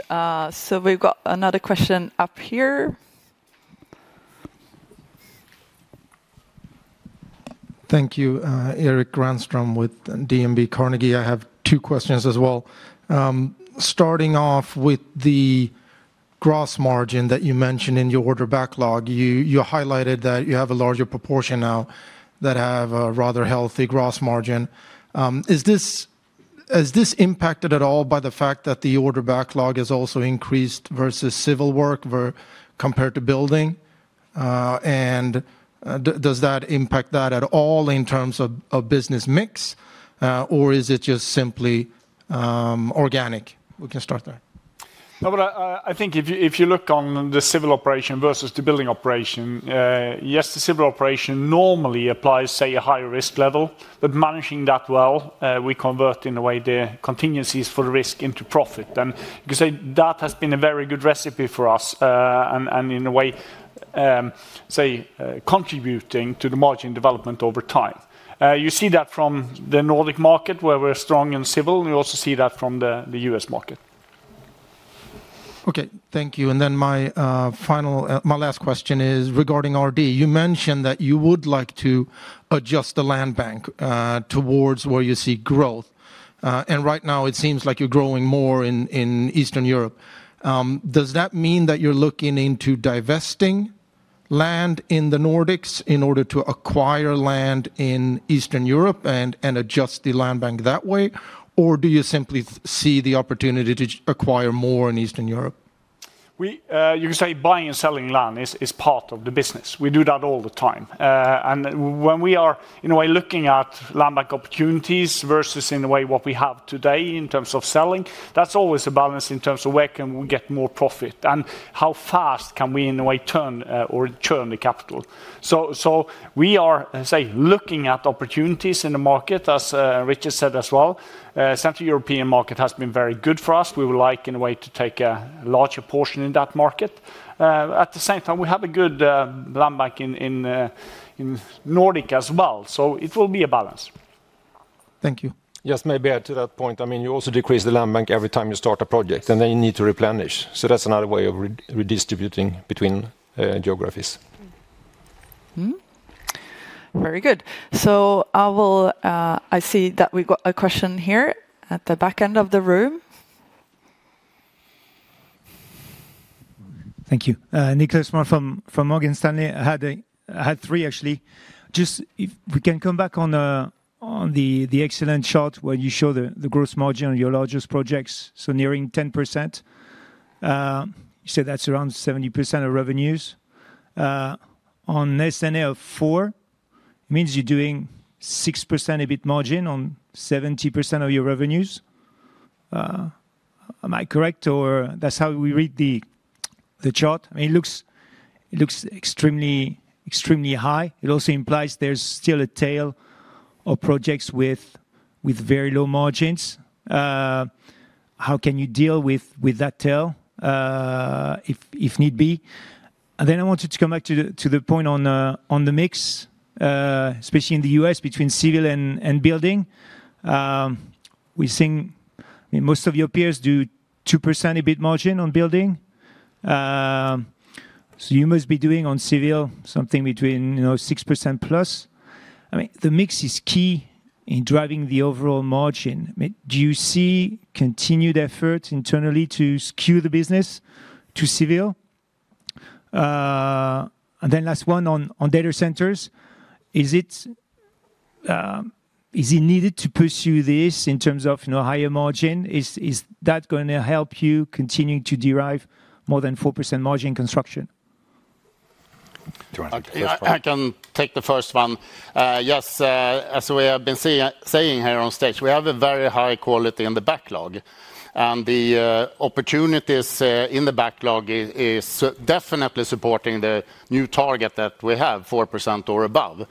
Thank you, Erik Granström with DNB Carnegie. I have two questions as well. Starting off with the gross margin that you mentioned in your order backlog, you highlighted that you have a larger proportion now that have a rather healthy gross margin. Is this impacted at all by the fact that the order backlog has also increased versus civil work compared to building? Does that impact that at all in terms of business mix, or is it just simply organic? We can start there. I think if you look on the civil operation versus the building operation, yes, the civil operation normally applies, say, a higher risk level, but managing that well, we convert in a way the contingencies for the risk into profit. You could say that has been a very good recipe for us and in a way, say, contributing to the margin development over time. You see that from the Nordic market where we're strong in civil. You also see that from the U.S. market. Okay, thank you. My last question is regarding RD. You mentioned that you would like to adjust the land bank towards where you see growth. Right now, it seems like you're growing more in Eastern Europe. Does that mean that you're looking into divesting land in the Nordics in order to acquire land in Eastern Europe and adjust the land bank that way? Or do you simply see the opportunity to acquire more in Eastern Europe? You could say buying and selling land is part of the business. We do that all the time. When we are in a way looking at land bank opportunities versus in a way what we have today in terms of selling, that's always a balance in terms of where can we get more profit and how fast can we in a way turn or churn the capital. We are looking at opportunities in the market, as Richard said as well. The Central European market has been very good for us. We would like in a way to take a larger portion in that market. At the same time, we have a good land bank in Nordic as well. It will be a balance. Thank you. Yes, maybe add to that point. I mean, you also decrease the land bank every time you start a project, and then you need to replenish. That's another way of redistributing between geographies. Very good. I see that we've got a question here at the back end of the room. Thank you. Nicolas from Morgan Stanley had three, actually. Just if we can come back on the excellent shot where you show the gross margin on your largest projects, so nearing 10%. You said that's around 70% of revenues. On S&L 4, it means you're doing 6% EBIT margin on 70% of your revenues. Am I correct? Or that's how we read the chart? I mean, it looks extremely high. It also implies there's still a tail of projects with very low margins. How can you deal with that tail if need be? I wanted to come back to the point on the mix, especially in the U.S. between civil and building. We're seeing most of your peers do 2% EBIT margin on building. You must be doing on civil something between 6% plus. I mean, the mix is key in driving the overall margin. Do you see continued efforts internally to skew the business to civil? Last one on data centers. Is it needed to pursue this in terms of higher margin? Is that going to help you continue to derive more than 4% margin construction? I can take the first one. Yes, as we have been saying here on stage, we have a very high quality in the backlog. The opportunities in the backlog are definitely supporting the new target that we have, 4% or above.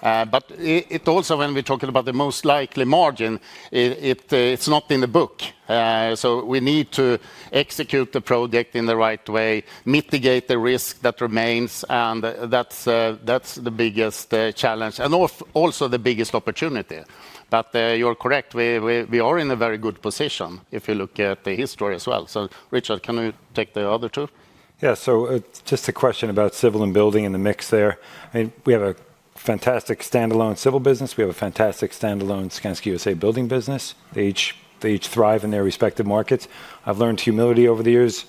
When we are talking about the most likely margin, it is not in the book. We need to execute the project in the right way, mitigate the risk that remains. That is the biggest challenge and also the biggest opportunity. You're correct, we are in a very good position if you look at the history as well. Richard, can you take the other two? Yeah, just a question about civil and building in the mix there. We have a fantastic standalone civil business. We have a fantastic standalone Skanska U.S.A. building business. They each thrive in their respective markets. I've learned humility over the years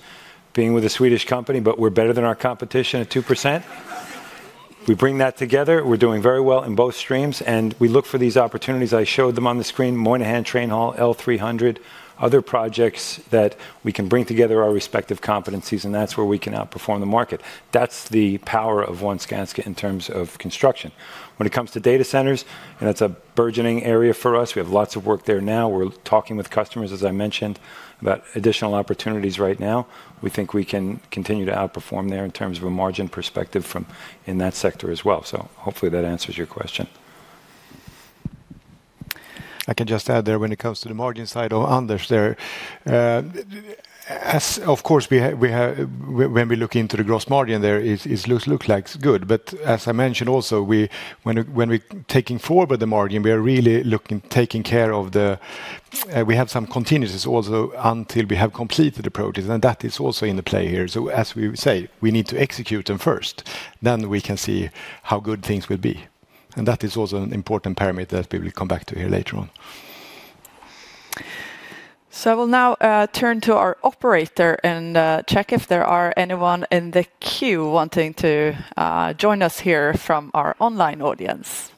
being with a Swedish company, but we're better than our competition at 2%. We bring that together. We're doing very well in both streams. We look for these opportunities. I showed them on the screen, Moynihan Train Hall, L300, other projects that we can bring together our respective competencies. That's where we can outperform the market. That's the power of one Skanska in terms of construction. When it comes to data centers, and that's a burgeoning area for us, we have lots of work there now. We're talking with customers, as I mentioned, about additional opportunities right now. We think we can continue to outperform there in terms of a margin perspective from in that sector as well. Hopefully that answers your question. I can just add there when it comes to the margin side of Anders there. Of course, when we look into the gross margin there, it looks like good. As I mentioned also, when we're taking forward the margin, we are really taking care of the we have some contingencies also until we have completed the project. That is also in the play here. As we say, we need to execute them first. Then we can see how good things will be. That is also an important parameter that we will come back to here later on. I will now turn to our operator and check if there is anyone in the queue wanting to join us here from our online audience.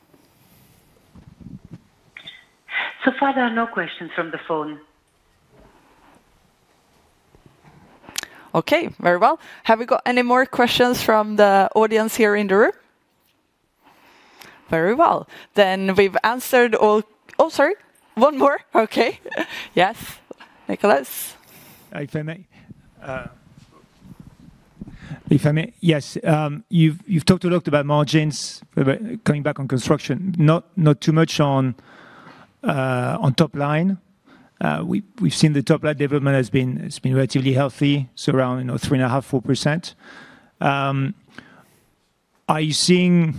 So far, there are no questions from the phone. Okay, very well. Have we got any more questions from the audience here in the room? Very well. Then we've answered all. Oh, sorry. One more. Okay. Yes. Nicolas. Yes, you've talked a lot about margins coming back on construction, not too much on top line. We've seen the top line development has been relatively healthy, so around 3.5%-4%. Are you seeing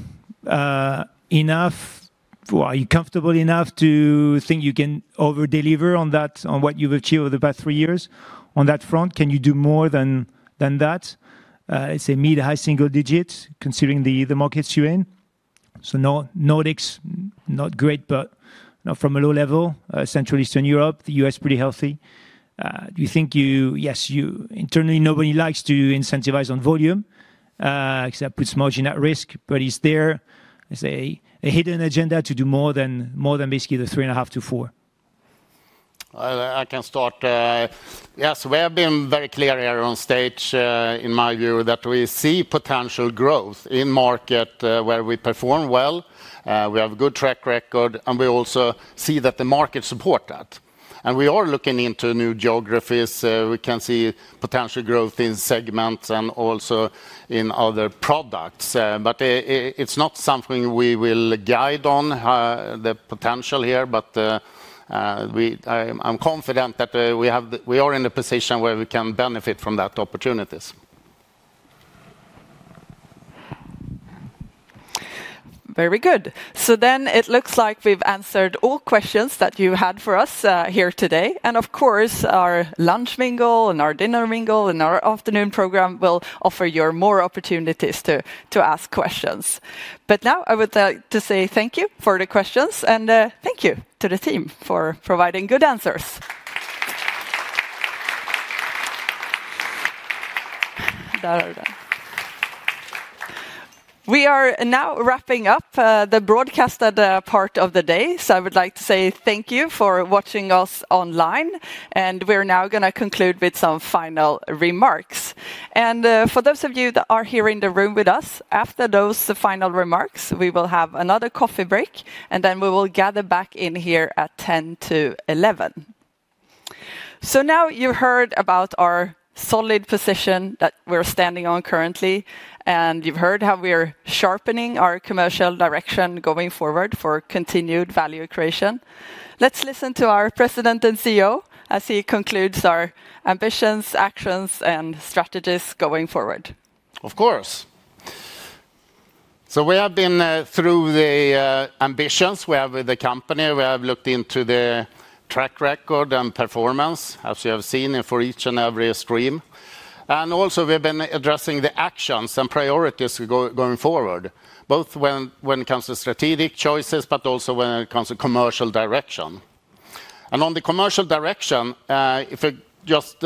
enough? Are you comfortable enough to think you can overdeliver on that, on what you've achieved over the past three years? On that front, can you do more than that? It's a mid-high single digit considering the markets you're in. Nordics, not great, but from a low level, Central Eastern Europe, the U.S. pretty healthy. Do you think you, yes, internally, nobody likes to incentivize on volume except puts margin at risk, but it's there. It's a hidden agenda to do more than basically the 3.5%-4%. I can start. Yes, we have been very clear here on stage, in my view, that we see potential growth in market where we perform well. We have a good track record, and we also see that the market supports that. We are looking into new geographies. We can see potential growth in segments and also in other products. It's not something we will guide on, the potential here. I'm confident that we are in a position where we can benefit from that opportunities. Very good. It looks like we've answered all questions that you had for us here today. Of course, our lunch mingle and our dinner mingle and our afternoon program will offer you more opportunities to ask questions. Now I would like to say thank you for the questions. Thank you to the team for providing good answers. We are now wrapping up the broadcasted part of the day. I would like to say thank you for watching us online. We are now going to conclude with some final remarks. For those of you that are here in the room with us, after those final remarks, we will have another coffee break, and then we will gather back in here at 10:50 A.M. Now you have heard about our solid position that we are standing on currently, and you have heard how we are sharpening our commercial direction going forward for continued value creation. Let's listen to our President and CEO as he concludes our ambitions, actions, and strategies going forward. Of course. We have been through the ambitions we have with the company. We have looked into the track record and performance, as you have seen for each and every stream. Also, we have been addressing the actions and priorities going forward, both when it comes to strategic choices, but also when it comes to commercial direction. On the commercial direction, if we just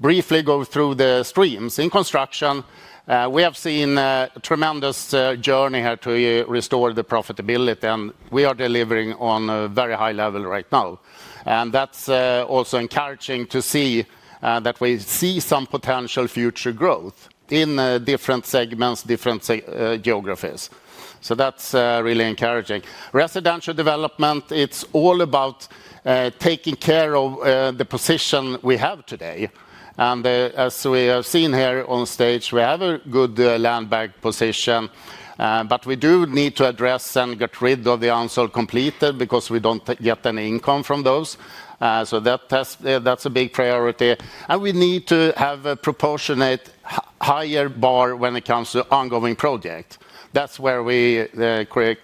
briefly go through the streams in construction, we have seen a tremendous journey here to restore the profitability. We are delivering on a very high level right now. That is also encouraging to see that we see some potential future growth in different segments, different geographies. That is really encouraging. Residential development, it is all about taking care of the position we have today. As we have seen here on stage, we have a good land bank position. We do need to address and get rid of the unsold completed because we do not get any income from those. That is a big priority. We need to have a proportionate higher bar when it comes to ongoing projects. That is where we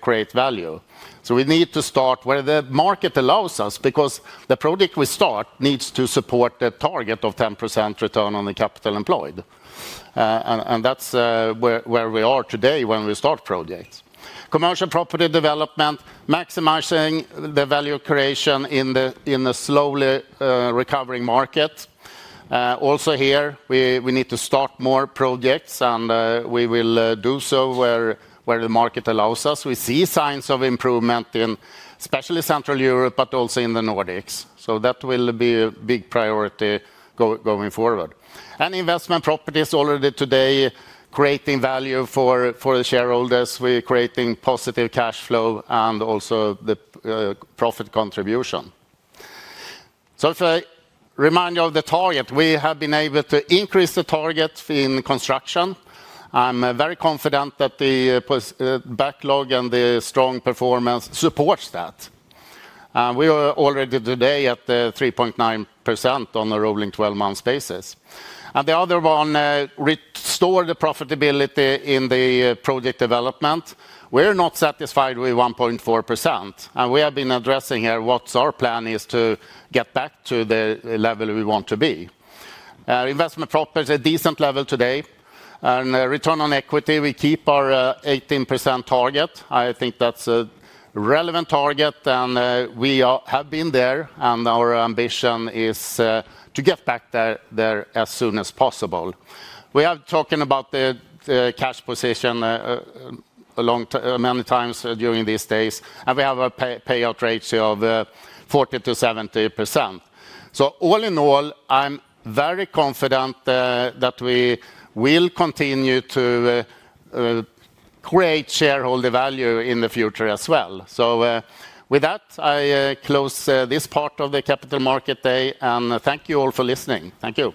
create value. We need to start where the market allows us because the project we start needs to support the target of 10% return on the capital employed. That is where we are today when we start projects. Commercial property development, maximizing the value creation in a slowly recovering market. Also here, we need to start more projects, and we will do so where the market allows us. We see signs of improvement in especially Central Europe, but also in the Nordics. That will be a big priority going forward. Investment properties already today creating value for the shareholders, creating positive cash flow, and also the profit contribution. If I remind you of the target, we have been able to increase the target in construction. I'm very confident that the backlog and the strong performance supports that. We are already today at 3.9% on a rolling 12-month basis. The other one restores the profitability in the project development. We are not satisfied with 1.4%. We have been addressing here what our plan is to get back to the level we want to be. Investment property is a decent level today. Return on equity, we keep our 18% target. I think that's a relevant target, and we have been there. Our ambition is to get back there as soon as possible. We have been talking about the cash position many times during these days. We have a payout ratio of 40%-70%. All in all, I'm very confident that we will continue to create shareholder value in the future as well. With that, I close this part of the capital market day. Thank you all for listening. Thank you.